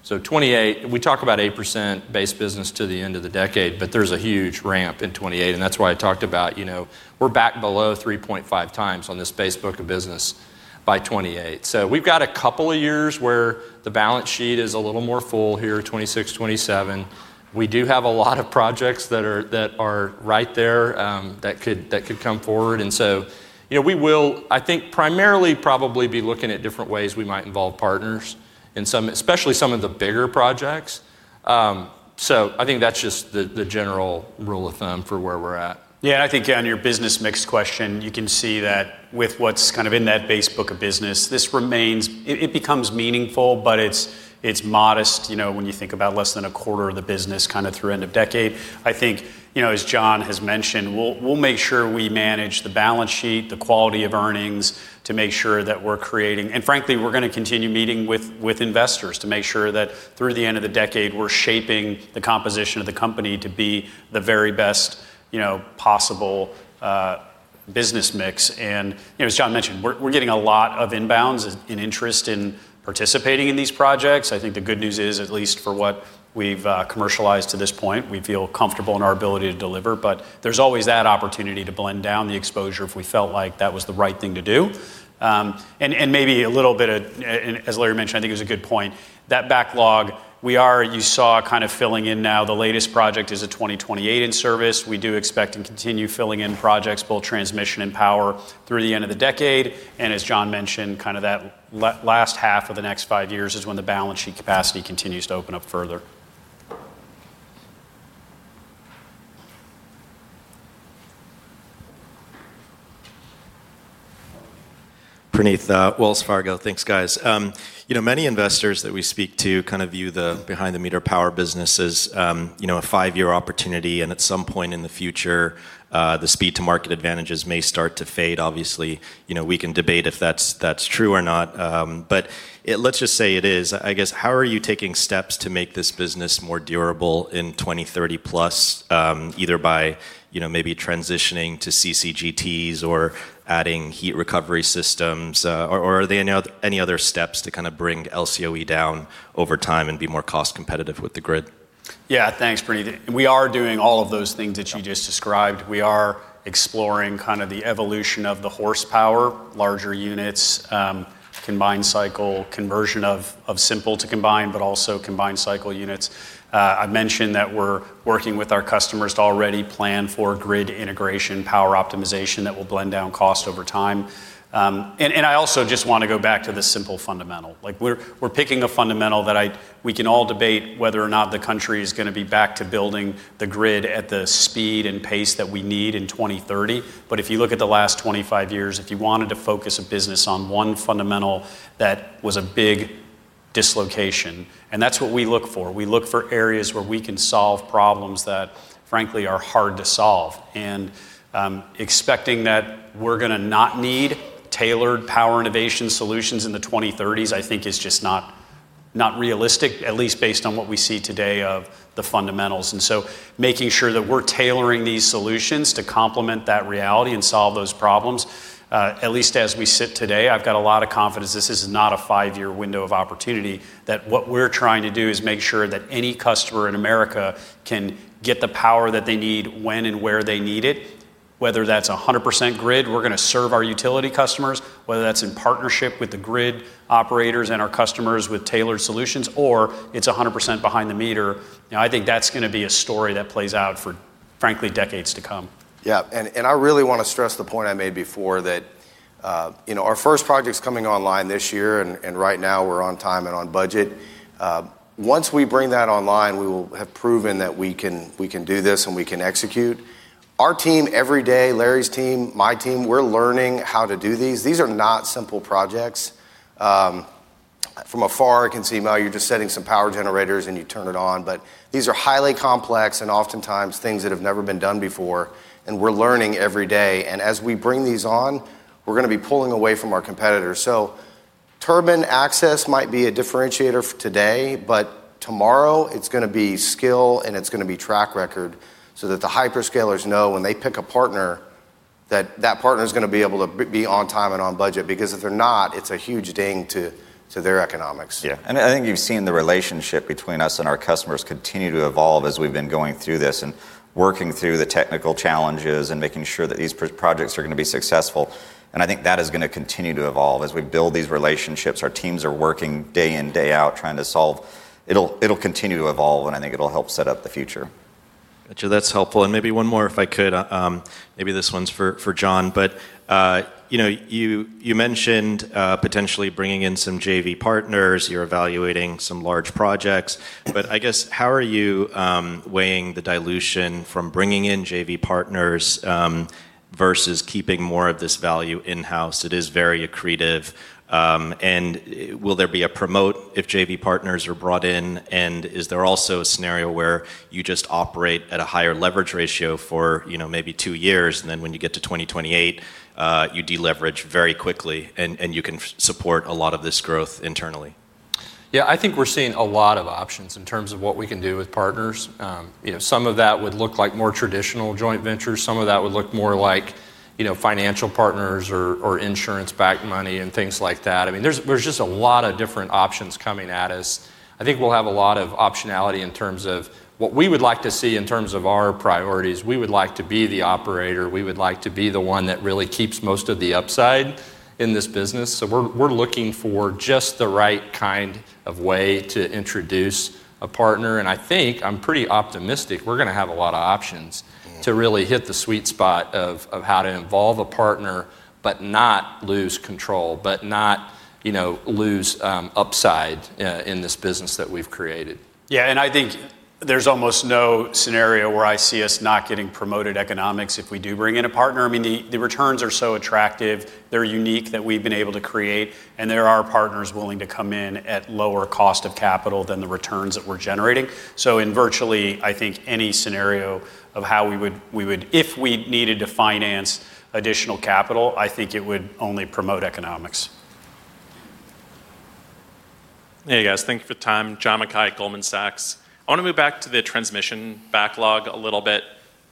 So 2028, we talk about 8% base business to the end of the decade, but there's a huge ramp in 2028, and that's why I talked about, you know, we're back below 3.5x on this base book of business by 2028. So we've got a couple of years where the balance sheet is a little more full here, 2026, 2027. We do have a lot of projects that are right there that could come forward. And so, you know, we will, I think, primarily probably be looking at different ways we might involve partners in some, especially some of the bigger projects. So I think that's just the general rule of thumb for where we're at. Yeah, I think on your business mix question, you can see that with what's kind of in that base book of business, this remains... It becomes meaningful, but it's modest, you know, when you think about less than a quarter of the business kind of through end of decade. I think, you know, as John has mentioned, we'll make sure we manage the balance sheet, the quality of earnings, to make sure that we're creating... And frankly, we're gonna continue meeting with investors to make sure that through the end of the decade, we're shaping the composition of the company to be the very best, you know, possible business mix. You know, as John mentioned, we're getting a lot of inbounds and interest in participating in these projects. I think the good news is, at least for what we've commercialized to this point, we feel comfortable in our ability to deliver, but there's always that opportunity to blend down the exposure if we felt like that was the right thing to do. And maybe a little bit, and as Larry mentioned, I think it was a good point, that backlog we are you saw kind of filling in now, the latest project is a 2028 in service. We do expect and continue filling in projects, both transmission and power, through the end of the decade. And as John mentioned, kind of that last half of the next five years is when the balance sheet capacity continues to open up further. Praneeth, Wells Fargo. Thanks, guys. You know, many investors that we speak to kind of view the behind the meter power business as, you know, a five-year opportunity, and at some point in the future, the speed to market advantages may start to fade. Obviously, you know, we can debate if that's, that's true or not, but let's just say it is. I guess, how are you taking steps to make this business more durable in 2030+, either by, you know, maybe transitioning to CCGTs or adding heat recovery systems? Or, or are there any other, any other steps to kind of bring LCOE down over time and be more cost competitive with the grid? Yeah, thanks, Praneeth. We are doing all of those things that you just described. We are exploring kind of the evolution of the horsepower, larger units, combined cycle, conversion of simple to combined, but also combined cycle units. I mentioned that we're working with our customers to already plan for grid integration, power optimization that will blend down cost over time. And I also just want to go back to the simple fundamental, like we're picking a fundamental that I... We can all debate whether or not the country is gonna be back to building the grid at the speed and pace that we need in 2030. But if you look at the last 25 years, if you wanted to focus a business on one fundamental, that was a big dislocation, and that's what we look for. We look for areas where we can solve problems that, frankly, are hard to solve. And expecting that we're gonna not need tailored power innovation solutions in the 2030s, I think is just not, not realistic, at least based on what we see today of the fundamentals. And so making sure that we're tailoring these solutions to complement that reality and solve those problems, at least as we sit today, I've got a lot of confidence this is not a five-year window of opportunity. That what we're trying to do is make sure that any customer in America can get the power that they need, when and where they need it, whether that's 100% grid, we're gonna serve our utility customers, whether that's in partnership with the grid operators and our customers with tailored solutions, or it's 100% behind the meter. You know, I think that's gonna be a story that plays out for, frankly, decades to come. Yeah, and, and I really wanna stress the point I made before that, you know, our first project's coming online this year, and, and right now we're on time and on budget. Once we bring that online, we will have proven that we can, we can do this, and we can execute. Our team, every day, Larry's team, my team, we're learning how to do these. These are not simple projects. From afar, it can seem, oh, you're just setting some power generators, and you turn it on, but these are highly complex and oftentimes things that have never been done before, and we're learning every day. And as we bring these on, we're gonna be pulling away from our competitors. So turbine access might be a differentiator today, but tomorrow, it's gonna be skill, and it's gonna be track record, so that the hyperscalers know when they pick a partner, that that partner's gonna be able to be on time and on budget, because if they're not, it's a huge ding to their economics. Yeah, and I think you've seen the relationship between us and our customers continue to evolve as we've been going through this, and working through the technical challenges, and making sure that these projects are gonna be successful. And I think that is gonna continue to evolve as we build these relationships. Our teams are working day in, day out, trying to solve... It'll continue to evolve, and I think it'll help set up the future. Gotcha, that's helpful, and maybe one more, if I could. Maybe this one's for John. But you know, you mentioned potentially bringing in some JV partners, you're evaluating some large projects, but I guess, how are you weighing the dilution from bringing in JV partners versus keeping more of this value in-house? It is very accretive. And will there be a promote if JV partners are brought in? And is there also a scenario where you just operate at a higher leverage ratio for, you know, maybe two years, and then when you get to 2028, you de leverage very quickly, and you can support a lot of this growth internally? Yeah, I think we're seeing a lot of options in terms of what we can do with partners. You know, some of that would look like more traditional joint ventures, some of that would look more like, you know, financial partners or, or insurance-backed money, and things like that. I mean, there's just a lot of different options coming at us. I think we'll have a lot of optionality in terms of what we would like to see in terms of our priorities. We would like to be the operator. We would like to be the one that really keeps most of the upside in this business. So we're looking for just the right kind of way to introduce a partner, and I think, I'm pretty optimistic, we're gonna have a lot of options to really hit the sweet spot of how to involve a partner, but not lose control, but not, you know, lose upside, in this business that we've created. Yeah, and I think there's almost no scenario where I see us not getting promoted economics if we do bring in a partner. I mean, the returns are so attractive, they're unique, that we've been able to create, and there are partners willing to come in at lower cost of capital than the returns that we're generating. So in virtually, I think, any scenario of how we would if we needed to finance additional capital, I think it would only promote economics. Hey, guys, thank you for the time. John Mackay, Goldman Sachs. I want to move back to the transmission backlog a little bit.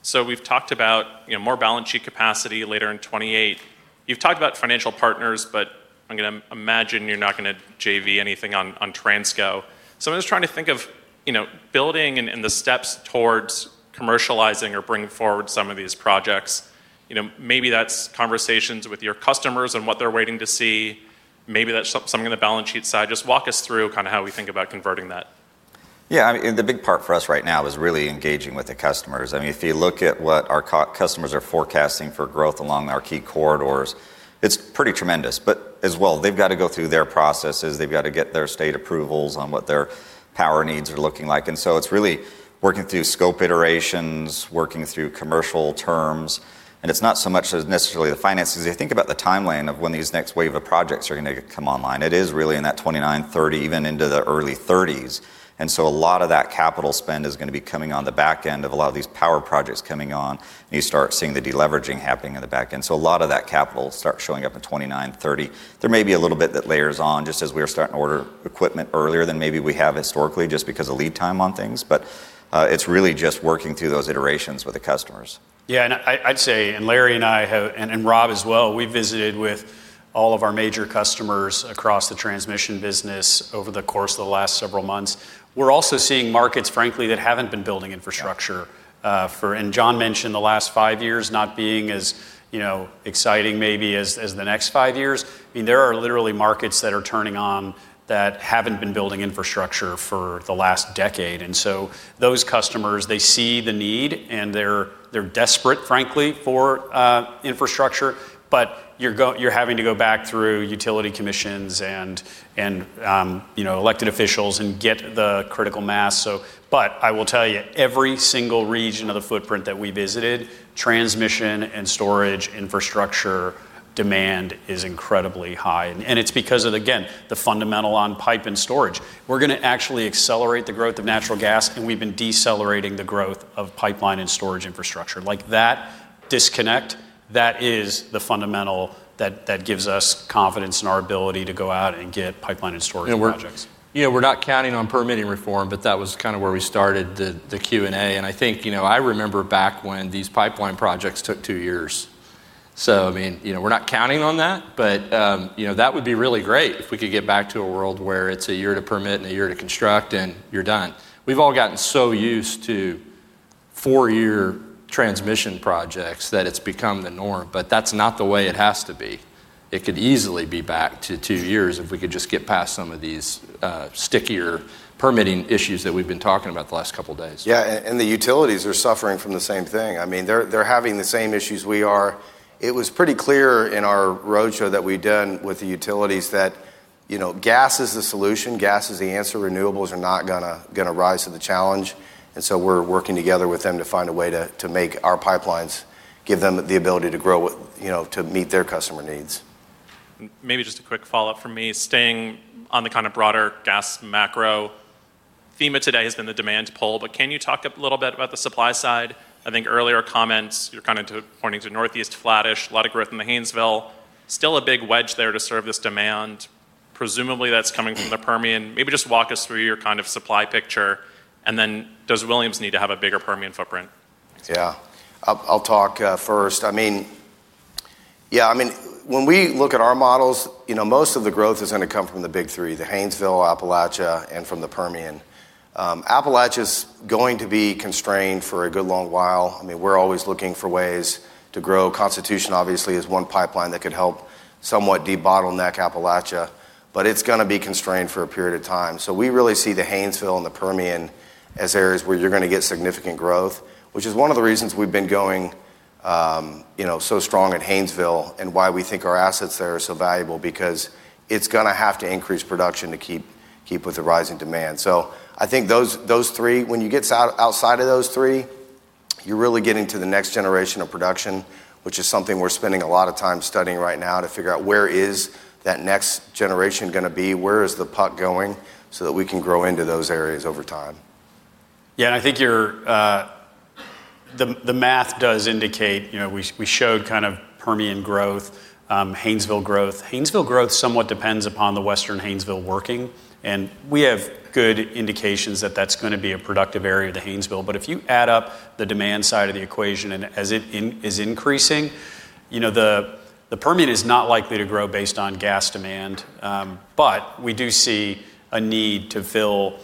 So we've talked about, you know, more balance sheet capacity later in 2028. You've talked about financial partners, but I'm gonna imagine you're not gonna JV anything on, on Transco. So I'm just trying to think of, you know, building and, and the steps towards commercializing or bringing forward some of these projects. You know, maybe that's conversations with your customers and what they're waiting to see. Maybe that's something on the balance sheet side. Just walk us through kinda how we think about converting that. Yeah, I mean, the big part for us right now is really engaging with the customers. I mean, if you look at what our customers are forecasting for growth along our key corridors, it's pretty tremendous, but as well, they've got to go through their processes. They've got to get their state approvals on what their power needs are looking like. And so it's really working through scope iterations, working through commercial terms, and it's not so much as necessarily the finances. You think about the timeline of when these next wave of projects are gonna come online, it is really in that 2029, 2030, even into the early 2030s. And so a lot of that capital spend is gonna be coming on the back end of a lot of these power projects coming on, and you start seeing the deleveraging happening in the back end. A lot of that capital will start showing up in 2029, 2030. There may be a little bit that layers on, just as we are starting to order equipment earlier than maybe we have historically, just because of lead time on things, but, it's really just working through those iterations with the customers. Yeah, I'd say, and Larry and I, and Rob as well, we visited with all of our major customers across the transmission business over the course of the last several months. We're also seeing markets, frankly, that haven't been building infrastructure. Yeah John mentioned the last five years not being as, you know, exciting maybe as the next five years. I mean, there are literally markets that are turning on that haven't been building infrastructure for the last decade. And so those customers, they see the need, and they're desperate, frankly, for infrastructure, but you're having to go back through utility commissions and, you know, elected officials and get the critical mass, so. But I will tell you, every single region of the footprint that we visited, transmission and storage infrastructure demand is incredibly high, and it's because of, again, the fundamental on pipe and storage. We're gonna actually accelerate the growth of natural gas, and we've been decelerating the growth of pipeline and storage infrastructure. Like, that disconnect, that is the fundamental that gives us confidence in our ability to go out and get pipeline and storage projects. We're, you know, we're not counting on permitting reform, but that was kind of where we started the Q&A, and I think, you know, I remember back when these pipeline projects took two years. So, I mean, you know, we're not counting on that, but, you know, that would be really great if we could get back to a world where it's a year to permit and a year to construct, and you're done. We've all gotten so used to four-year transmission projects that it's become the norm, but that's not the way it has to be. It could easily be back to two years if we could just get past some of these, stickier permitting issues that we've been talking about the last couple of days. Yeah, and the utilities are suffering from the same thing. I mean, they're having the same issues we are. It was pretty clear in our roadshow that we'd done with the utilities that, you know, gas is the solution, gas is the answer. Renewables are not gonna rise to the challenge, and so we're working together with them to find a way to make our pipelines give them the ability to grow, you know, to meet their customer needs. Maybe just a quick follow-up from me. Staying on the kind of broader gas macro, from today has been the demand pull, but can you talk a little bit about the supply side? I think earlier comments, you're kind of pointing to Northeast, flattish, a lot of growth in the Haynesville. Still a big wedge there to serve this demand. Presumably, that's coming from the Permian. Maybe just walk us through your kind of supply picture, and then does Williams need to have a bigger Permian footprint? Yeah. I'll talk first. I mean... yeah, I mean, when we look at our models, you know, most of the growth is gonna come from the big three: the Haynesville, Appalachia, and from the Permian. Appalachia's going to be constrained for a good long while. I mean, we're always looking for ways to grow. Constitution, obviously, is one pipeline that could help somewhat debottleneck Appalachia, but it's gonna be constrained for a period of time. So we really see the Haynesville and the Permian as areas where you're gonna get significant growth, which is one of the reasons we've been going, you know, so strong at Haynesville and why we think our assets there are so valuable, because it's gonna have to increase production to keep with the rising demand. So I think those, those three, when you get outside of those three, you really get into the next generation of production, which is something we're spending a lot of time studying right now to figure out where is that next generation gonna be, where is the puck going, so that we can grow into those areas over time. Yeah, and I think you're, the math does indicate, you know, we showed kind of Permian growth, Haynesville growth. Haynesville growth somewhat depends upon the western Haynesville working, and we have good indications that that's gonna be a productive area to Haynesville. But if you add up the demand side of the equation, and as it is increasing, you know, the Permian is not likely to grow based on gas demand, but we do see a need to fill,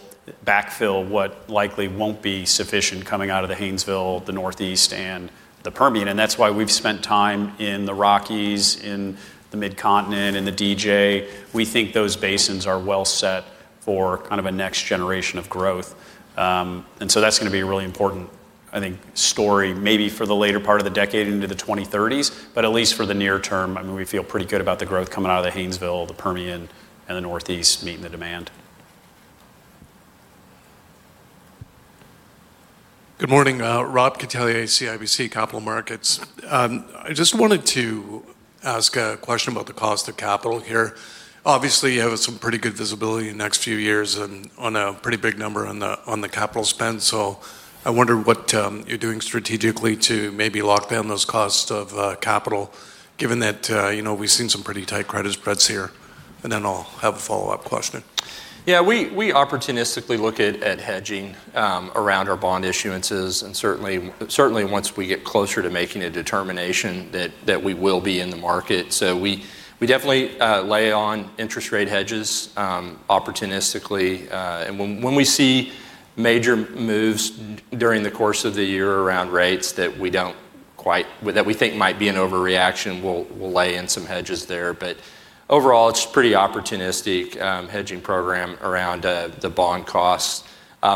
backfill what likely won't be sufficient coming out of the Haynesville, the Northeast, and the Permian, and that's why we've spent time in the Rockies, in the Mid-Continent, in the DJ. We think those basins are well set for kind of a next generation of growth. So that's gonna be a really important, I think, story maybe for the later part of the decade into the 2030s, but at least for the near term, I mean, we feel pretty good about the growth coming out of the Haynesville, the Permian, and the Northeast meeting the demand. Good morning, Robert Catellier, CIBC Capital Markets. I just wanted to ask a question about the cost of capital here. Obviously, you have some pretty good visibility in the next few years and on a pretty big number on the, on the capital spend, so I wonder what, you're doing strategically to maybe lock down those costs of, capital, given that, you know, we've seen some pretty tight credit spreads here, and then I'll have a follow-up question. Yeah, we opportunistically look at hedging around our bond issuances, and certainly once we get closer to making a determination that we will be in the market. So we definitely lay on interest rate hedges opportunistically, and when we see major moves during the course of the year around rates that we think might be an overreaction, we'll lay in some hedges there. But overall, it's pretty opportunistic hedging program around the bond costs.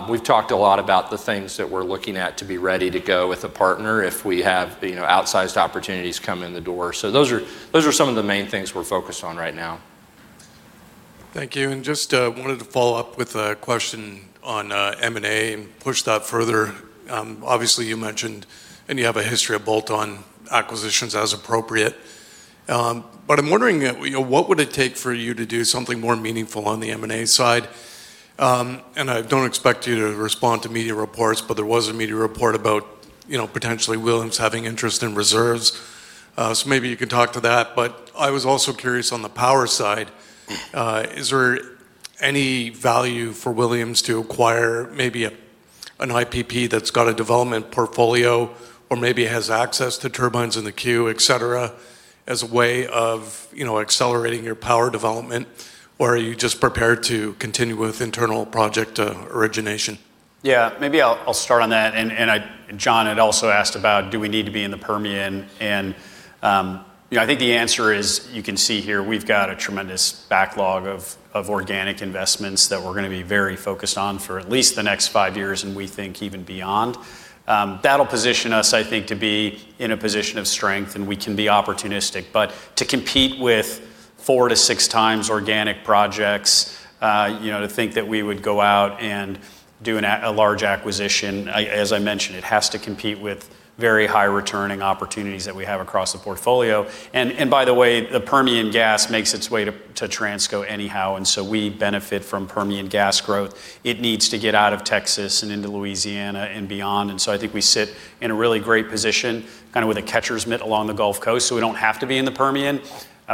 We've talked a lot about the things that we're looking at to be ready to go with a partner if we have, you know, outsized opportunities come in the door. So those are some of the main things we're focused on right now. Thank you, and just wanted to follow up with a question on M&A and push that further. Obviously, you mentioned, and you have a history of bolt-on acquisitions as appropriate, but I'm wondering, you know, what would it take for you to do something more meaningful on the M&A side? And I don't expect you to respond to media reports, but there was a media report about, you know, potentially Williams having interest in reserves, so maybe you could talk to that. But I was also curious on the power side, is there any value for Williams to acquire maybe a, an IPP that's got a development portfolio or maybe has access to turbines in the queue, etc, as a way of, you know, accelerating your power development? Or are you just prepared to continue with internal project origination? Yeah, maybe I'll, I'll start on that. John had also asked about, do we need to be in the Permian? And, you know, I think the answer is, you can see here, we've got a tremendous backlog of organic investments that we're going to be very focused on for at least the next five years, and we think even beyond. That'll position us, I think, to be in a position of strength, and we can be opportunistic. But to compete with 4x-6x organic projects, you know, to think that we would go out and do a large acquisition, as I mentioned, it has to compete with very high-returning opportunities that we have across the portfolio. And by the way, the Permian gas makes its way to Transco anyhow, and so we benefit from Permian gas growth. It needs to get out of Texas and into Louisiana and beyond, and so I think we sit in a really great position, kind of with a catcher's mitt along the Gulf Coast, so we don't have to be in the Permian.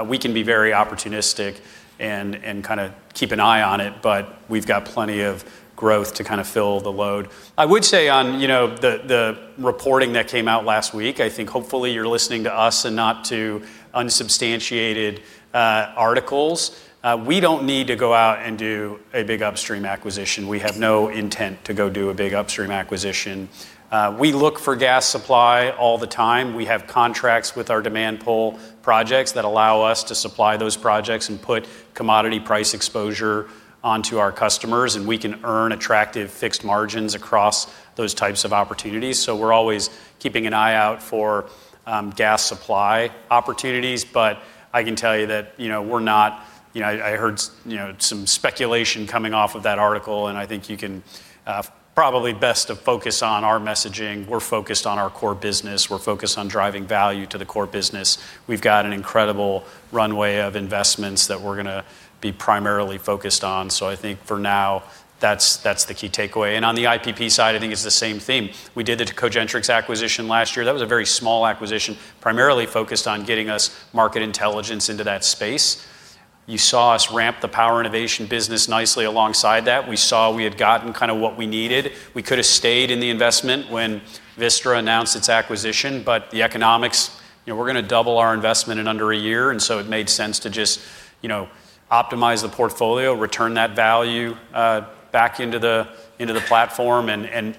We can be very opportunistic and kind of keep an eye on it, but we've got plenty of growth to kind of fill the load. I would say on, you know, the reporting that came out last week, I think hopefully you're listening to us and not to unsubstantiated articles. We don't need to go out and do a big upstream acquisition. We have no intent to go do a big upstream acquisition. We look for gas supply all the time. We have contracts with our demand pull projects that allow us to supply those projects and put commodity price exposure onto our customers, and we can earn attractive fixed margins across those types of opportunities. So we're always keeping an eye out for gas supply opportunities. But I can tell you that, you know, we're not... You know, I heard you know, some speculation coming off of that article, and I think you can probably best to focus on our messaging. We're focused on our core business. We're focused on driving value to the core business. We've got an incredible runway of investments that we're going to be primarily focused on. So I think for now, that's the key takeaway. And on the IPP side, I think it's the same theme. We did the Cogentrix acquisition last year. That was a very small acquisition, primarily focused on getting us market intelligence into that space. You saw us ramp the power innovation business nicely alongside that. We saw we had gotten kind of what we needed. We could have stayed in the investment when Vistra announced its acquisition, but the economics, you know, we're going to double our investment in under a year, and so it made sense to just, you know, optimize the portfolio, return that value back into the platform, and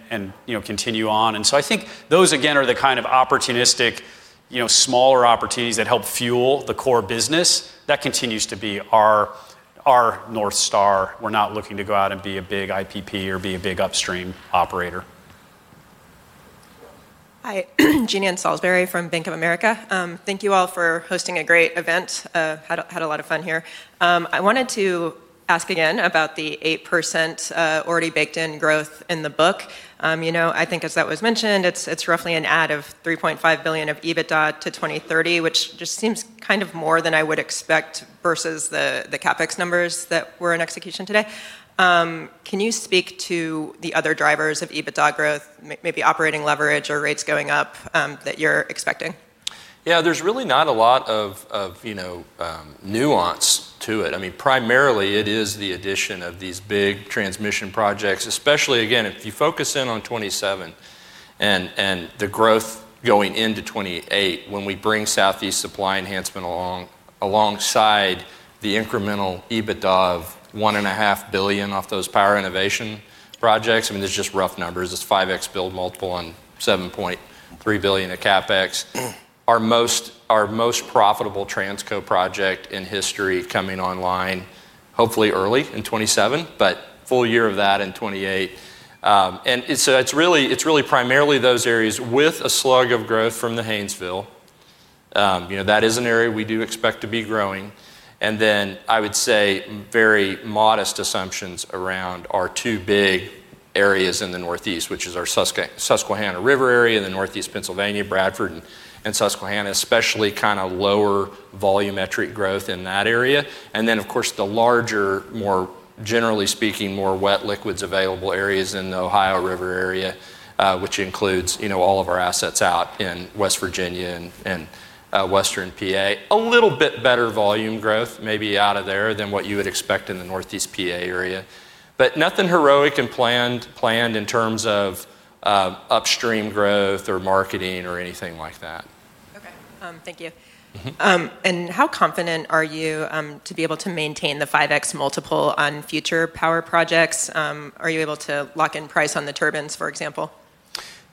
you know, continue on. And so I think those, again, are the kind of opportunistic, you know, smaller opportunities that help fuel the core business. That continues to be our North Star. We're not looking to go out and be a big IPP or be a big upstream operator. Hi, Jean Ann Salisbury from Bank of America. Thank you all for hosting a great event. Had a lot of fun here. I wanted to ask again about the 8%, already baked-in growth in the book. You know, I think as that was mentioned, it's, it's roughly an add of $3.5 billion of EBITDA to 2030, which just seems kind of more than I would expect versus the, the CapEx numbers that were in execution today. Can you speak to the other drivers of EBITDA growth, maybe operating leverage or rates going up, that you're expecting? Yeah, there's really not a lot of, of, you know, nuance to it. I mean, primarily, it is the addition of these big transmission projects, especially again, if you focus in on 2027 and, and the growth going into 2028, when we bring Southeast Supply Enhancement along, alongside the incremental EBITDA of $1.5 billion off those power innovation projects, I mean, these are just rough numbers. It's 5x build multiple on $7.3 billion of CapEx. Our most, our most profitable Transco project in history coming online, hopefully early in 2027, but full year of that in 2028. And it's so it's really, it's really primarily those areas with a slug of growth from the Haynesville. You know, that is an area we do expect to be growing. And then I would say very modest assumptions around our two big areas in the Northeast, which is our Susquehanna River area in the Northeast Pennsylvania, Bradford and Susquehanna, especially kind of lower volumetric growth in that area. And then, of course, the larger, more, generally speaking, more wet liquids available areas in the Ohio River area, which includes, you know, all of our assets out in West Virginia and western PA. A little bit better volume growth, maybe out of there than what you would expect in the Northeast PA area. But nothing heroic and planned in terms of upstream growth or marketing or anything like that. Okay. Thank you. How confident are you to be able to maintain the 5x multiple on future power projects? Are you able to lock in price on the turbines, for example?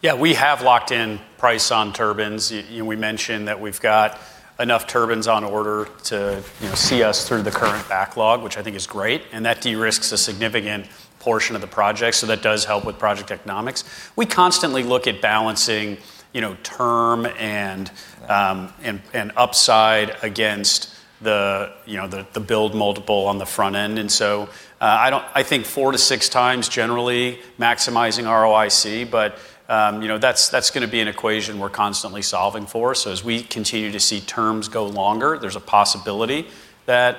Yeah, we have locked in price on turbines. We mentioned that we've got enough turbines on order to, you know, see us through the current backlog, which I think is great, and that de-risks a significant portion of the project, so that does help with project economics. We constantly look at balancing, you know, term and upside against the, you know, the build multiple on the front end. And so, I don't... I think 4x-6x, generally maximizing ROIC, but, you know, that's gonna be an equation we're constantly solving for. So as we continue to see terms go longer, there's a possibility that,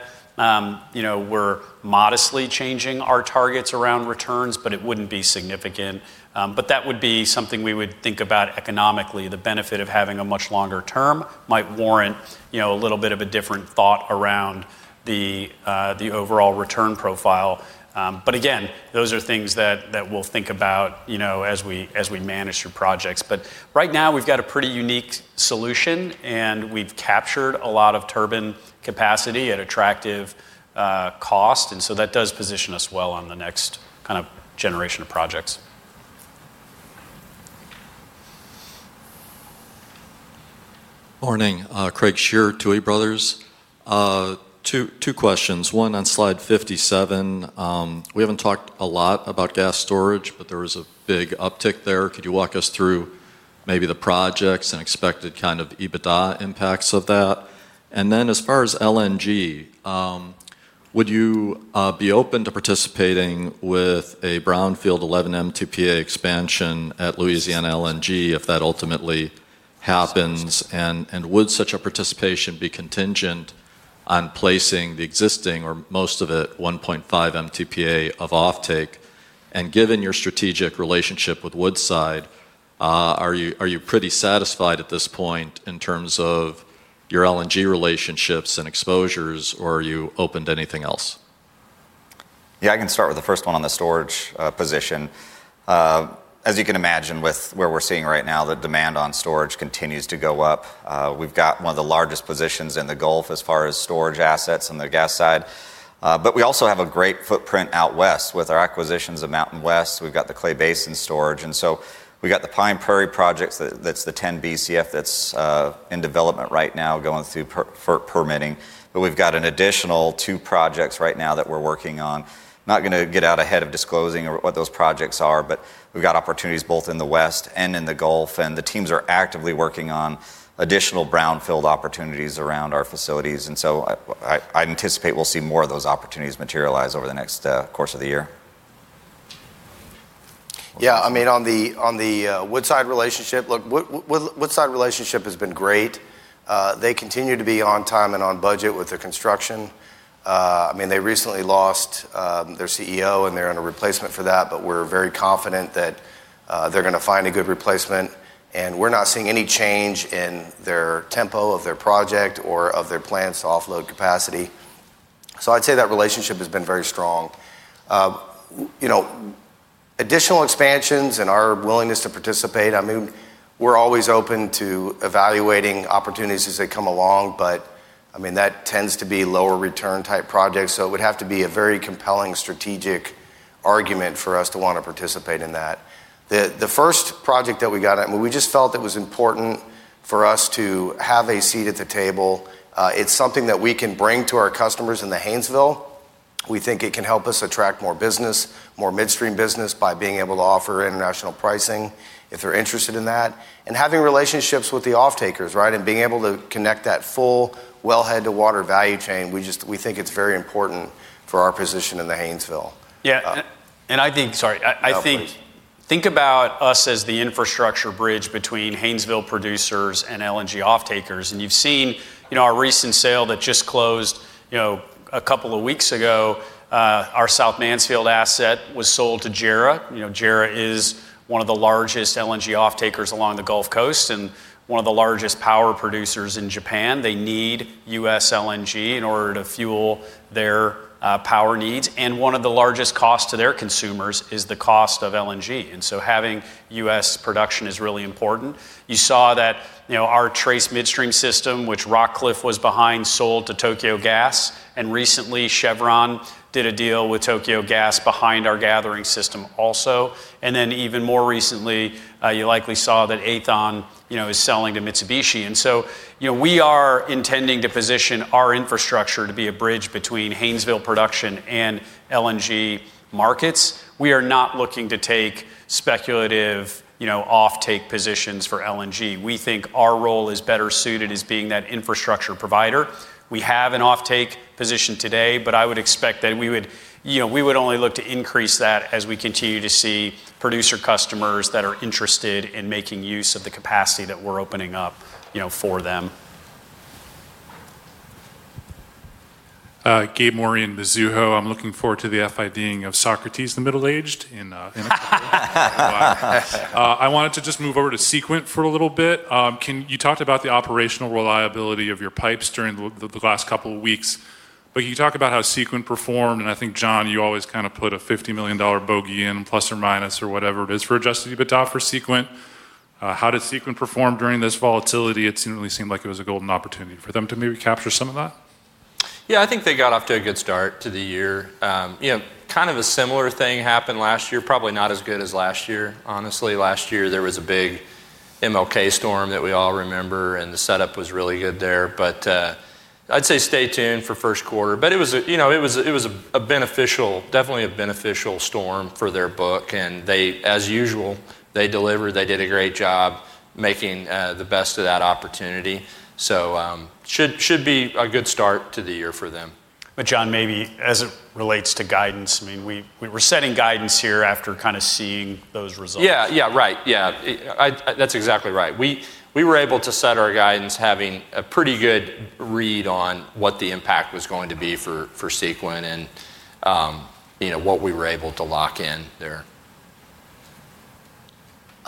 you know, we're modestly changing our targets around returns, but it wouldn't be significant. But that would be something we would think about economically. The benefit of having a much longer term might warrant, you know, a little bit of a different thought around the overall return profile. But again, those are things that we'll think about, you know, as we manage through projects. But right now, we've got a pretty unique solution, and we've captured a lot of turbine capacity at attractive cost, and so that does position us well on the next kind of generation of projects. Morning, Craig Shere, Tuohy Brothers. Two, two questions. One on Slide 57. We haven't talked a lot about gas storage, but there was a big uptick there. Could you walk us through maybe the projects and expected kind of EBITDA impacts of that? And then, as far as LNG, would you be open to participating with a Brownfield 11 MTPA expansion at Louisiana LNG if that ultimately happens? And, would such a participation be contingent on placing the existing or most of it, 1.5 MTPA of offtake? And given your strategic relationship with Woodside, are you pretty satisfied at this point in terms of your LNG relationships and exposures, or are you open to anything else? Yeah, I can start with the first one on the storage position. As you can imagine, with where we're seeing right now, the demand on storage continues to go up. We've got one of the largest positions in the Gulf as far as storage assets on the gas side. But we also have a great footprint out west. With our acquisitions of MountainWest, we've got the Clay Basin storage, and so we got the Pine Prairie projects, that's the 10 Bcf that's in development right now, going through permitting. But we've got an additional two projects right now that we're working on. Not gonna get out ahead of disclosing or what those projects are, but we've got opportunities both in the West and in the Gulf, and the teams are actively working on additional brownfield opportunities around our facilities. So I anticipate we'll see more of those opportunities materialize over the next course of the year. Yeah, I mean, on the Woodside relationship, look, the Woodside relationship has been great. They continue to be on time and on budget with their construction. I mean, they recently lost their CEO, and they're in a replacement for that, but we're very confident that they're gonna find a good replacement. And we're not seeing any change in their tempo of their project or of their plans to offload capacity. So I'd say that relationship has been very strong. You know, additional expansions and our willingness to participate, I mean, we're always open to evaluating opportunities as they come along, but, I mean, that tends to be lower return type projects, so it would have to be a very compelling strategic argument for us to want to participate in that. The first project that we got at, we just felt it was important for us to have a seat at the table. It's something that we can bring to our customers in the Haynesville. We think it can help us attract more business, more midstream business, by being able to offer international pricing if they're interested in that. And having relationships with the offtakers, right? And being able to connect that full wellhead to water value chain, we just, we think it's very important for our position in the Haynesville. Yeah, and I think... Sorry. No, please. I think about us as the infrastructure bridge between Haynesville producers and LNG offtakers. And you've seen, you know, our recent sale that just closed, you know, a couple of weeks ago, our South Mansfield asset was sold to JERA. You know, JERA is one of the largest LNG offtakers along the Gulf Coast and one of the largest power producers in Japan. They need U.S. LNG in order to fuel their power needs, and one of the largest costs to their consumers is the cost of LNG. And so having U.S. production is really important. You saw that, you know, our Trace Midstream system, which Rockcliff was behind, sold to Tokyo Gas, and recently, Chevron did a deal with Tokyo Gas behind our gathering system also. And then, even more recently, you likely saw that Aethon, you know, is selling to Mitsubishi. And so, you know, we are intending to position our infrastructure to be a bridge between Haynesville production and LNG markets. We are not looking to take speculative, you know, offtake positions for LNG. We think our role is better suited as being that infrastructure provider. We have an offtake position today, but I would expect that we would, you know, we would only look to increase that as we continue to see producer customers that are interested in making use of the capacity that we're opening up, you know, for them. Gabriel Moreen, Mizuho. I'm looking forward to the FID-ing of Socrates, the middle-aged. I wanted to just move over to Sequent for a little bit. You talked about the operational reliability of your pipes during the last couple of weeks, but can you talk about how Sequent performed? And I think, John, you always kind of put a $50 million bogey in, plus or minus or whatever it is, for Adjusted EBITDA for Sequent. How did Sequent perform during this volatility? It certainly seemed like it was a golden opportunity for them to maybe capture some of that. Yeah, I think they got off to a good start to the year. You know, kind of a similar thing happened last year, probably not as good as last year, honestly. Last year, there was a big MLK storm that we all remember, and the setup was really good there. But, I'd say stay tuned for first quarter. But it was, you know, a beneficial, definitely a beneficial storm for their book, and they, as usual, they delivered. They did a great job making the best of that opportunity. So, should be a good start to the year for them. John, maybe as it relates to guidance, I mean, we were setting guidance here after kind of seeing those results. Yeah. Yeah, right. Yeah. That's exactly right. We were able to set our guidance having a pretty good read on what the impact was going to be for Sequent and, you know, what we were able to lock in there.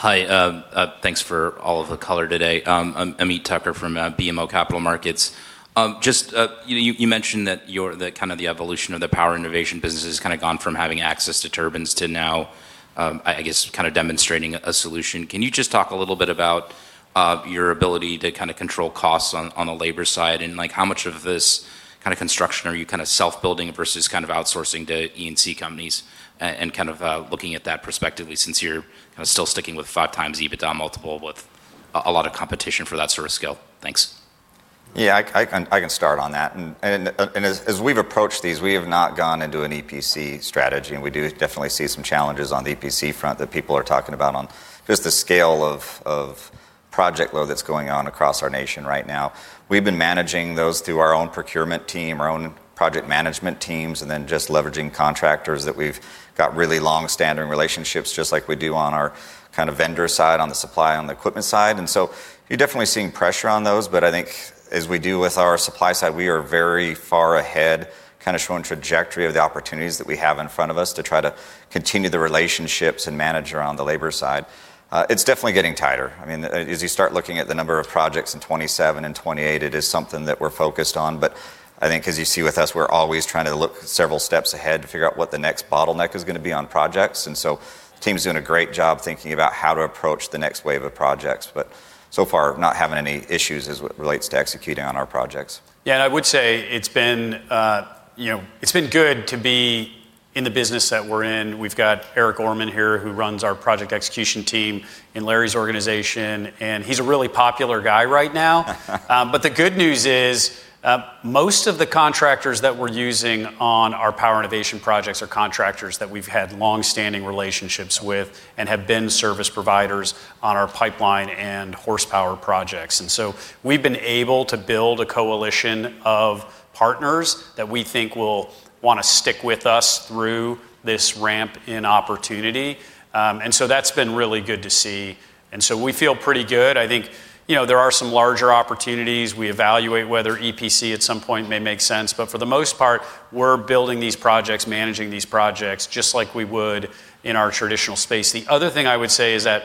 Hi, thanks for all of the color today. I'm Amit Tucker from BMO Capital Markets. Just, you mentioned that your the kind of the evolution of the power innovation business has kind of gone from having access to turbines to now, I guess, kind of demonstrating a solution. Can you just talk a little bit about your ability to kind of control costs on the labor side? And, like, how much of this kind of construction are you kind of self-building versus kind of outsourcing to E&C companies and kind of looking at that prospectively since you're kind of still sticking with 5x EBITDA multiple with a lot of competition for that sort of scale? Thanks. Yeah, I can, I can start on that. As we've approached these, we have not gone into an EPC strategy, and we do definitely see some challenges on the EPC front that people are talking about on just the scale of project load that's going on across our nation right now. We've been managing those through our own procurement team, our own project management teams, and then just leveraging contractors that we've got really long-standing relationships, just like we do on our kind of vendor side, on the supply, on the equipment side. And so you're definitely seeing pressure on those, but I think as we do with our supply side, we are very far ahead, kind of showing trajectory of the opportunities that we have in front of us to try to continue the relationships and manage around the labor side. It's definitely getting tighter. I mean, as you start looking at the number of projects in 2027 and 2028, it is something that we're focused on. But I think as you see with us, we're always trying to look several steps ahead to figure out what the next bottleneck is going to be on projects, and so the team's doing a great job thinking about how to approach the next wave of projects. But so far, not having any issues as it relates to executing on our projects. Yeah, and I would say it's been, you know, it's been good to be in the business that we're in. We've got Eric Orman here, who runs our project execution team in Larry's organization, and he's a really popular guy right now. But the good news is, most of the contractors that we're using on our power innovation projects are contractors that we've had long-standing relationships with and have been service providers on our pipeline and horsepower projects. And so we've been able to build a coalition of partners that we think will want to stick with us through this ramp in opportunity. And so that's been really good to see, and so we feel pretty good. I think, you know, there are some larger opportunities. We evaluate whether EPC at some point may make sense, but for the most part, we're building these projects, managing these projects, just like we would in our traditional space. The other thing I would say is that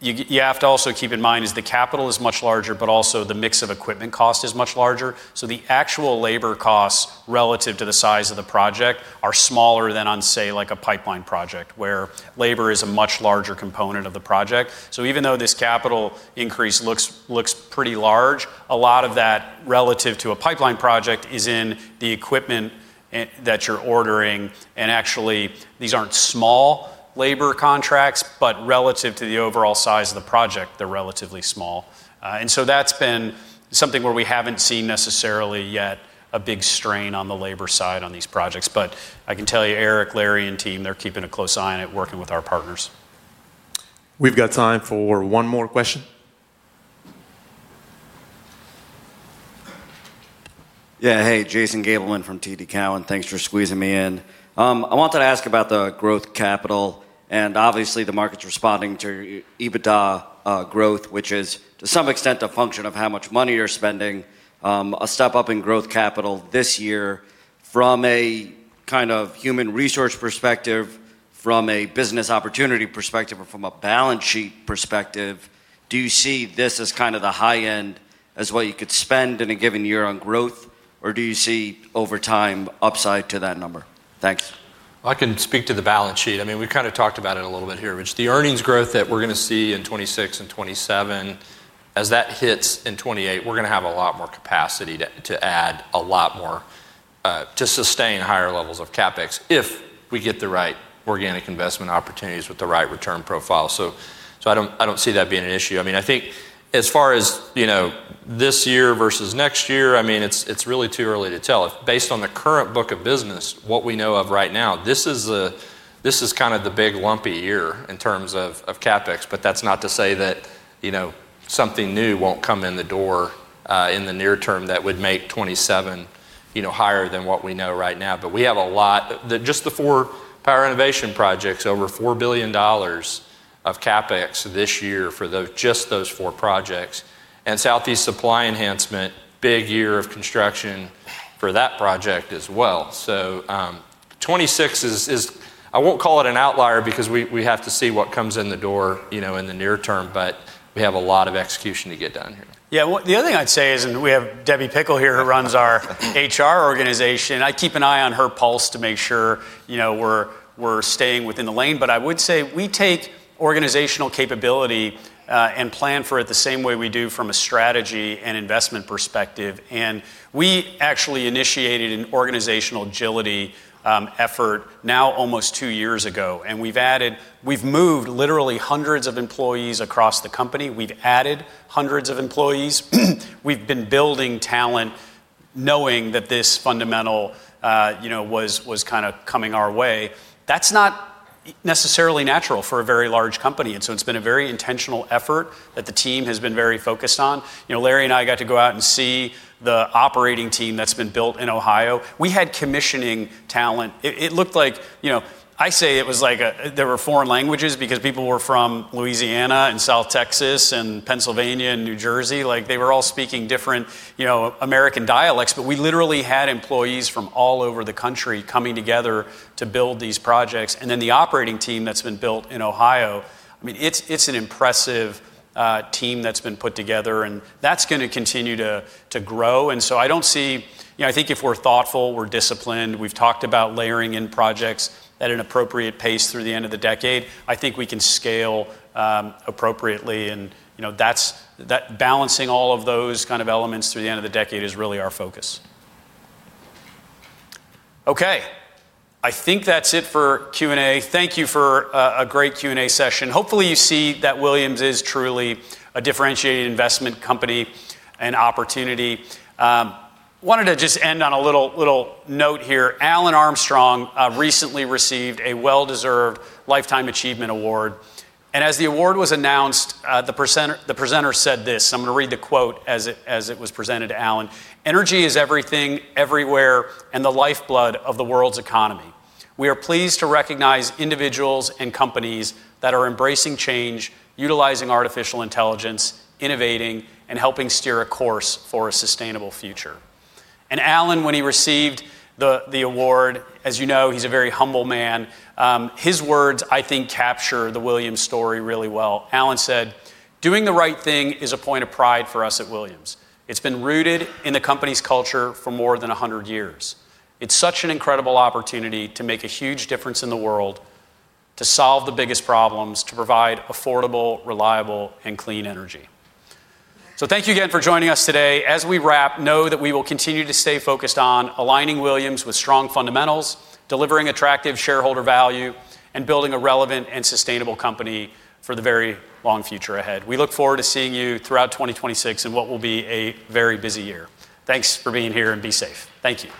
you have to also keep in mind is the capital is much larger, but also the mix of equipment cost is much larger. So the actual labor costs relative to the size of the project are smaller than on, say, like a pipeline project, where labor is a much larger component of the project. So even though this capital increase looks pretty large, a lot of that, relative to a pipeline project, is in the equipment that you're ordering, and actually, these aren't small labor contracts, but relative to the overall size of the project, they're relatively small. And so that's been something where we haven't seen necessarily yet a big strain on the labor side on these projects. But I can tell you, Eric, Larry, and team, they're keeping a close eye on it, working with our partners. We've got time for one more question. Yeah. Hey, Jason Gabelman from TD Cowen. Thanks for squeezing me in. I wanted to ask about the growth capital, and obviously, the market's responding to your EBITDA growth, which is, to some extent, a function of how much money you're spending. A step up in growth capital this year from a kind of human resource perspective, from a business opportunity perspective, or from a balance sheet perspective, do you see this as kind of the high end as what you could spend in a given year on growth, or do you see over time upside to that number? Thanks. I can speak to the balance sheet. I mean, we've kind of talked about it a little bit here, which the earnings growth that we're going to see in 2026 and 2027, as that hits in 2028, we're going to have a lot more capacity to add a lot more to sustain higher levels of CapEx if we get the right organic investment opportunities with the right return profile. So I don't see that being an issue. I mean, I think as far as, you know, this year versus next year, I mean, it's really too early to tell. If based on the current book of business, what we know of right now, this is kind of the big, lumpy year in terms of CapEx, but that's not to say that, you know, something new won't come in the door in the near term that would make 2027, you know, higher than what we know right now. But we have a lot... Just the four power innovation projects, over $4 billion of CapEx this year for just those four projects, and Southeast Supply Enhancement, big year of construction for that project as well. So, 2026 is... I won't call it an outlier because we have to see what comes in the door, you know, in the near term, but we have a lot of execution to get done here. Yeah, well, the other thing I'd say is, and we have Debbie Pickle here, who runs our HR organization. I keep an eye on her pulse to make sure, you know, we're staying within the lane. But I would say we take organizational capability and plan for it the same way we do from a strategy and investment perspective. And we actually initiated an organizational agility effort now almost two years ago, and we've added, we've moved literally hundreds of employees across the company. We've added hundreds of employees. We've been building talent, knowing that this fundamental, you know, was kind of coming our way. That's not necessarily natural for a very large company, and so it's been a very intentional effort that the team has been very focused on. You know, Larry and I got to go out and see the operating team that's been built in Ohio. We had commissioning talent. It looked like, you know. I say it was like a, there were foreign languages because people were from Louisiana and South Texas and Pennsylvania and New Jersey. Like, they were all speaking different, you know, American dialects, but we literally had employees from all over the country coming together to build these projects. And then, the operating team that's been built in Ohio, I mean, it's an impressive team that's been put together, and that's going to continue to grow. And so I don't see. You know, I think if we're thoughtful, we're disciplined, we've talked about layering in projects at an appropriate pace through the end of the decade, I think we can scale appropriately. You know, that's balancing all of those kind of elements through the end of the decade is really our focus. Okay, I think that's it for Q&A. Thank you for a great Q&A session. Hopefully, you see that Williams is truly a differentiated investment company and opportunity. Wanted to just end on a little note here. Alan Armstrong recently received a well-deserved Lifetime Achievement award, and as the award was announced, the presenter said this. I'm going to read the quote as it was presented to Alan: "Energy is everything, everywhere, and the lifeblood of the world's economy. We are pleased to recognize individuals and companies that are embracing change, utilizing artificial intelligence, innovating, and helping steer a course for a sustainable future." And Alan, when he received the award, as you know, he's a very humble man, his words, I think, capture the Williams story really well. Alan said, "Doing the right thing is a point of pride for us at Williams. It's been rooted in the company's culture for more than a hundred years. It's such an incredible opportunity to make a huge difference in the world, to solve the biggest problems, to provide affordable, reliable, and clean energy." So thank you again for joining us today. As we wrap, know that we will continue to stay focused on aligning Williams with strong fundamentals, delivering attractive shareholder value, and building a relevant and sustainable company for the very long future ahead. We look forward to seeing you throughout 2026 in what will be a very busy year. Thanks for being here, and be safe. Thank you.